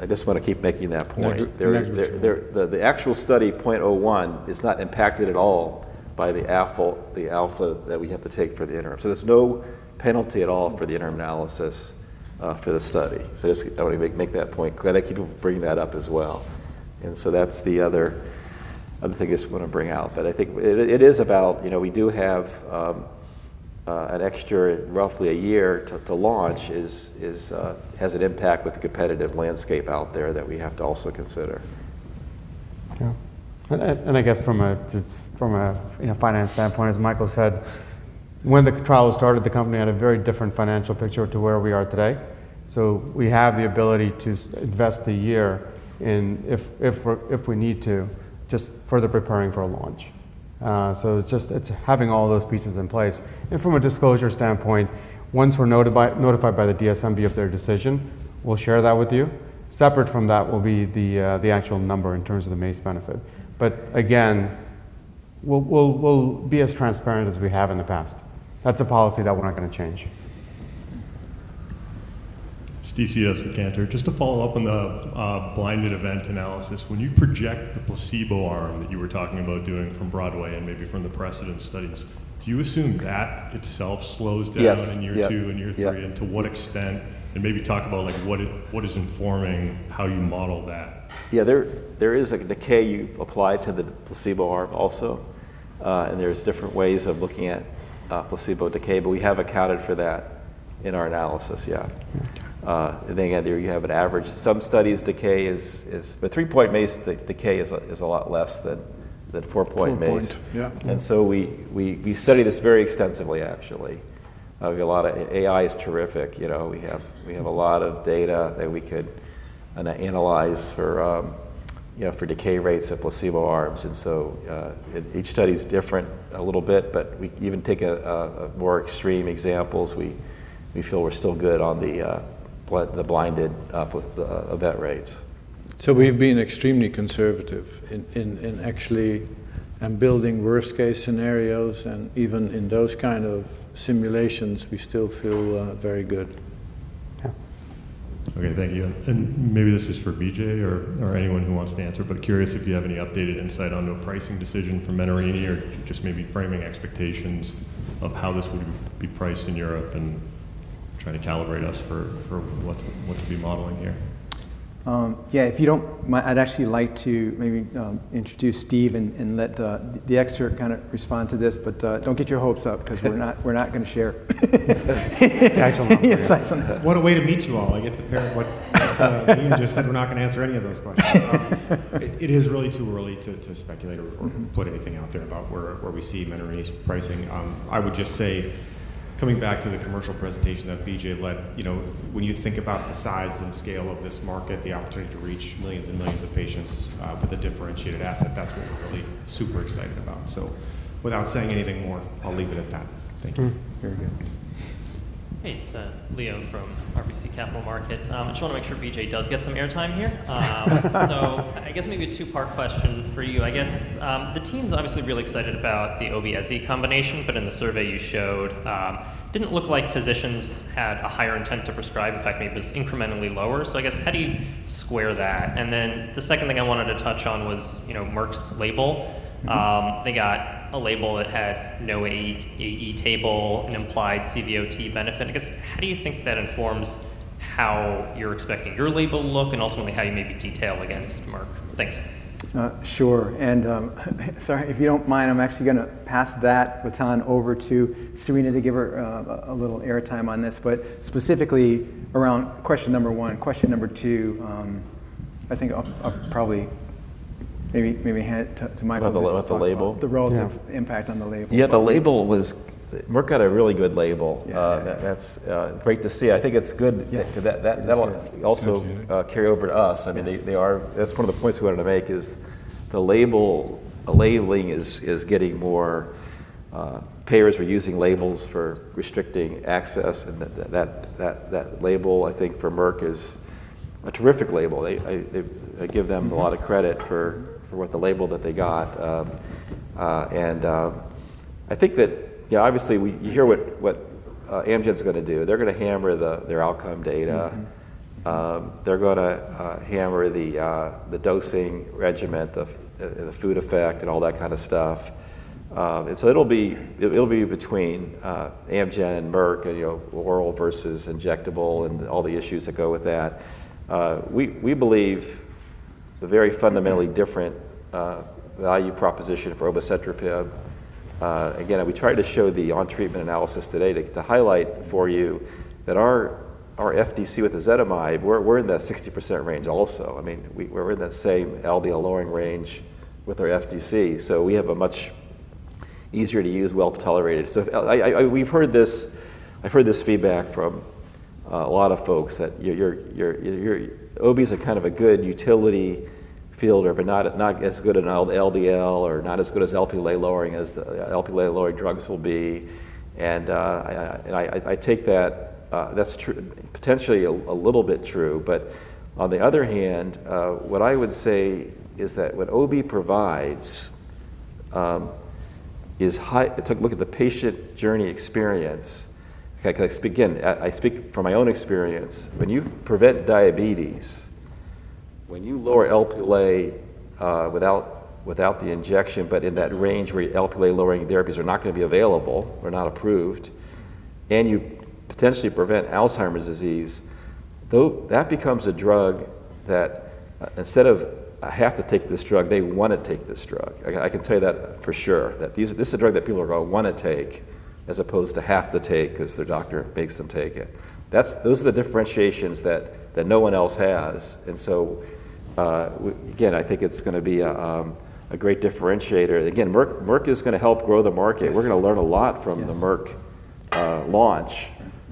I just want to keep making that point. The actual study 0.01 is not impacted at all by the alpha that we have to take for the interim. There's no penalty at all for the interim analysis for the study. I want to make that point clear, that people bring that up as well. That's the other thing is I just want to bring out. I think we do have an extra roughly a year to launch, has an impact with the competitive landscape out there that we have to also consider. Yeah. I guess from a finance standpoint, as Michael said, when the trial was started, the company had a very different financial picture to where we are today. We have the ability to invest the year in, if we need to, just further preparing for a launch. It's having all those pieces in place. From a disclosure standpoint, once we're notified by the DSMB of their decision, we'll share that with you. Separate from that will be the actual number in terms of the MACE benefit. Again, we'll be as transparent as we have in the past. That's a policy that we're not going to change. Steve Tuch, Cantor. Just to follow up on the blinded event analysis. When you project the placebo arm that you were talking about doing from BROADWAY and maybe from the precedent studies, do you assume that itself slows down— Yes ...in year two and year three? Yeah. To what extent? Maybe talk about what is informing how you model that. Yeah, there is a decay you apply to the placebo arm also. There's different ways of looking at placebo decay. We have accounted for that in our analysis, yeah. Then you have an average. Three-point MACE decay is a lot less than four-point MACE. Four point. Yeah. We studied this very extensively, actually. AI is terrific. We have a lot of data that we could analyze for decay rates of placebo arms. Each study's different a little bit, but we even take more extreme examples. We feel we're still good on the blinded event rates. We've been extremely conservative in actually building worst-case scenarios, and even in those kind of simulations, we still feel very good. Yeah. Okay, thank you. Maybe this is for BJ or anyone who wants to answer, curious if you have any updated insight onto a pricing decision for Menarini or just maybe framing expectations of how this would be priced in Europe and trying to calibrate us for what to be modeling here. Yeah. I'd actually like to maybe introduce Steve and let the expert kind of respond to this. Don't get your hopes up because we're not going to share actual insights on that. What a way to meet you all. It's apparent what Ian just said, we're not going to answer any of those questions. It is really too early to speculate or put anything out there about where we see Menarini's pricing. I would just say, coming back to the commercial presentation that BJ led, when you think about the size and scale of this market, the opportunity to reach millions and millions of patients with a differentiated asset, that's what we're really super excited about. Without saying anything more, I'll leave it at that. Thank you. Very good. Hey, it's Leo from RBC Capital Markets. I just want to make sure BJ does get some air time here. I guess maybe a two-part question for you. I guess the team's obviously really excited about the ObEze combination, but in the survey you showed, it didn't look like physicians had a higher intent to prescribe. In fact, maybe it was incrementally lower. I guess, how do you square that? The second thing I wanted to touch on was Merck's label. They got a label that had no AE table, an implied CVOT benefit. I guess, how do you think that informs how you're expecting your label to look and ultimately how you maybe detail against Merck? Thanks. Sure. Sorry, if you don't mind, I'm actually going to pass that baton over to Serina to give her a little air time on this. Specifically around question number one. Question number two, I think I'll probably maybe hand it to Michael about the label just to talk about the relative impact on the label. Yeah. Yeah. Merck had a really good label. Yeah. That's great to see. I think it's good. Yes because that one will also carry over to us. Yes. That's one of the points we wanted to make is the labeling is getting more. Payers are using labels for restricting access, and that label, I think, for Merck is a terrific label. I give them a lot of credit for the label that they got. I think that obviously you hear what Amgen's going to do. They're going to hammer their outcome data. They're going to hammer the dosing regimen, the food effect, and all that kind of stuff. It'll be between Amgen and Merck and oral versus injectable and all the issues that go with that. We believe the very fundamentally different value proposition for obicetrapib. Again, we tried to show the on-treatment analysis today to highlight for you that our FDC with ezetimibe, we're in the 60% range also. We're in that same LDL lowering range with our FDC. I've heard this feedback from a lot of folks that Obi is a kind of a good utility Field, but not as good an LDL or not as good as Lp(a) lowering as the Lp(a) lowering drugs will be. I take that's potentially a little bit true. On the other hand, what I would say is that what Obi provides, take a look at the patient journey experience. Again, I speak from my own experience. When you prevent diabetes, when you lower Lp(a) without the injection, but in that range where your Lp(a) lowering therapies are not going to be available or not approved, and you potentially prevent Alzheimer's disease, that becomes a drug that instead of, I have to take this drug, they want to take this drug. I can tell you that for sure, that this is a drug that people are going to want to take as opposed to have to take because their doctor makes them take it. Those are the differentiations that no one else has. Again, I think it's going to be a great differentiator. Again, Merck is going to help grow the market. Yes. We're going to learn a lot. Yes the Merck launch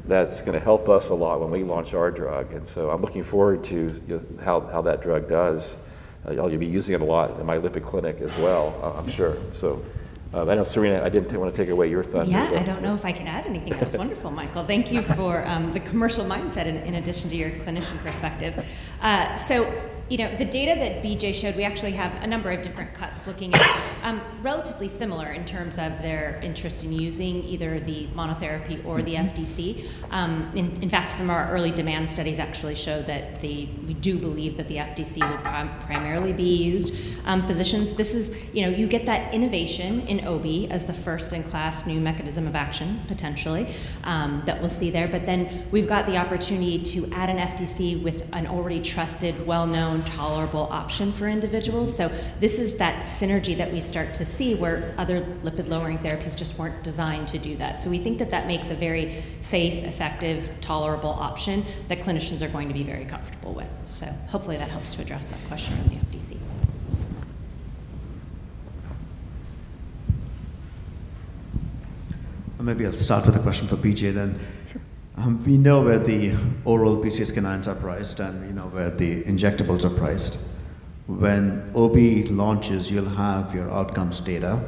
that's going to help us a lot when we launch our drug. I'm looking forward to how that drug does. I'll be using it a lot in my lipid clinic as well, I'm sure. I know, Serina, I didn't want to take away your thunder. Yeah, I don't know if I can add anything. That's wonderful, Michael. Thank you for the commercial mindset in addition to your clinician perspective. The data that BJ showed, we actually have a number of different cuts looking at relatively similar in terms of their interest in using either the monotherapy or the FDC. In fact, some of our early demand studies actually show that we do believe that the FDC will primarily be used. Physicians, you get that innovation in Obi as the first-in-class new mechanism of action, potentially, that we'll see there. We've got the opportunity to add an FDC with an already trusted, well-known, tolerable option for individuals. This is that synergy that we start to see where other lipid-lowering therapies just weren't designed to do that. We think that that makes a very safe, effective, tolerable option that clinicians are going to be very comfortable with. Hopefully, that helps to address that question on the FDC. Maybe I'll start with a question for BJ. Sure. We know where the oral PCSK9s are priced. We know where the injectables are priced. When Obi launches, you'll have your outcomes data.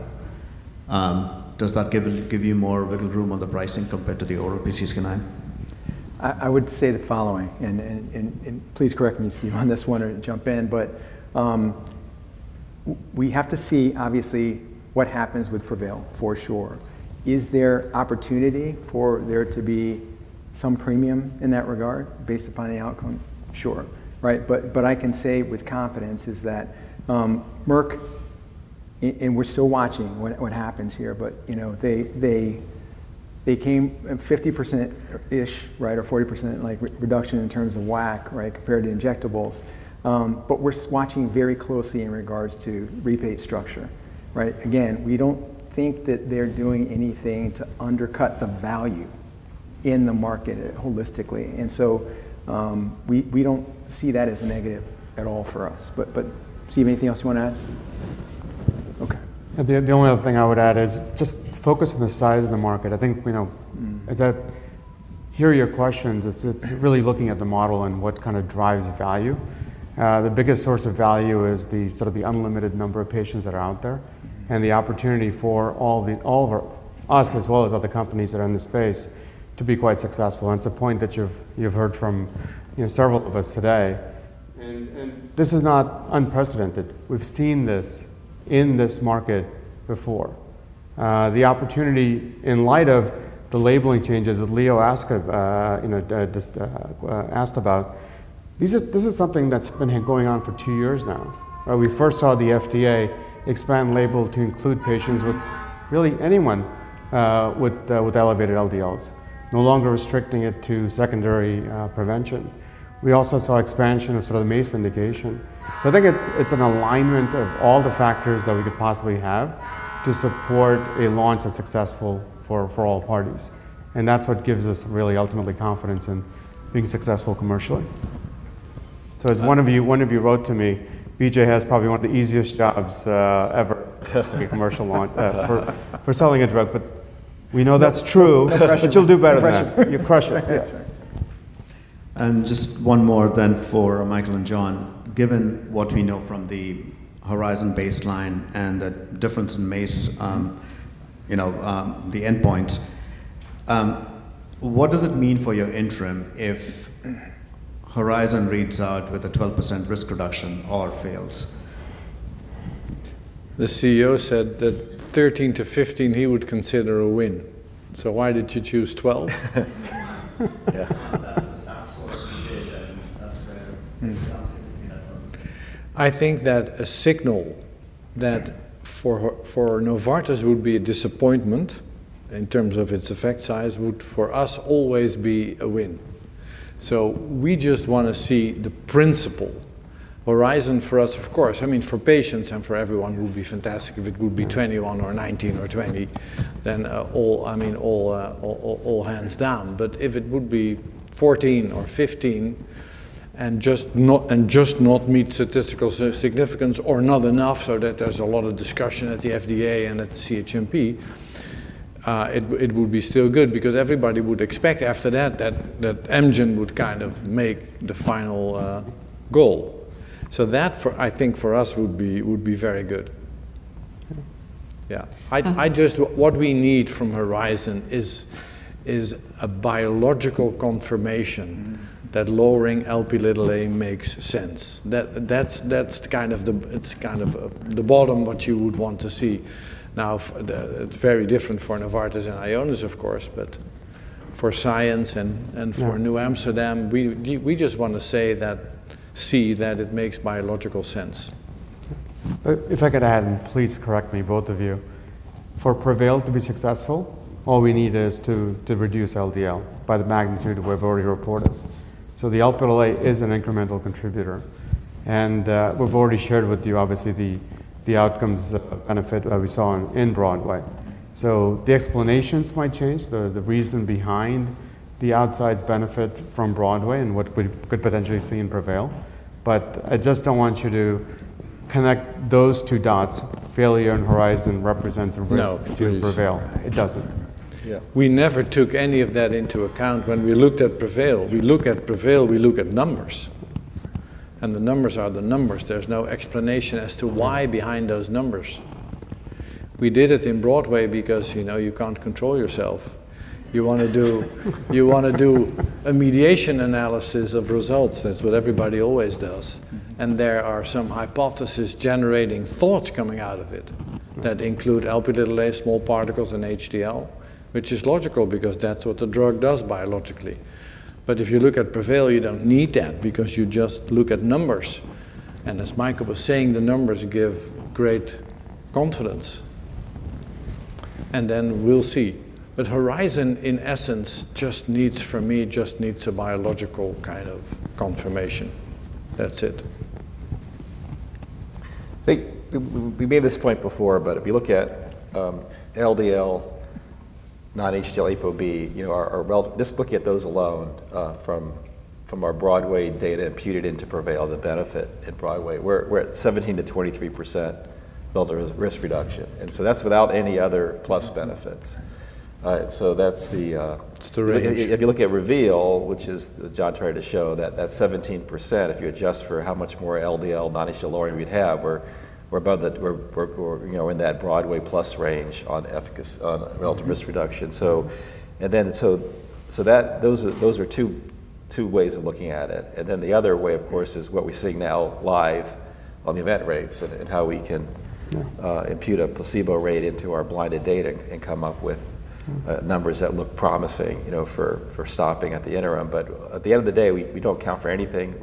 Does that give you more wiggle room on the pricing compared to the oral PCSK9? I would say the following. Please correct me, Steve, on this one or jump in. We have to see, obviously, what happens with PREVAIL for sure. Is there opportunity for there to be some premium in that regard based upon the outcome? Sure. Right. I can say with confidence is that Merck, we're still watching what happens here, they came at 50%-ish or 40% reduction in terms of WAC compared to injectables. We're watching very closely in regards to rebate structure. Again, we don't think that they're doing anything to undercut the value in the market holistically. We don't see that as a negative at all for us. Steve, anything else you want to add? Okay. The only other thing I would add is just focus on the size of the market. I think as I hear your questions, it's really looking at the model and what kind of drives value. The biggest source of value is the sort of unlimited number of patients that are out there and the opportunity for us as well as other companies that are in the space to be quite successful. It's a point that you've heard from several of us today. This is not unprecedented. We've seen this in this market before. The opportunity in light of the labeling changes that Leo asked about, this is something that's been going on for two years now. We first saw the FDA expand label to include patients with really anyone with elevated LDLs, no longer restricting it to secondary prevention. We also saw expansion of sort of the MACE indication. I think it's an alignment of all the factors that we could possibly have to support a launch that's successful for all parties. That's what gives us really ultimately confidence in being successful commercially. As one of you wrote to me, BJ has probably one of the easiest jobs ever in commercial launch for selling a drug. We know that's true. No pressure. You'll do better than that. No pressure. You crush it, yeah. Just one more then for Michael and John. Given what we know from the HORIZON baseline and the difference in MACE, the endpoint, what does it mean for your interim if HORIZON reads out with a 12% risk reduction or fails? The CEO said that 13%-15%, he would consider a win. Why did you choose 12? Yeah. That's the stock score we did, and that's where the stock seems to be. That's why we said that. I think that a signal that for Novartis would be a disappointment in terms of its effect size would for us always be a win. We just want to see the principle. HORIZON for us, of course, I mean, for patients and for everyone would be fantastic if it would be 21 or 19 or 20, then all hands down. If it would be 14 or 15 and just not meet statistical significance or not enough so that there's a lot of discussion at the FDA and at the CHMP, it would be still good because everybody would expect after that Amgen would make the final goal. That, I think for us would be very good. Okay. Yeah. What we need from HORIZON is a biological confirmation. That lowering Lp makes sense. That's the bottom what you would want to see. Now, it's very different for Novartis and Ionis, of course, for science and. Yeah For NewAmsterdam, we just want to see that it makes biological sense. If I could add, please correct me, both of you. For PREVAIL to be successful, all we need is to reduce LDL by the magnitude we've already reported. The Lp is an incremental contributor, we've already shared with you obviously the outcomes benefit we saw in BROADWAY. The explanations might change, the reason behind the outcomes benefit from BROADWAY and what we could potentially see in PREVAIL. I just don't want you to connect those two dots, failure in HORIZON represents a risk— No To PREVAIL. It doesn't. Yeah. We never took any of that into account when we looked at PREVAIL. We look at PREVAIL, we look at numbers, the numbers are the numbers. There's no explanation as to why behind those numbers. We did it in BROADWAY because you can't control yourself. You want to do a mediation analysis of results. That's what everybody always does. There are some hypothesis-generating thoughts coming out of it that include Lp small particles and HDL, which is logical because that's what the drug does biologically. If you look at PREVAIL, you don't need that because you just look at numbers. As Michael was saying, the numbers give great confidence. Then we'll see. HORIZON, in essence, for me, just needs a biological kind of confirmation. That's it. I think we made this point before, but if you look at LDL, non-HDL, ApoB, just looking at those alone from our BROADWAY data imputed into PREVAIL, the benefit in BROADWAY, we're at 17%-23% relative risk reduction. That's without any other plus benefits. If you look at REVEAL, which is, that John tried to show, that 17%, if you adjust for how much more LDL, non-HDL lowering we'd have, we're in that BROADWAY-plus range on relative risk reduction. Those are two ways of looking at it. The other way, of course, is what we're seeing now live on the event rates and how we can— Yeah Impute a placebo rate into our blinded data and come up with numbers that look promising for stopping at the interim. At the end of the day, we don't count for anything.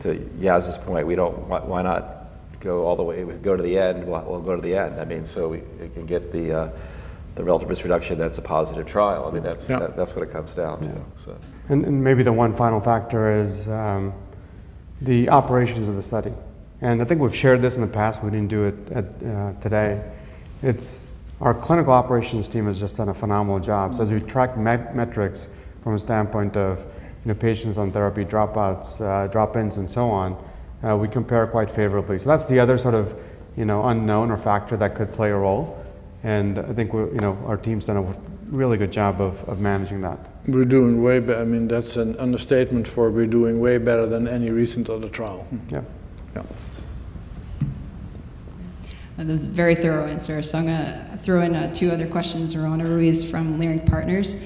To Jas's point, why not go all the way? Go to the end. Go to the end, so we can get the relative risk reduction that's a positive trial. That's what it comes down to. Yeah. Maybe the one final factor is the operations of the study. I think we've shared this in the past, but we didn't do it today. Our clinical operations team has just done a phenomenal job. As we track metrics from a standpoint of new patients on therapy, dropouts, drop-ins and so on, we compare quite favorably. That's the other sort of unknown or factor that could play a role, and I think our team's done a really good job of managing that. We're doing way better. That's an understatement for we're doing way better than any recent other trial. Yeah. Yeah. Those are very thorough answers, I'm going to throw in two other questions. Our honoraries from Leerink Partners.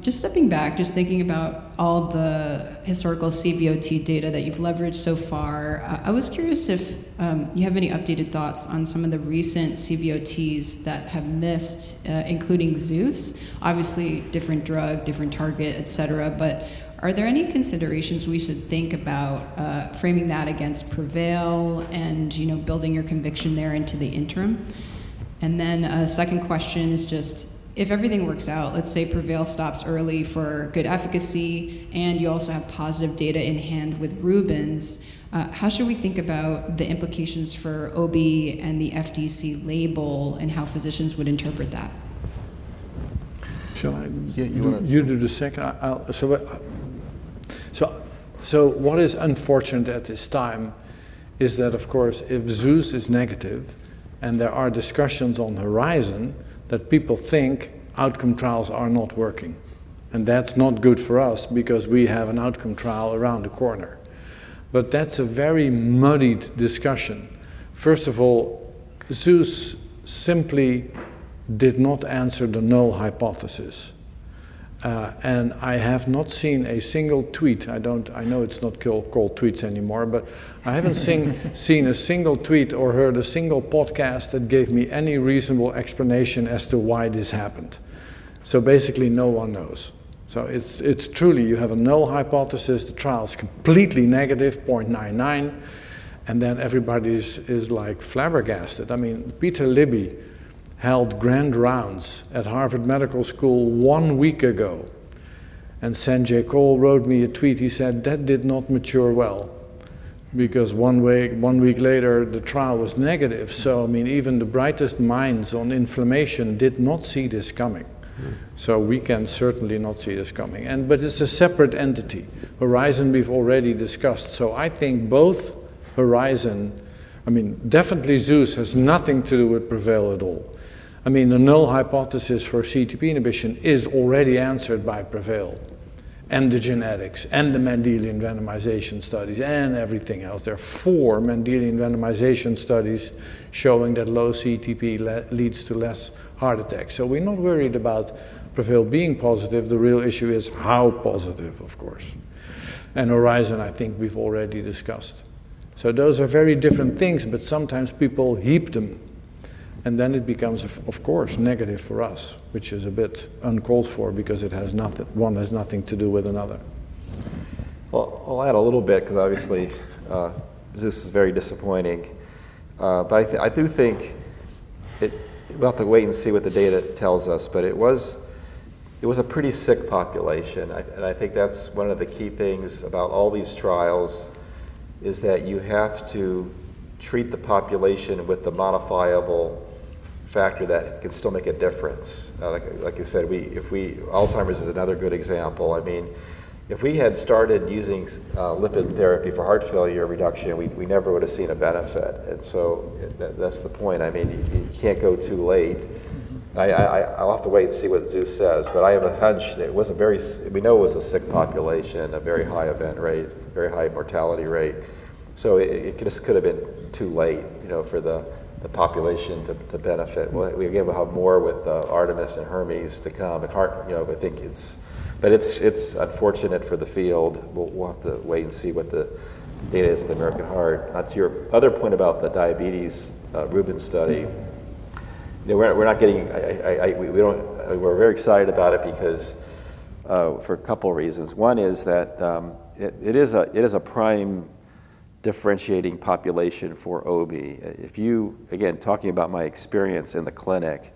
Just stepping back, just thinking about all the historical CVOT data that you've leveraged so far, I was curious if you have any updated thoughts on some of the recent CVOTs that have missed, including ZEUS. Obviously, different drug, different target, et cetera. Are there any considerations we should think about framing that against PREVAIL and building your conviction there into the interim? A second question is just, if everything works out, let's say PREVAIL stops early for good efficacy, and you also have positive data in hand with RUBENS, how should we think about the implications for Obi and the FDC label and how physicians would interpret that? Shall I? Yeah, you want to. You do the second. What is unfortunate at this time is that, of course, if ZEUS is negative and there are discussions on the horizon, that people think outcome trials are not working. That's not good for us because we have an outcome trial around the corner. That's a very muddied discussion. First of all, ZEUS simply did not answer the null hypothesis. I have not seen a single tweet. I know it's not called tweets anymore. I haven't seen a single tweet or heard a single podcast that gave me any reasonable explanation as to why this happened. Basically, no one knows. It's truly you have a null hypothesis, the trial's completely negative, 0.99. Everybody's flabbergasted. Peter Libby held grand rounds at Harvard Medical School one week ago. Sanjay Kaul wrote me a tweet. He said, That did not mature well, because one week later, the trial was negative. Even the brightest minds on inflammation did not see this coming. We can certainly not see this coming. It's a separate entity. HORIZON we've already discussed. I think both HORIZON. Definitely ZEUS has nothing to do with PREVAIL at all. The null hypothesis for CETP inhibition is already answered by PREVAIL and the Mendelian randomization studies and everything else. There are four Mendelian randomization studies showing that low CETP leads to less heart attacks. We're not worried about PREVAIL being positive. The real issue is how positive, of course. HORIZON, I think we've already discussed. Those are very different things, but sometimes people heap them, and then it becomes, of course, negative for us, which is a bit uncalled for because one has nothing to do with another. Well, I'll add a little bit because obviously, this was very disappointing. I do think we'll have to wait and see what the data tells us. It was a pretty sick population, and I think that's one of the key things about all these trials is that you have to treat the population with the modifiable factor that can still make a difference. Like you said, Alzheimer's is another good example. If we had started using lipid therapy for heart failure reduction, we never would have seen a benefit. That's the point. You can't go too late. I'll have to wait and see what ZEUS says, but I have a hunch. We know it was a sick population, a very high event rate, very high mortality rate. It just could have been too late for the population to benefit. We will have more with the Artemis and Hermes to come. It's unfortunate for the field. We'll have to wait and see what the data is at the American Heart. To your other point about the diabetes RUBENS study, we're very excited about it for a couple of reasons. One is that it is a prime differentiating population for Obi. Again, talking about my experience in the clinic,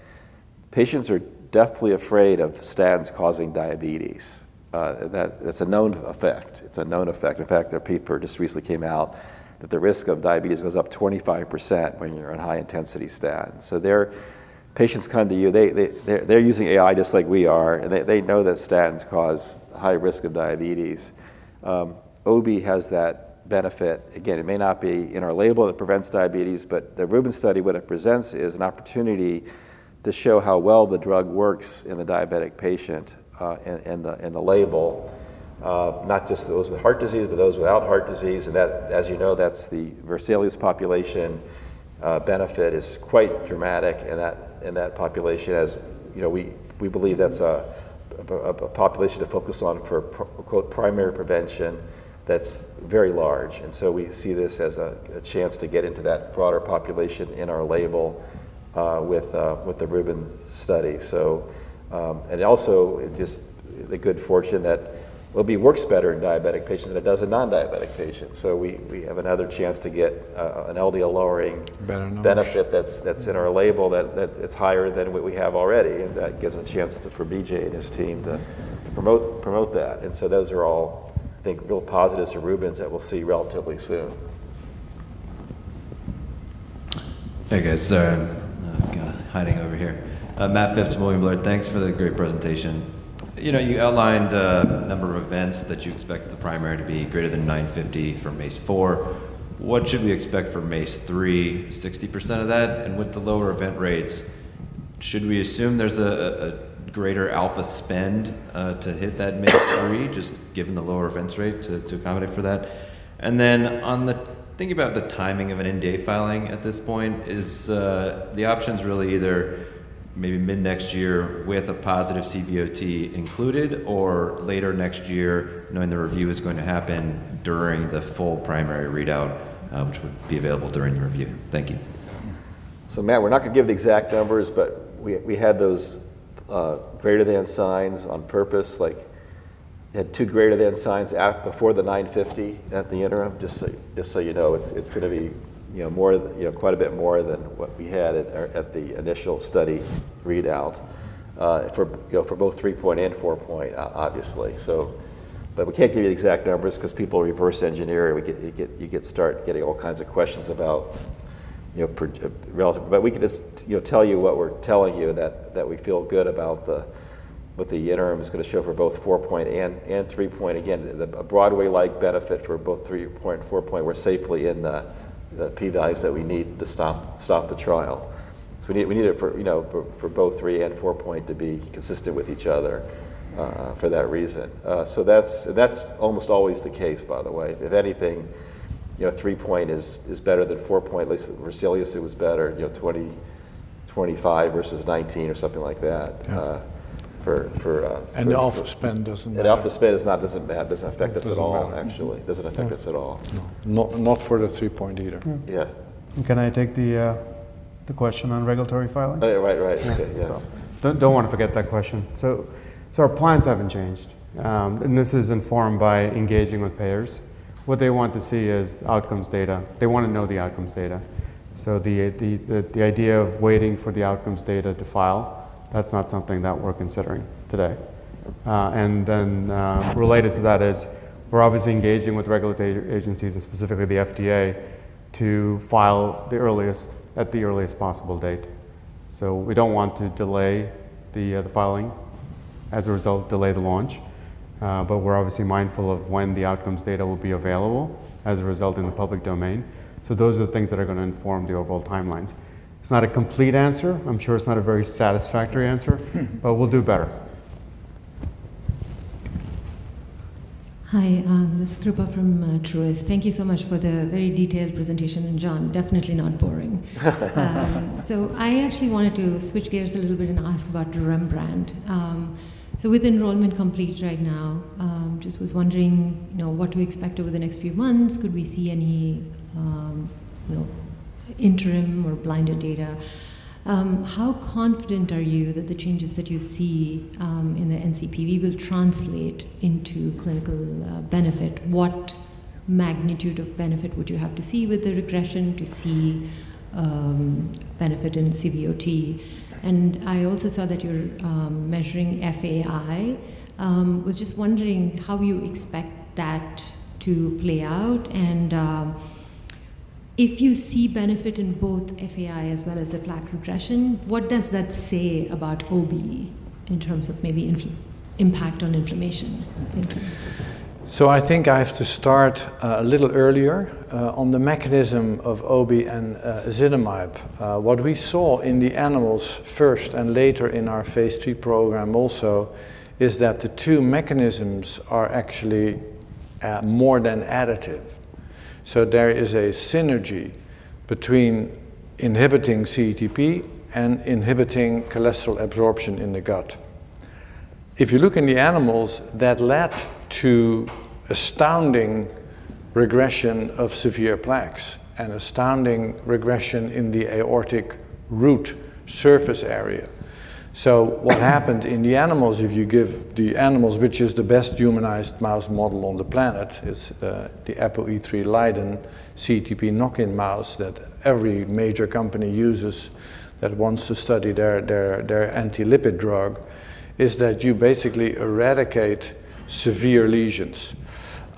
patients are definitely afraid of statins causing diabetes. That's a known effect. In fact, a paper just recently came out that the risk of diabetes goes up 25% when you're on high-intensity statins. Patients come to you, they're using AI just like we are, and they know that statins cause a high risk of diabetes. Obi has that benefit. Again, it may not be in our label that prevents diabetes, but the RUBENS study, what it presents is an opportunity to show how well the drug works in the diabetic patient and the label of not just those with heart disease, but those without heart disease. As you know, that's the VESALIUS population benefit is quite dramatic in that population. As we believe that's a population to focus on for, quote, primary prevention that's very large. We see this as a chance to get into that broader population in our label with the RUBENS study. Also, just the good fortune that Obi works better in diabetic patients than it does in non-diabetic patients. So we have another chance to get an LDL-lowering— [INAUDIBLE] ...benefit that's in our label that it's higher than what we have already. That gives a chance for BJ and his team to promote that. Those are all, I think, real positives for RUBENS that we'll see relatively soon. Hey, guys. Sorry, I'm kind of hiding over here. Matt Phipps, William Blair. Thanks for the great presentation. You outlined a number of events that you expect the primary to be greater than 950 for MACE 4. What should we expect for MACE 3, 60% of that? With the lower event rates, should we assume there's a greater alpha spend to hit that MACE 3 just given the lower events rate to accommodate for that? Thinking about the timing of an NDA filing at this point, is the options really either maybe mid-next year with a positive CVOT included or later next year knowing the review is going to happen during the full primary readout, which would be available during the review? Thank you. Matt, we're not going to give the exact numbers, we had those greater-than signs on purpose. We had two greater-than signs before the 950 at the interim, just so you know. It's going to be quite a bit more than what we had at the initial study readout for both three-point and four-point, obviously. we can't give you the exact numbers because people reverse-engineer, and you start getting all kinds of questions about relative. we can just tell you what we're telling you, that we feel good about what the interim is going to show for both four-point and three-point. Again, a BROADWAY-like benefit for both three-point and four-point. We're safely in the P values that we need to stop the trial. we need it for both three and four-point to be consistent with each other for that reason. that's almost always the case, by the way. If anything, three-point is better than four-point. VESALIUS was better, 2025 versus 2019 or something like that for— The alpha spend doesn't matter. The alpha spend doesn't affect us at all, actually. Doesn't affect us at all. No. Not for the three-point either. Yeah. Can I take the question on regulatory filing? Right. Okay. Yeah. Don't want to forget that question. Our plans haven't changed, and this is informed by engaging with payers. What they want to see is outcomes data. They want to know the outcomes data. The idea of waiting for the outcomes data to file, that's not something that we're considering today. Related to that is we're obviously engaging with regulatory agencies, and specifically the FDA, to file at the earliest possible date. We don't want to delay the filing as a reasult delay the launch. We're obviously mindful of when the outcomes data will be available as a result in the public domain. Those are the things that are going to inform the overall timelines. It's not a complete answer. I'm sure it's not a very satisfactory answer. We'll do better. Hi, this is Krupa from Truist. Thank you so much for the very detailed presentation, and John, definitely not boring. I actually wanted to switch gears a little bit and ask about REMBRANDT. With enrollment complete right now, just was wondering what to expect over the next few months. Could we see any interim or blinded data? How confident are you that the changes that you see in the NCPV will translate into clinical benefit? What magnitude of benefit would you have to see with the regression to see benefit in CVOT? I also saw that you're measuring FAI. Was just wondering how you expect that to play out. If you see benefit in both FAI as well as the plaque regression, what does that say about Obi in terms of maybe impact on inflammation? Thank you. I think I have to start a little earlier on the mechanism of Obi and ezetimibe. What we saw in the animals first and later in our phase III program also, is that the two mechanisms are actually more than additive. There is a synergy between inhibiting CETP and inhibiting cholesterol absorption in the gut. If you look in the animals, that led to astounding regression of severe plaques and astounding regression in the aortic root surface area. What happened in the animals, if you give the animals, which is the best humanized mouse model on the planet, is the ApoE*3-Leiden CETP knock-in mouse that every major company uses that wants to study their anti-lipid drug, is that you basically eradicate severe lesions.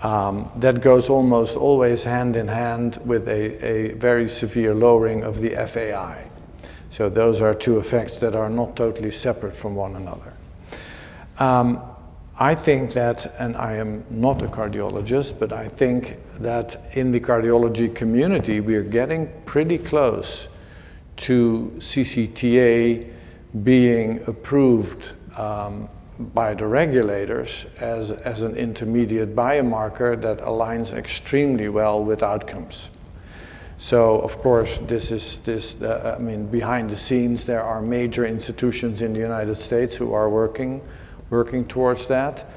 That goes almost always hand-in-hand with a very severe lowering of the FAI. Those are two effects that are not totally separate from one another. I think that, and I am not a cardiologist, but I think that in the cardiology community, we are getting pretty close to CCTA being approved by the regulators as an intermediate biomarker that aligns extremely well with outcomes. Of course, behind the scenes, there are major institutions in the United States who are working towards that.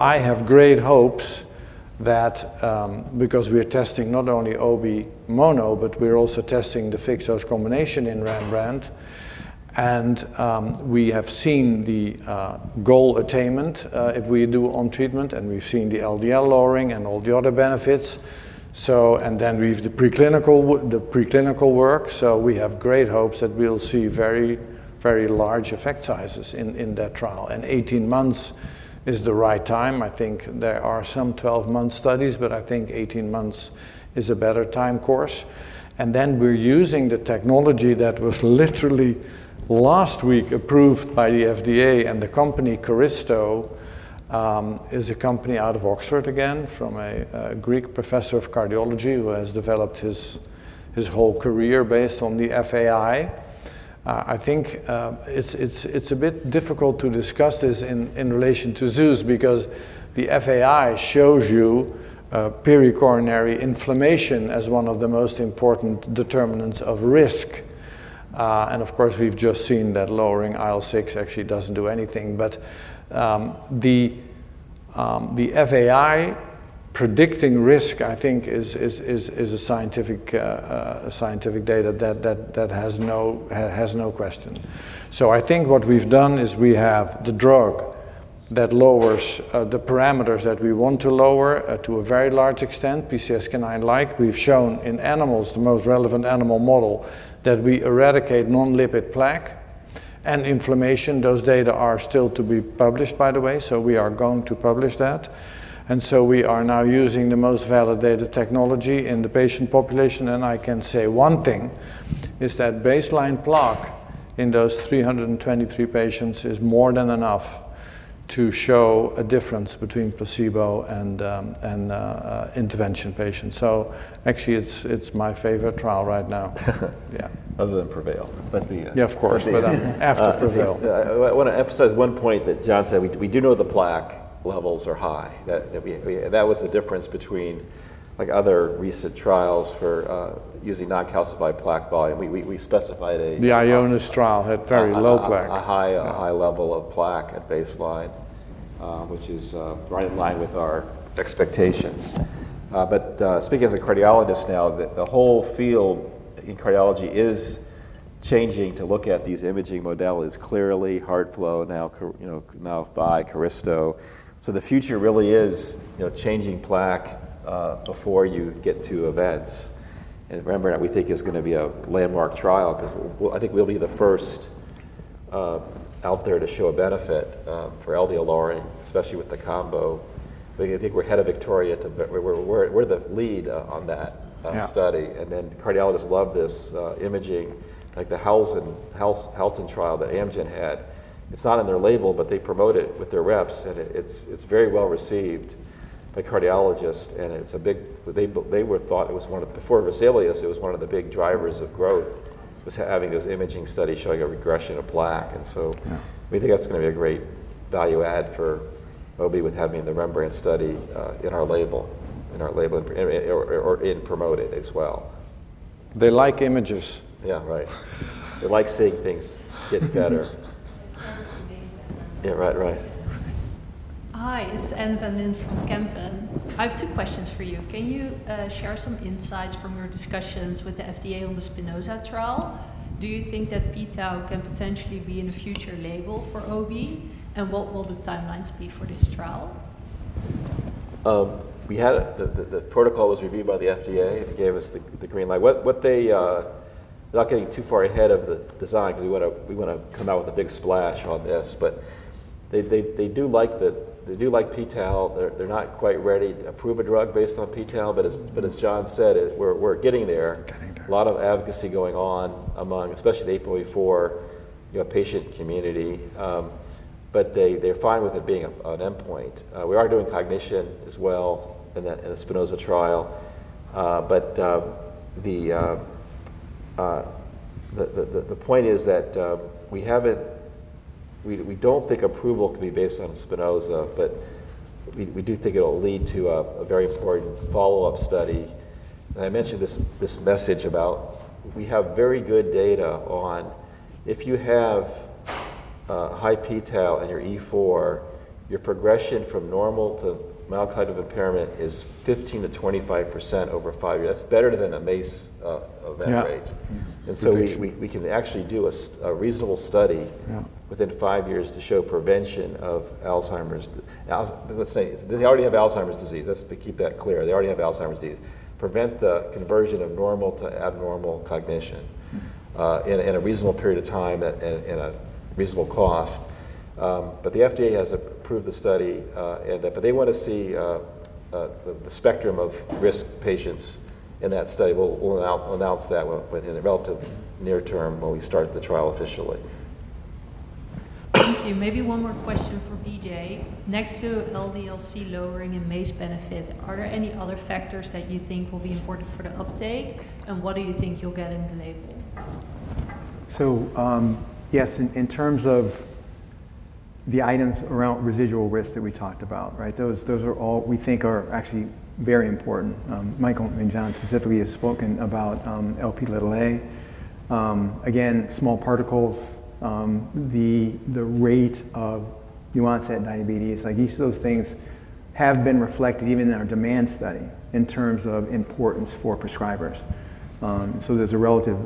I have great hopes that because we are testing not only Obi mono, but we are also testing the fixed-dose combination in REMBRANDT, and we have seen the goal attainment if we do on treatment, and we've seen the LDL lowering and all the other benefits. Then we have the preclinical work. We have great hopes that we'll see very large effect sizes in that trial. 18 months is the right time. I think there are some 12-month studies, but I think 18 months is a better time course. We're using the technology that was literally last week approved by the FDA and the company Caristo, is a company out of Oxford again, from a Greek professor of cardiology who has developed his whole career based on the FAI. I think it's a bit difficult to discuss this in relation to ZEUS because the FAI shows you pericoronary inflammation as one of the most important determinants of risk. We've just seen that lowering IL-6 actually doesn't do anything. The FAI predicting risk, I think, is a scientific data that has no question. I think what we've done is we have the drug that lowers the parameters that we want to lower to a very large extent, PCSK9 like. We've shown in animals, the most relevant animal model, that we eradicate non-lipid plaque and inflammation. Those data are still to be published, by the way, so we are going to publish that. We are now using the most validated technology in the patient population, and I can say one thing is that baseline plaque in those 323 patients is more than enough to show a difference between placebo and intervention patients. Actually it's my favorite trial right now. Yeah. Other than PREVAIL. Yeah, of course. After PREVAIL. I want to emphasize one point that John said. We do know the plaque levels are high. That was the difference between other recent trials for using non-calcified plaque volume. We specified. The Ionis trial had very low plaque. A high level of plaque at baseline, which is right in line with our expectations. Speaking as a cardiologist now, the whole field in cardiology is changing to look at these imaging modalities, clearly HeartFlow now, by Caristo. The future really is changing plaque before you get to events. Remember, we think it's going to be a landmark trial because I think we'll be the first out there to show a benefit for LDL lowering, especially with the combo. I think we're head of VICTORIA. We're the lead on that. Yeah Study. Cardiologists love this imaging, like the [Helton trial] that Amgen had. It's not on their label, but they promote it with their reps, and it's very well-received by cardiologists. Before VESALIUS, it was one of the big drivers of growth, was having those imaging studies showing a regression of plaque. Yeah. We think that's going to be a great value add for Obi with having the REMBRANDT study in our label, or in promoting as well. They like images. Yeah, right. They like seeing things get better. It's harder to name them. Yeah, right. Hi, it's Anne van Lint from Kempen. I have two questions for you. Can you share some insights from your discussions with the FDA on the SPINOZA trial? Do you think that p-tau can potentially be in a future label for OB, and what will the timelines be for this trial? The protocol was reviewed by the FDA. It gave us the green light. Not getting too far ahead of the design, because we want to come out with a big splash on this. They do like p-tau. They're not quite ready to approve a drug based on p-tau. As John said, we're getting there. Getting there. A lot of advocacy going on among, especially the APOE4 patient community. They're fine with it being an endpoint. We are doing cognition as well in the SPINOZA trial. The point is that we don't think approval can be based on SPINOZA, but we do think it'll lead to a very important follow-up study. I mentioned this message about we have very good data on if you have a high p-tau and you're E4, your progression from normal to mild cognitive impairment is 15%-25% over five years. That's better than a MACE of that rate. Yeah. We can actually do a reasonable study. Yeah within five years to show prevention of Alzheimer's. Let's say they already have Alzheimer's disease. Let's keep that clear. They already have Alzheimer's disease. Prevent the conversion of normal to abnormal cognition in a reasonable period of time, at a reasonable cost. The FDA has approved the study, they want to see the spectrum of risk patients in that study. We'll announce that within the relative near term when we start the trial officially. Thank you. Maybe one more question for BJ. Next to LDL-C lowering and MACE benefit, are there any other factors that you think will be important for the uptake, and what do you think you'll get in the label? Yes, in terms of the items around residual risk that we talked about, those we think are actually very important. Michael and John specifically have spoken about Lp(a). Again, small particles, the rate of onset diabetes. Each of those things have been reflected even in our demand study in terms of importance for prescribers. There's a relative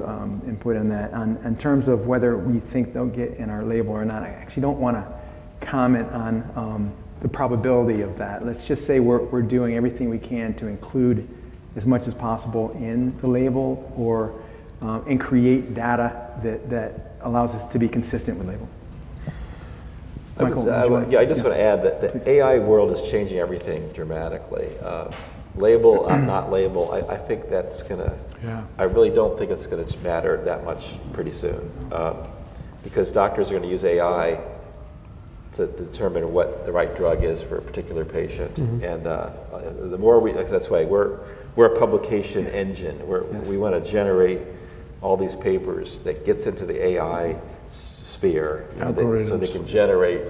input in that. In terms of whether we think they'll get in our label or not, I actually don't want to comment on the probability of that. Let's just say we're doing everything we can to include as much as possible in the label and create data that allows us to be consistent with labeling. Michael, would you like— Yeah, I just want to add that the AI world is changing everything dramatically. Label or not label, I really don't think it's going to matter that much pretty soon. Doctors are going to use AI to determine what the right drug is for a particular patient. That's why we're a publication engine. Yes. We want to generate all these papers that gets into the AI sphere. Algorithms They can generate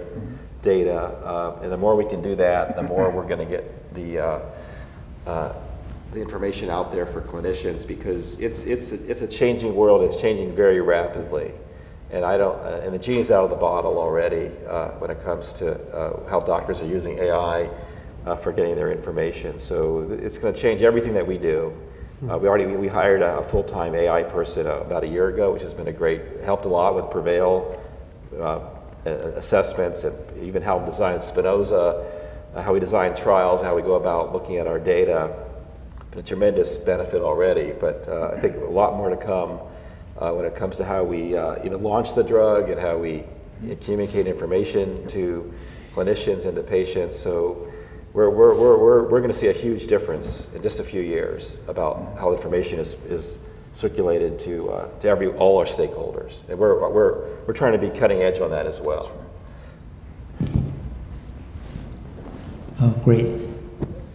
data. The more we can do that, the more we're going to get the information out there for clinicians because it's a changing world. It's changing very rapidly. The genie's out of the bottle already when it comes to how doctors are using AI for getting their information. It's going to change everything that we do. We hired a full-time AI person about a year ago, which helped a lot with PREVAIL assessments and even helped design SPINOZA, how we design trials and how we go about looking at our data. It has been a tremendous benefit already, I think a lot more to come when it comes to how we even launch the drug and how we communicate information to clinicians and to patients. We're going to see a huge difference in just a few years about how information is circulated to all our stakeholders. We're trying to be cutting edge on that as well. Great.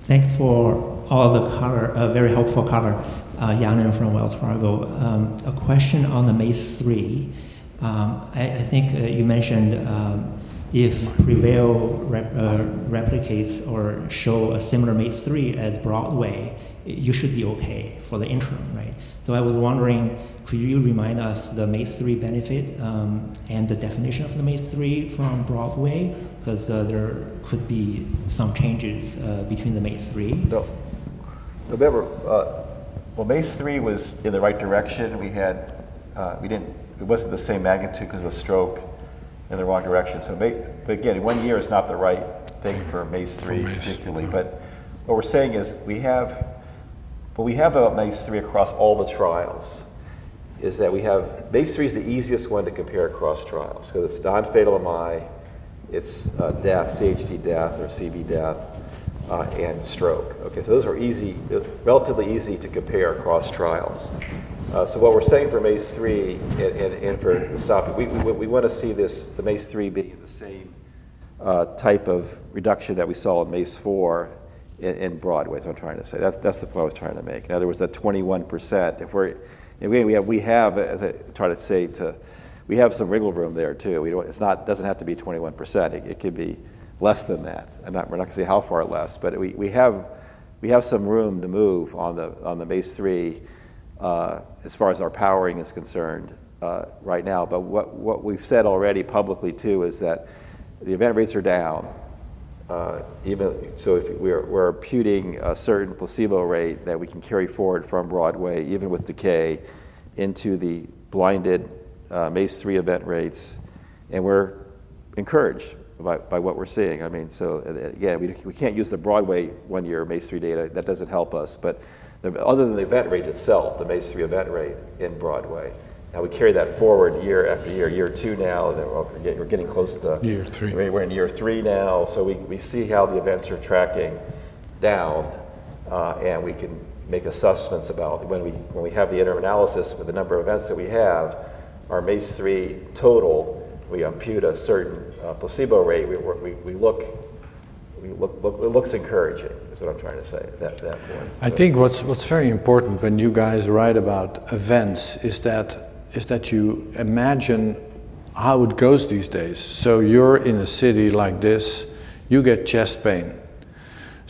Thanks for all the very helpful color. Yanan Zhu from Wells Fargo. A question on the MACE 3. I think you mentioned if PREVAIL replicates or show a similar MACE 3 as BROADWAY, you should be okay for the interim, right? I was wondering, could you remind us the MACE 3 benefit, and the definition of the MACE 3 from BROADWAY? There could be some changes between the MACE 3? Remember, well, MACE-3 was in the right direction. It wasn't the same magnitude because of the stroke in the wrong direction. Again, one year is not the right thing for MACE-3 particularly. What we're saying is we have a MACE-3 across all the trials, is that we have MACE-3 is the easiest one to compare across trials. It's non-fatal MI, it's CHD death or CV death, and stroke. Okay, those are relatively easy to compare across trials. What we're saying for MACE-3 and for the stopping, we want to see the MACE-3 being the same type of reduction that we saw with MACE-4 in BROADWAY, is what I'm trying to say. That's the point I was trying to make. In other words, that 21%, as I try to say, we have some wriggle room there, too. It doesn't have to be 21%. It could be less than that. We're not going to say how far less, we have some room to move on the MACE-3 as far as our powering is concerned right now. What we've said already publicly, too, is that the event rates are down. We're imputing a certain placebo rate that we can carry forward from BROADWAY, even with decay, into the blinded MACE-3 event rates, and we're encouraged by what we're seeing. Again, we can't use the BROADWAY one-year MACE-3 data. That doesn't help us, other than the event rate itself, the MACE-3 event rate in BROADWAY, how we carry that forward year after year two now, and we're getting close to— Year three We're in year three now, we see how the events are tracking down, and we can make assessments about when we have the interim analysis for the number of events that we have, our MACE-3 total, we impute a certain placebo rate. It looks encouraging is what I'm trying to say, at that point. I think what's very important when you guys write about events is that you imagine how it goes these days. You're in a city like this, you get chest pain.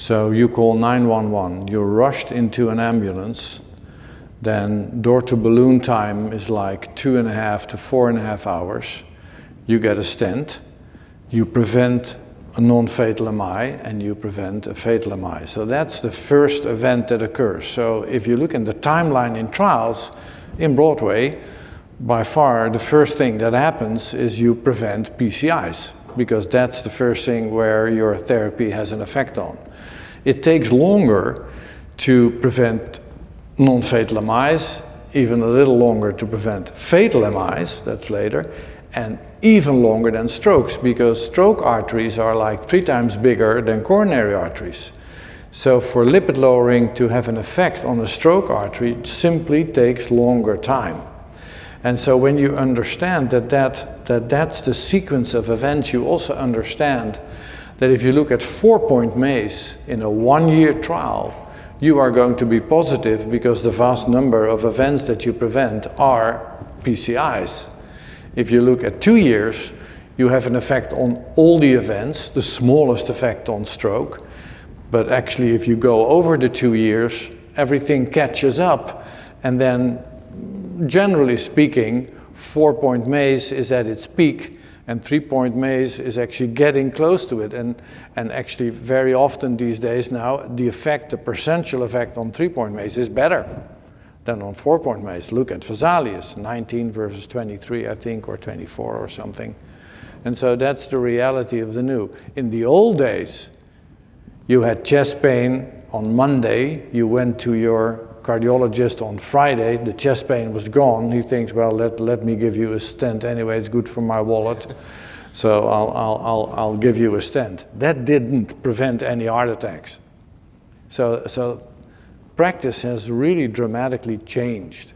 You call 911. You're rushed into an ambulance, Door to balloon time is two and a half to four and a half hours. You get a stent. You prevent a non-fatal MI, you prevent a fatal MI. That's the first event that occurs. If you look in the timeline in trials, in BROADWAY, by far, the first thing that happens is you prevent PCIs, because that's the first thing where your therapy has an effect on. It takes longer to prevent non-fatal MIs, even a little longer to prevent fatal MIs, that's later, and even longer than strokes because stroke arteries are three times bigger than coronary arteries. For lipid lowering to have an effect on a stroke artery, it simply takes longer time. When you understand that that's the sequence of events, you also understand that if you look at four-Point MACE in a one-year trial, you are going to be positive because the vast number of events that you prevent are PCIs. If you look at two years, you have an effect on all the events, the smallest effect on stroke. Actually, if you go over the two years, everything catches up, then generally speaking, four-Point MACE is at its peak, and three-Point MACE is actually getting close to it. Actually, very often these days now, the effect, the percentual effect on three-Point MACE is better than on four-Point MACE. Look at VESALIUS, 19 versus 23, I think, or 24 or something. That's the reality of the new. In the old days, you had chest pain on Monday. You went to your cardiologist on Friday. The chest pain was gone. He thinks, Well, let me give you a stent anyway. It's good for my wallet, so I'll give you a stent. That didn't prevent any heart attacks. Practice has really dramatically changed.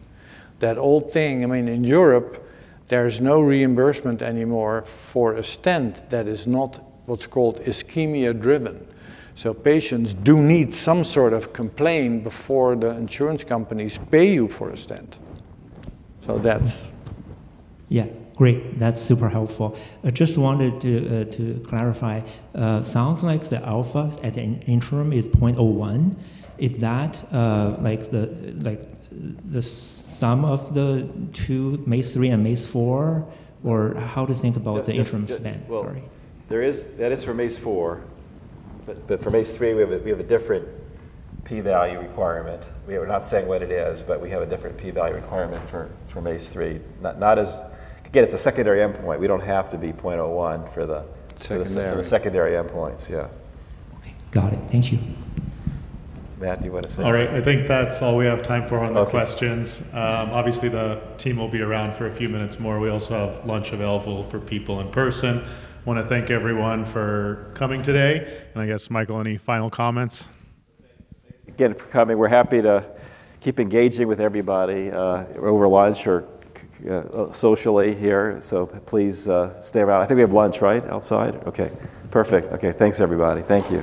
That old thing, in Europe, there's no reimbursement anymore for a stent that is not what's called ischemia-driven. Patients do need some sort of complaint before the insurance companies pay you for a stent. That's Yeah. Great. That's super helpful. I just wanted to clarify. Sounds like the alpha at the interim is 0.01. Is that the sum of the two, MACE-3 and MACE-4, or how to think about the interim split? Sorry. That is for MACE-4, but for MACE-3, we have a different P-value requirement. We are not saying what it is, but we have a different P-value requirement for MACE-3. Again, it's a secondary endpoint. We don't have to be 0.01. Secondary For the secondary endpoints, yeah. Okay. Got it. Thank you. Matt, do you want to say anything? All right. I think that's all we have time for on the questions. Okay. The team will be around for a few minutes more. We also have lunch available for people in person. Want to thank everyone for coming today. I guess, Michael, any final comments? Thank you again for coming. We're happy to keep engaging with everybody over lunch or socially here. Please stay around. I think we have lunch, right, outside? Okay. Perfect. Okay, thanks everybody. Thank you.